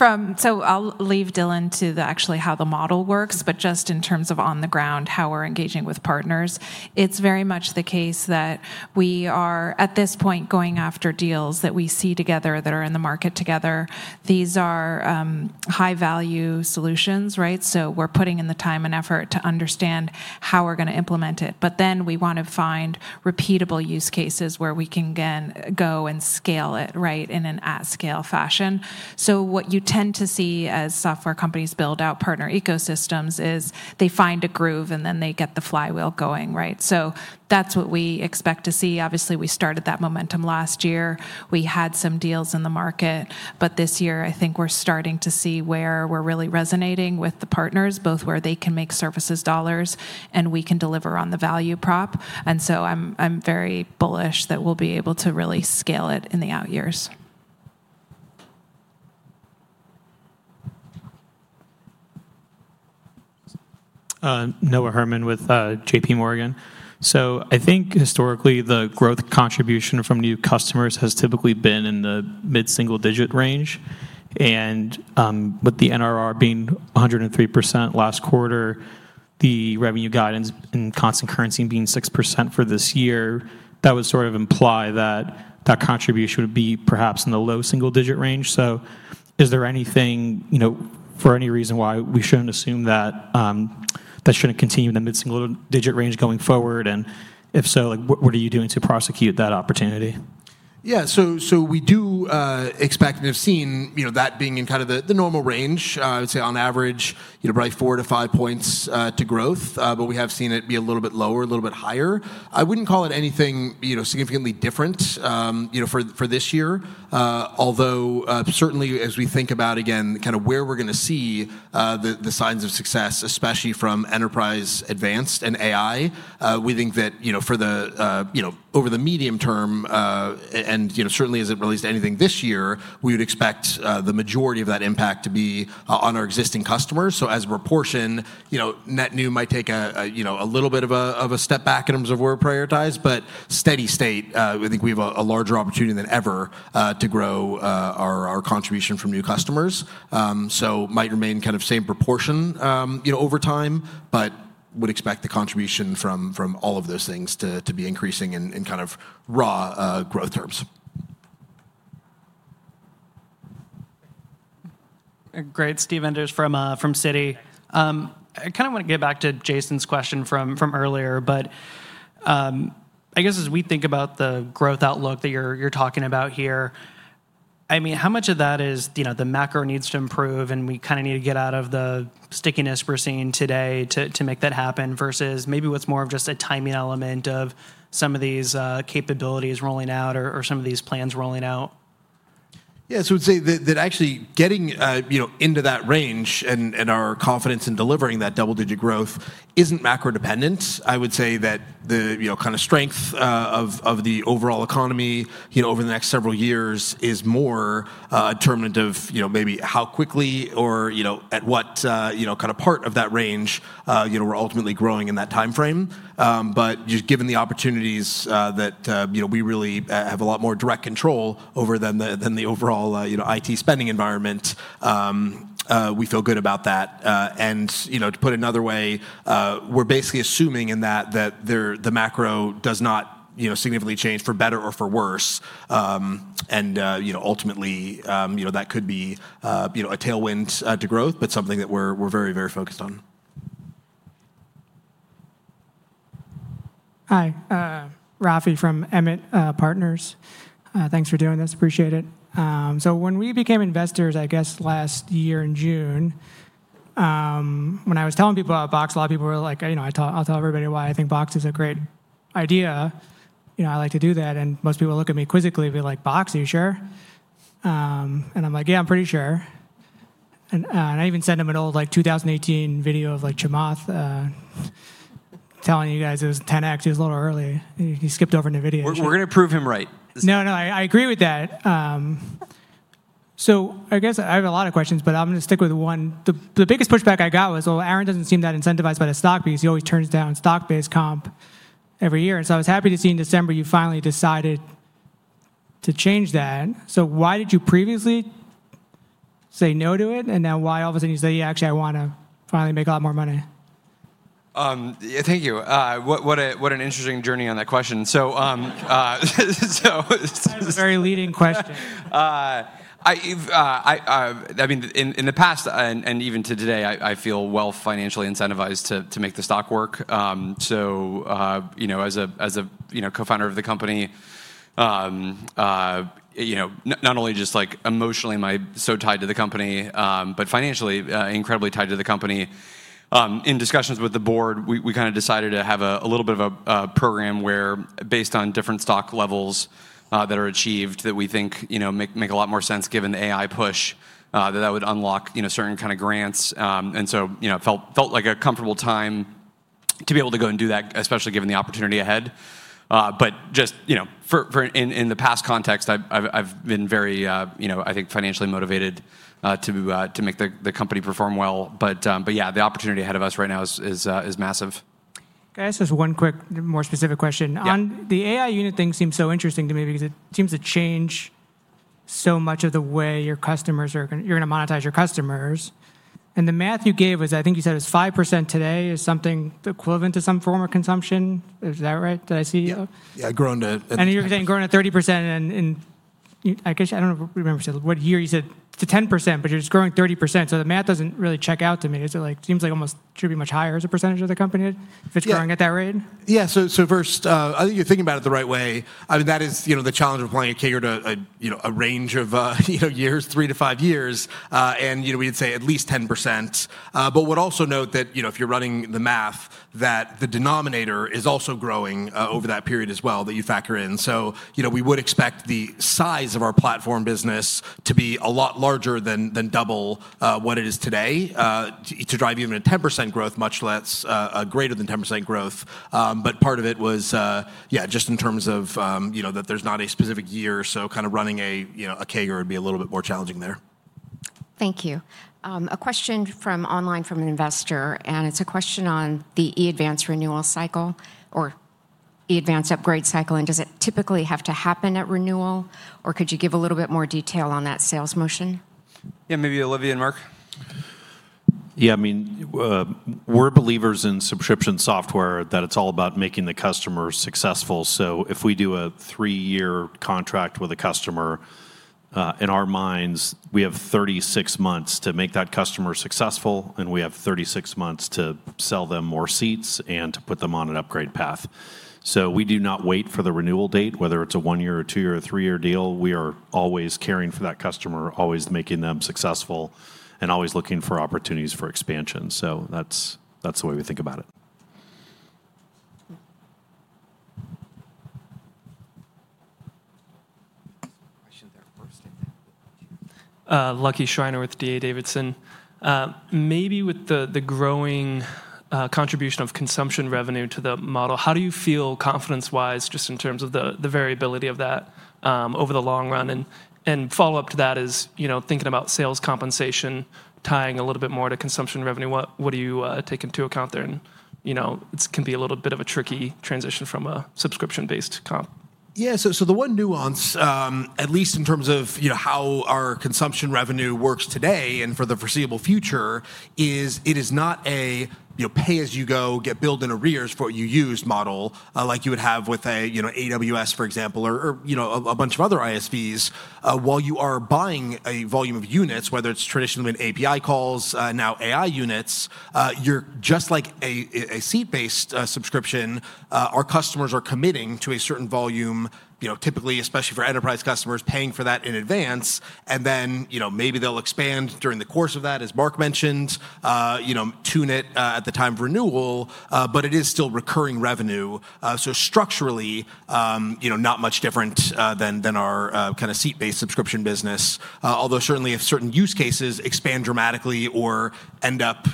E: I'll leave Dylan to actually how the model works, but just in terms of on the ground, how we're engaging with partners. It's very much the case that we are at this point going after deals that we see together that are in the market together. These are high-value solutions, right? We're putting in the time and effort to understand how we're going to implement it. Then we want to find repeatable use cases where we can go and scale it, right, in an at-scale fashion. What you tend to see as software companies build out partner ecosystems is they find a groove, and then they get the flywheel going, right? That's what we expect to see. Obviously, we started that momentum last year. We had some deals in the market. This year, I think we're starting to see where we're really resonating with the partners, both where they can make services dollars and we can deliver on the value prop. I'm very bullish that we'll be able to really scale it in the out years.
L: Noah Herman with JPMorgan. I think historically, the growth contribution from new customers has typically been in the mid-single-digit range. With the NRR being 103% last quarter, the revenue guidance and constant currency being 6% for this year, that would sort of imply that that contribution would be perhaps in the low single-digit range. Is there anything, for any reason why we shouldn't assume that that shouldn't continue in the mid-single-digit range going forward? If so, what are you doing to prosecute that opportunity?
F: Yeah, we do expect and have seen that being in kind of the normal range. I would say on average, probably four to five points to growth. We have seen it be a little bit lower, a little bit higher. I wouldn't call it anything significantly different for this year. Although certainly, as we think about, again, kind of where we're going to see the signs of success, especially from Enterprise Advanced and AI, we think that for over the medium term, and certainly as it relates to anything this year, we would expect the majority of that impact to be on our existing customers. As a proportion, net new might take a little bit of a step back in terms of where we prioritize. Steady state, I think we have a larger opportunity than ever to grow our contribution from new customers. It might remain kind of same proportion over time, but would expect the contribution from all of those things to be increasing in kind of raw growth terms.
M: Great. Steve Enders from Citi. I kind of want to get back to Jason's question from earlier. I guess as we think about the growth outlook that you're talking about here, I mean, how much of that is the macro needs to improve and we kind of need to get out of the stickiness we're seeing today to make that happen versus maybe what's more of just a timing element of some of these capabilities rolling out or some of these plans rolling out?
F: Yeah, I would say that actually getting into that range and our confidence in delivering that double-digit growth isn't macro-dependent. I would say that the kind of strength of the overall economy over the next several years is more determinant of maybe how quickly or at what kind of part of that range we're ultimately growing in that time frame. Just given the opportunities that we really have a lot more direct control over than the overall IT spending environment, we feel good about that. To put another way, we're basically assuming in that that the macro does not significantly change for better or for worse. Ultimately, that could be a tailwind to growth, but something that we're very, very focused on.
N: Hi, Rafi from Emmett Partners. Thanks for doing this. Appreciate it. When we became investors, I guess last year in June, when I was telling people about Box, a lot of people were like, "I'll tell everybody why I think Box is a great idea. I like to do that." Most people look at me quizzically and be like, "Box, are you sure?" I'm like, "Yeah, I'm pretty sure." I even sent him an old 2018 video of Chamath telling you guys it was 10x. He was a little early. He skipped over NVIDIA. We're going to prove him right. No, no, I agree with that. I guess I have a lot of questions, but I'm going to stick with one. The biggest pushback I got was, "Aaron doesn't seem that incentivized by the stock because he always turns down stock-based comp every year." I was happy to see in December you finally decided to change that. Why did you previously say no to it? Then why all of a sudden you say, "Yeah, actually, I want to finally make a lot more money?"
F: Thank you. What an interesting journey on that question. That's a very leading question. I mean, in the past and even to today, I feel well financially incentivized to make the stock work. As a co-founder of the company, not only just emotionally so tied to the company, but financially incredibly tied to the company. In discussions with the board, we kind of decided to have a little bit of a program where, based on different stock levels that are achieved, that we think make a lot more sense given the AI push, that that would unlock certain kind of grants. It felt like a comfortable time to be able to go and do that, especially given the opportunity ahead. Just in the past context, I've been very, I think, financially motivated to make the company perform well. Yeah, the opportunity ahead of us right now is massive.
N: Can I ask this one quick, more specific question? The AI unit thing seems so interesting to me because it seems to change so much of the way you're going to monetize your customers. And the math you gave was, I think you said it was 5% today is something equivalent to some form of consumption. Is that right? Did I see? Yeah, growing to. And you were saying growing to 30% in, I guess I don't remember what year you said to 10%, but you're just growing 30%. So the math doesn't really check out to me. It seems like almost should be much higher as a percentage of the company if it's growing at that rate.
H: Yeah, I think you're thinking about it the right way. I mean, that is the challenge of applying a kicker to a range of years, three to five years. We'd say at least 10%. I would also note that if you're running the math, the denominator is also growing over that period as well that you factor in. We would expect the size of our platform business to be a lot larger than double what it is today to drive even a 10% growth, much less a greater than 10% growth. Part of it was, yeah, just in terms of that there's not a specific year. Kind of running a kicker would be a little bit more challenging there.
A: Thank you. A question from online from an investor. It's a question on the e-Advance renewal cycle or e-Advance upgrade cycle. Does it typically have to happen at renewal? Or could you give a little bit more detail on that sales motion?
B: Yeah, maybe Olivia and Mark.
F: Yeah, I mean, we're believers in subscription software that it's all about making the customer successful. If we do a three-year contract with a customer, in our minds, we have 36 months to make that customer successful, and we have 36 months to sell them more seats and to put them on an upgrade path. We do not wait for the renewal date, whether it's a one-year or two-year or three-year deal. We are always caring for that customer, always making them successful, and always looking for opportunities for expansion. That's the way we think about it.
O: Lucky Schreiner with D.A. Davidson.Maybe with the growing contribution of consumption revenue to the model, how do you feel confidence-wise, just in terms of the variability of that over the long run? A follow-up to that is thinking about sales compensation, tying a little bit more to consumption revenue. What are you taking into account there? It can be a little bit of a tricky transition from a subscription-based comp.
H: Yeah, the one nuance, at least in terms of how our consumption revenue works today and for the foreseeable future, is it is not a pay-as-you-go, get billed in arrears for what you used model like you would have with AWS, for example, or a bunch of other ISVs. While you are buying a volume of units, whether it has traditionally been API calls, now AI units, you are just like a seat-based subscription. Our customers are committing to a certain volume, typically, especially for enterprise customers, paying for that in advance. Then maybe they'll expand during the course of that, as Mark mentioned, tune it at the time of renewal. It is still recurring revenue. Structurally, not much different than our kind of seat-based subscription business. Although certainly, if certain use cases expand dramatically or end up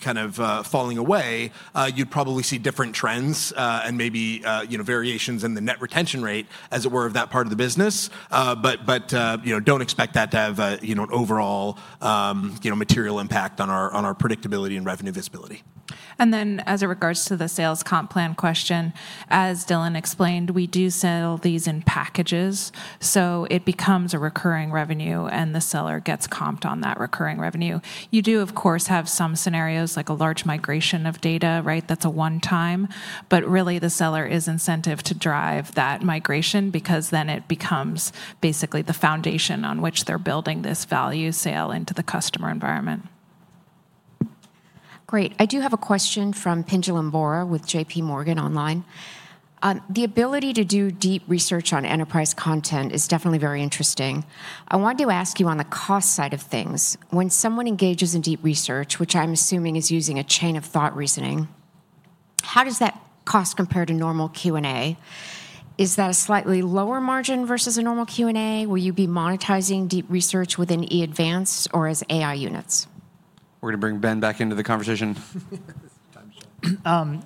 H: kind of falling away, you'd probably see different trends and maybe variations in the net retention rate, as it were, of that part of the business. Do not expect that to have an overall material impact on our predictability and revenue visibility.
E: As it regards to the sales comp plan question, as Dylan explained, we do sell these in packages. It becomes a recurring revenue, and the seller gets comped on that recurring revenue. You do, of course, have some scenarios like a large migration of data, right? That's a one-time. Really, the seller is incentive to drive that migration because then it becomes basically the foundation on which they're building this value sale into the customer environment.
P: Great. I do have a question from Pinjalim Bora with JPMorgan online. The ability to do deep research on enterprise content is definitely very interesting. I wanted to ask you on the cost side of things. When someone engages in deep research, which I'm assuming is using a chain of thought reasoning, how does that cost compare to normal Q&A? Is that a slightly lower margin versus a normal Q&A? Will you be monetizing deep research within Enterprise Advanced or as AI units?
H: We're going to bring Ben back into the conversation.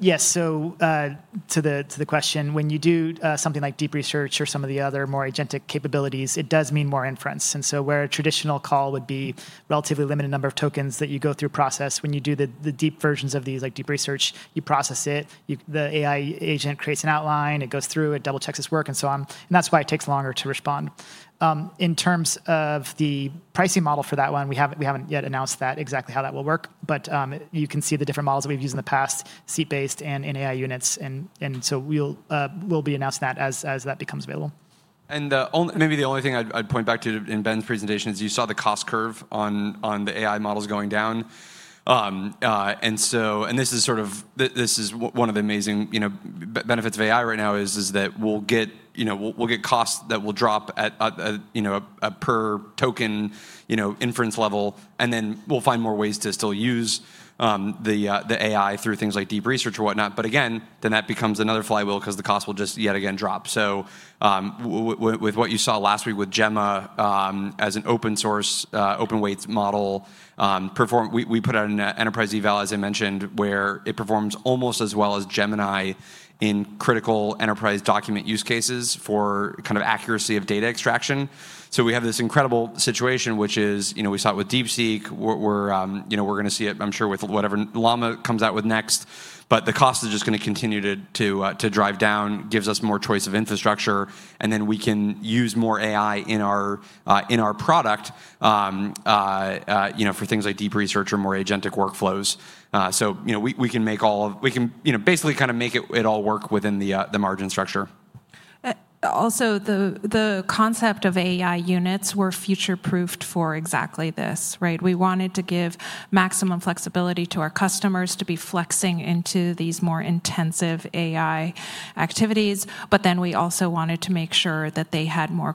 C: Yes, to the question, when you do something like deep research or some of the other more agentic capabilities, it does mean more inference. Where a traditional call would be a relatively limited number of tokens that you go through process, when you do the deep versions of these, like deep research, you process it. The AI agent creates an outline. It goes through. It double-checks its work. That is why it takes longer to respond. In terms of the pricing model for that one, we have not yet announced exactly how that will work. You can see the different models that we have used in the past, seat-based and in AI units. We will be announcing that as that becomes available.
H: Maybe the only thing I would point back to in Ben's presentation is you saw the cost curve on the AI models going down. This is sort of one of the amazing benefits of AI right now, that we'll get costs that will drop at a per token inference level. We'll find more ways to still use the AI through things like deep research or whatnot. Again, that becomes another flywheel because the cost will just yet again drop. With what you saw last week with Gemma as an open-source, open-weight model, we put out an enterprise eval, as I mentioned, where it performs almost as well as Gemini in critical enterprise document use cases for kind of accuracy of data extraction. We have this incredible situation, which is we saw it with DeepSeek. We're going to see it, I'm sure, with whatever Llama comes out with next. The cost is just going to continue to drive down, gives us more choice of infrastructure. We can use more AI in our product for things like deep research or more agentic workflows. We can basically kind of make it all work within the margin structure.
E: Also, the concept of AI units were future-proofed for exactly this, right? We wanted to give maximum flexibility to our customers to be flexing into these more intensive AI activities. We also wanted to make sure that they had more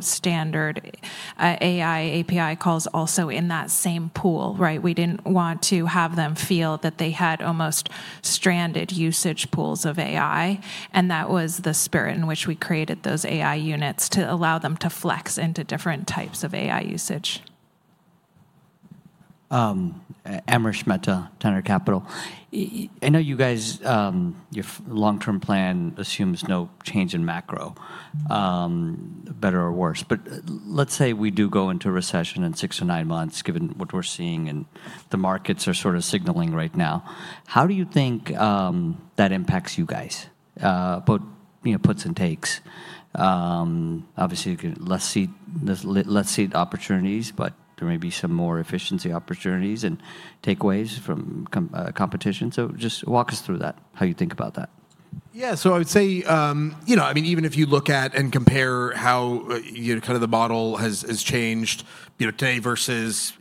E: "standard" AI, API calls also in that same pool, right? We did not want to have them feel that they had almost stranded usage pools of AI. That was the spirit in which we created those AI units to allow them to flex into different types of AI usage.
Q: Amarish Mehta, Tenor Capital Management Company. I know you guys, your long-term plan assumes no change in macro, better or worse. Let's say we do go into a recession in six or nine months, given what we're seeing and the markets are sort of signaling right now. How do you think that impacts you guys? Both puts and takes. Obviously, less seat opportunities, but there may be some more efficiency opportunities and takeaways from competition. Just walk us through that, how you think about that.
H: Yeah, I would say, I mean, even if you look at and compare how kind of the model has changed today versus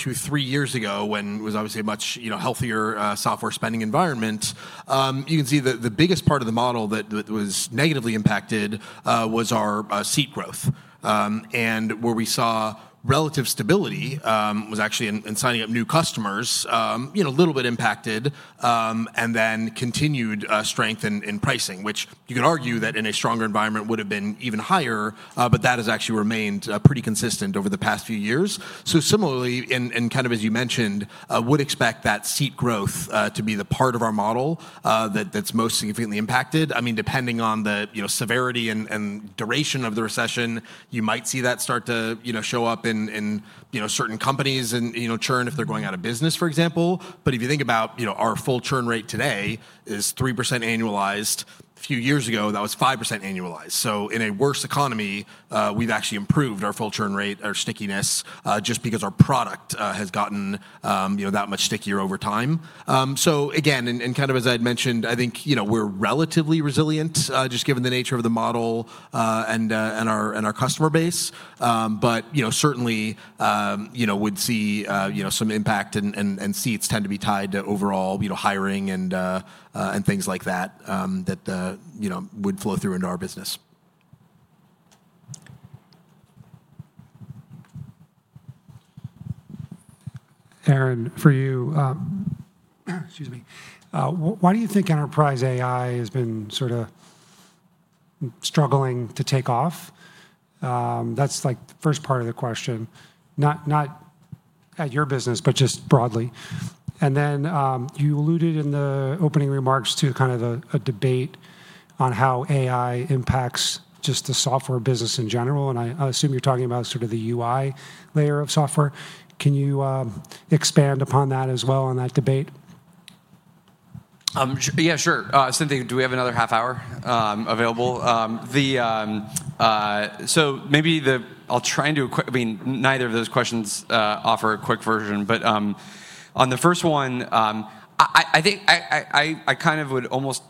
H: two or three years ago, when it was obviously a much healthier software spending environment, you can see that the biggest part of the model that was negatively impacted was our seat growth. Where we saw relative stability was actually in signing up new customers, a little bit impacted, and then continued strength in pricing, which you could argue that in a stronger environment would have been even higher. That has actually remained pretty consistent over the past few years. Similarly, and kind of as you mentioned, would expect that seat growth to be the part of our model that's most significantly impacted. I mean, depending on the severity and duration of the recession, you might see that start to show up in certain companies and churn if they're going out of business, for example. If you think about our full churn rate today, it is 3% annualized. A few years ago, that was 5% annualized. In a worse economy, we've actually improved our full churn rate, our stickiness, just because our product has gotten that much stickier over time. Again, and kind of as I had mentioned, I think we're relatively resilient, just given the nature of the model and our customer base. Certainly, would see some impact and seats tend to be tied to overall hiring and things like that that would flow through into our business.
Q: Aaron, for you, excuse me. Why do you think enterprise AI has been sort of struggling to take off? That's like the first part of the question, not at your business, but just broadly. You alluded in the opening remarks to kind of a debate on how AI impacts just the software business in general. I assume you're talking about sort of the UI layer of software. Can you expand upon that as well on that debate?
B: Yeah, sure. Do we have another half hour available? Maybe I'll try and do a quick, I mean, neither of those questions offer a quick version. On the first one, I think I kind of would almost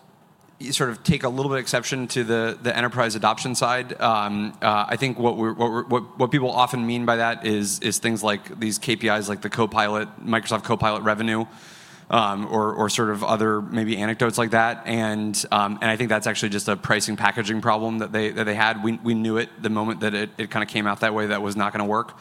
B: sort of take a little bit of exception to the enterprise adoption side. I think what people often mean by that is things like these KPIs, like the Microsoft Copilot revenue or sort of other maybe anecdotes like that. I think that's actually just a pricing packaging problem that they had. We knew it the moment that it kind of came out that way that was not going to work.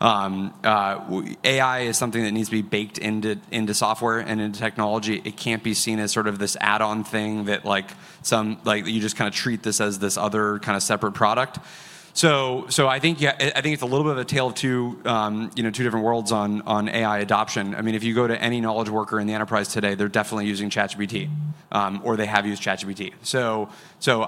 B: AI is something that needs to be baked into software and into technology. It can't be seen as sort of this add-on thing that you just kind of treat this as this other kind of separate product. I think it's a little bit of a tale of two different worlds on AI adoption. I mean, if you go to any knowledge worker in the enterprise today, they're definitely using ChatGPT, or they have used ChatGPT.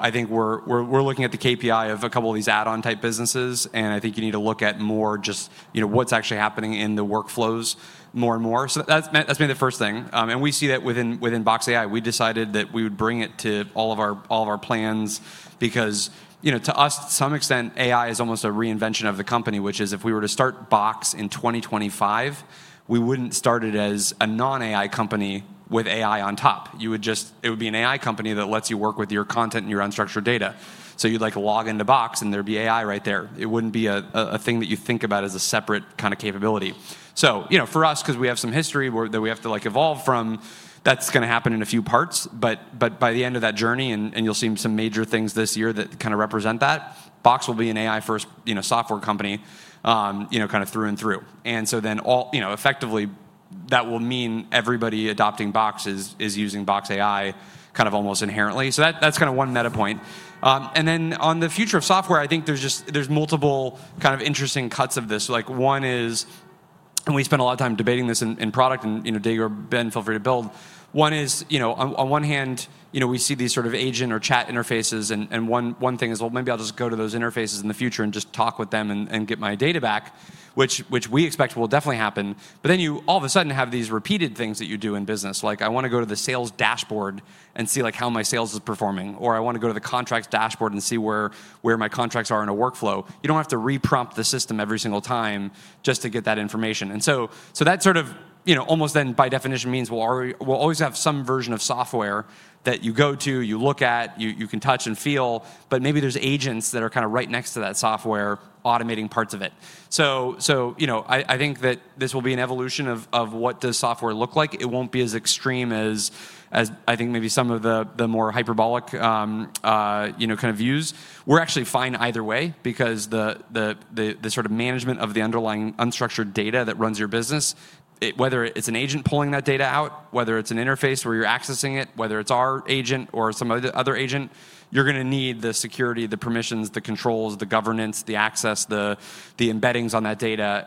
B: I think we're looking at the KPI of a couple of these add-on type businesses. I think you need to look at more just what's actually happening in the workflows more and more. That's been the first thing. We see that within Box AI. We decided that we would bring it to all of our plans because to us, to some extent, AI is almost a reinvention of the company, which is if we were to start Box in 2025, we would not start it as a non-AI company with AI on top. It would be an AI company that lets you work with your content and your unstructured data. You would like to log into Box, and there would be AI right there. It would not be a thing that you think about as a separate kind of capability. For us, because we have some history that we have to evolve from, that is going to happen in a few parts. By the end of that journey, and you will see some major things this year that kind of represent that, Box will be an AI-first software company through and through. That will mean everybody adopting Box is using Box AI kind of almost inherently. That is kind of one meta point. On the future of software, I think there are multiple kind of interesting cuts of this. One is, and we spend a lot of time debating this in product, and Dave or Ben, feel free to build. One is, on one hand, we see these sort of agent or chat interfaces. One thing is, maybe I will just go to those interfaces in the future and just talk with them and get my data back, which we expect will definitely happen. Then you all of a sudden have these repeated things that you do in business. Like, I want to go to the sales dashboard and see how my sales is performing. I want to go to the contracts dashboard and see where my contracts are in a workflow. You don't have to reprompt the system every single time just to get that information. That sort of almost then, by definition, means we'll always have some version of software that you go to, you look at, you can touch and feel. Maybe there's agents that are kind of right next to that software automating parts of it. I think that this will be an evolution of what does software look like. It won't be as extreme as I think maybe some of the more hyperbolic kind of views. We're actually fine either way because the sort of management of the underlying unstructured data that runs your business, whether it's an agent pulling that data out, whether it's an interface where you're accessing it, whether it's our agent or some other agent, you're going to need the security, the permissions, the controls, the governance, the access, the embeddings on that data.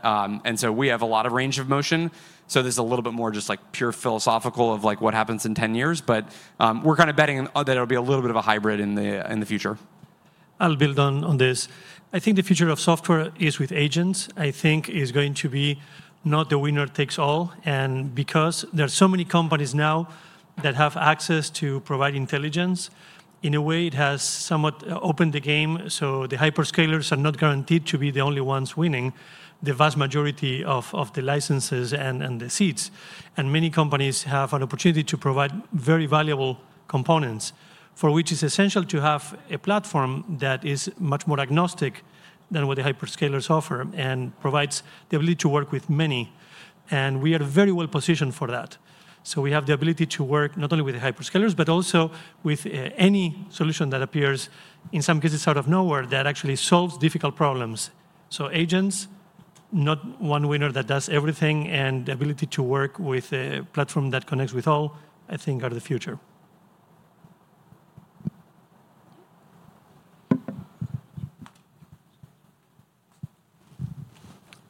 B: We have a lot of range of motion. This is a little bit more just like pure philosophical of what happens in 10 years. We're kind of betting that it'll be a little bit of a hybrid in the future.
C: I'll build on this. I think the future of software is with agents. I think it's going to be not the winner takes all. Because there are so many companies now that have access to provide intelligence, in a way, it has somewhat opened the game. The hyperscalers are not guaranteed to be the only ones winning the vast majority of the licenses and the seats. Many companies have an opportunity to provide very valuable components, for which it's essential to have a platform that is much more agnostic than what the hyperscalers offer and provides the ability to work with many. We are very well positioned for that. We have the ability to work not only with the hyperscalers, but also with any solution that appears, in some cases, out of nowhere that actually solves difficult problems. Agents, not one winner that does everything. The ability to work with a platform that connects with all, I think, are the future.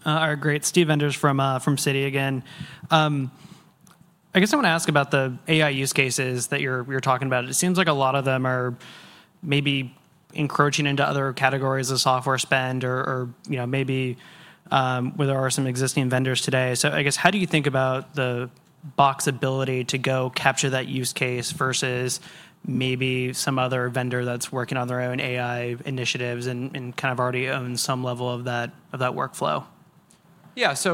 M: All right, great. Steve Enders from Citi again. I guess I want to ask about the AI use cases that you're talking about. It seems like a lot of them are maybe encroaching into other categories of software spend or maybe where there are some existing vendors today. I guess, how do you think about the Box ability to go capture that use case versus maybe some other vendor that's working on their own AI initiatives and kind of already owns some level of that workflow?
H: Yeah, first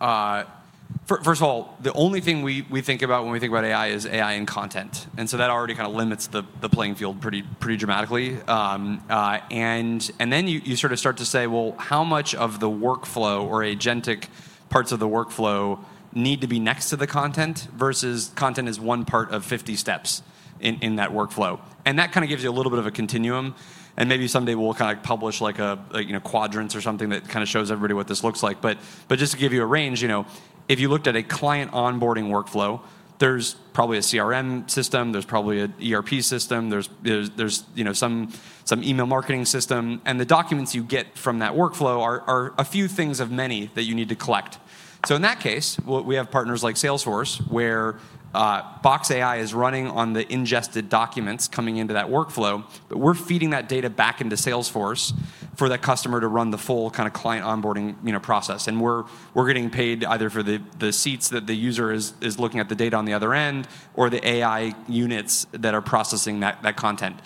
H: of all, the only thing we think about when we think about AI is AI and content. That already kind of limits the playing field pretty dramatically. You sort of start to say, well, how much of the workflow or agentic parts of the workflow need to be next to the content versus content is one part of 50 steps in that workflow? That kind of gives you a little bit of a continuum. Maybe someday we'll kind of publish quadrants or something that kind of shows everybody what this looks like. Just to give you a range, if you looked at a client onboarding workflow, there's probably a CRM system. There's probably an ERP system. There's some email marketing system. The documents you get from that workflow are a few things of many that you need to collect. In that case, we have partners like Salesforce, where Box AI is running on the ingested documents coming into that workflow. We're feeding that data back into Salesforce for that customer to run the full kind of client onboarding process. We're getting paid either for the seats that the user is looking at the data on the other end or the AI units that are processing that content.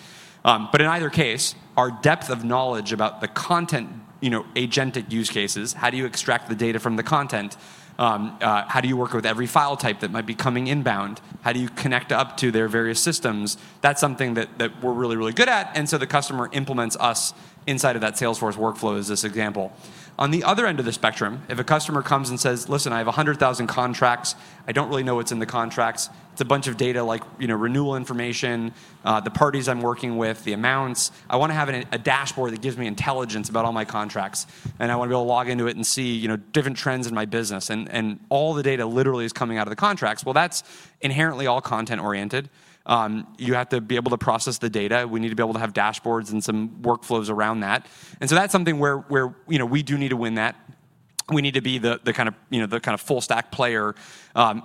H: In either case, our depth of knowledge about the content agentic use cases, how do you extract the data from the content, how do you work with every file type that might be coming inbound, how do you connect up to their various systems, that's something that we're really, really good at. The customer implements us inside of that Salesforce workflow as this example. On the other end of the spectrum, if a customer comes and says, listen, I have 100,000 contracts. I don't really know what's in the contracts. It's a bunch of data like renewal information, the parties I'm working with, the amounts. I want to have a dashboard that gives me intelligence about all my contracts. I want to be able to log into it and see different trends in my business. All the data literally is coming out of the contracts. That's inherently all content-oriented. You have to be able to process the data. We need to be able to have dashboards and some workflows around that. That's something where we do need to win that. We need to be the kind of full-stack player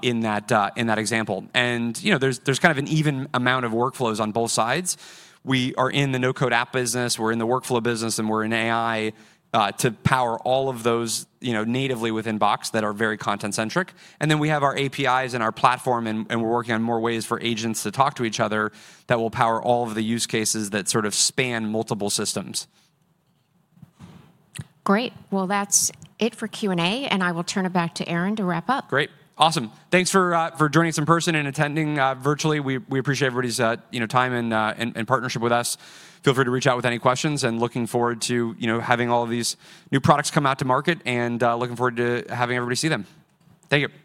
H: in that example. There's kind of an even amount of workflows on both sides. We are in the no-code app business. We're in the workflow business. We're in AI to power all of those natively within Box that are very content-centric. We have our APIs and our platform. We are working on more ways for agents to talk to each other that will power all of the use cases that sort of span multiple systems.
A: Great. That is it for Q&A. I will turn it back to Aaron to wrap up.
B: Great. Awesome. Thanks for joining us in person and attending virtually. We appreciate everybody's time and partnership with us. Feel free to reach out with any questions. Looking forward to having all of these new products come out to market and looking forward to having everybody see them. Thank you.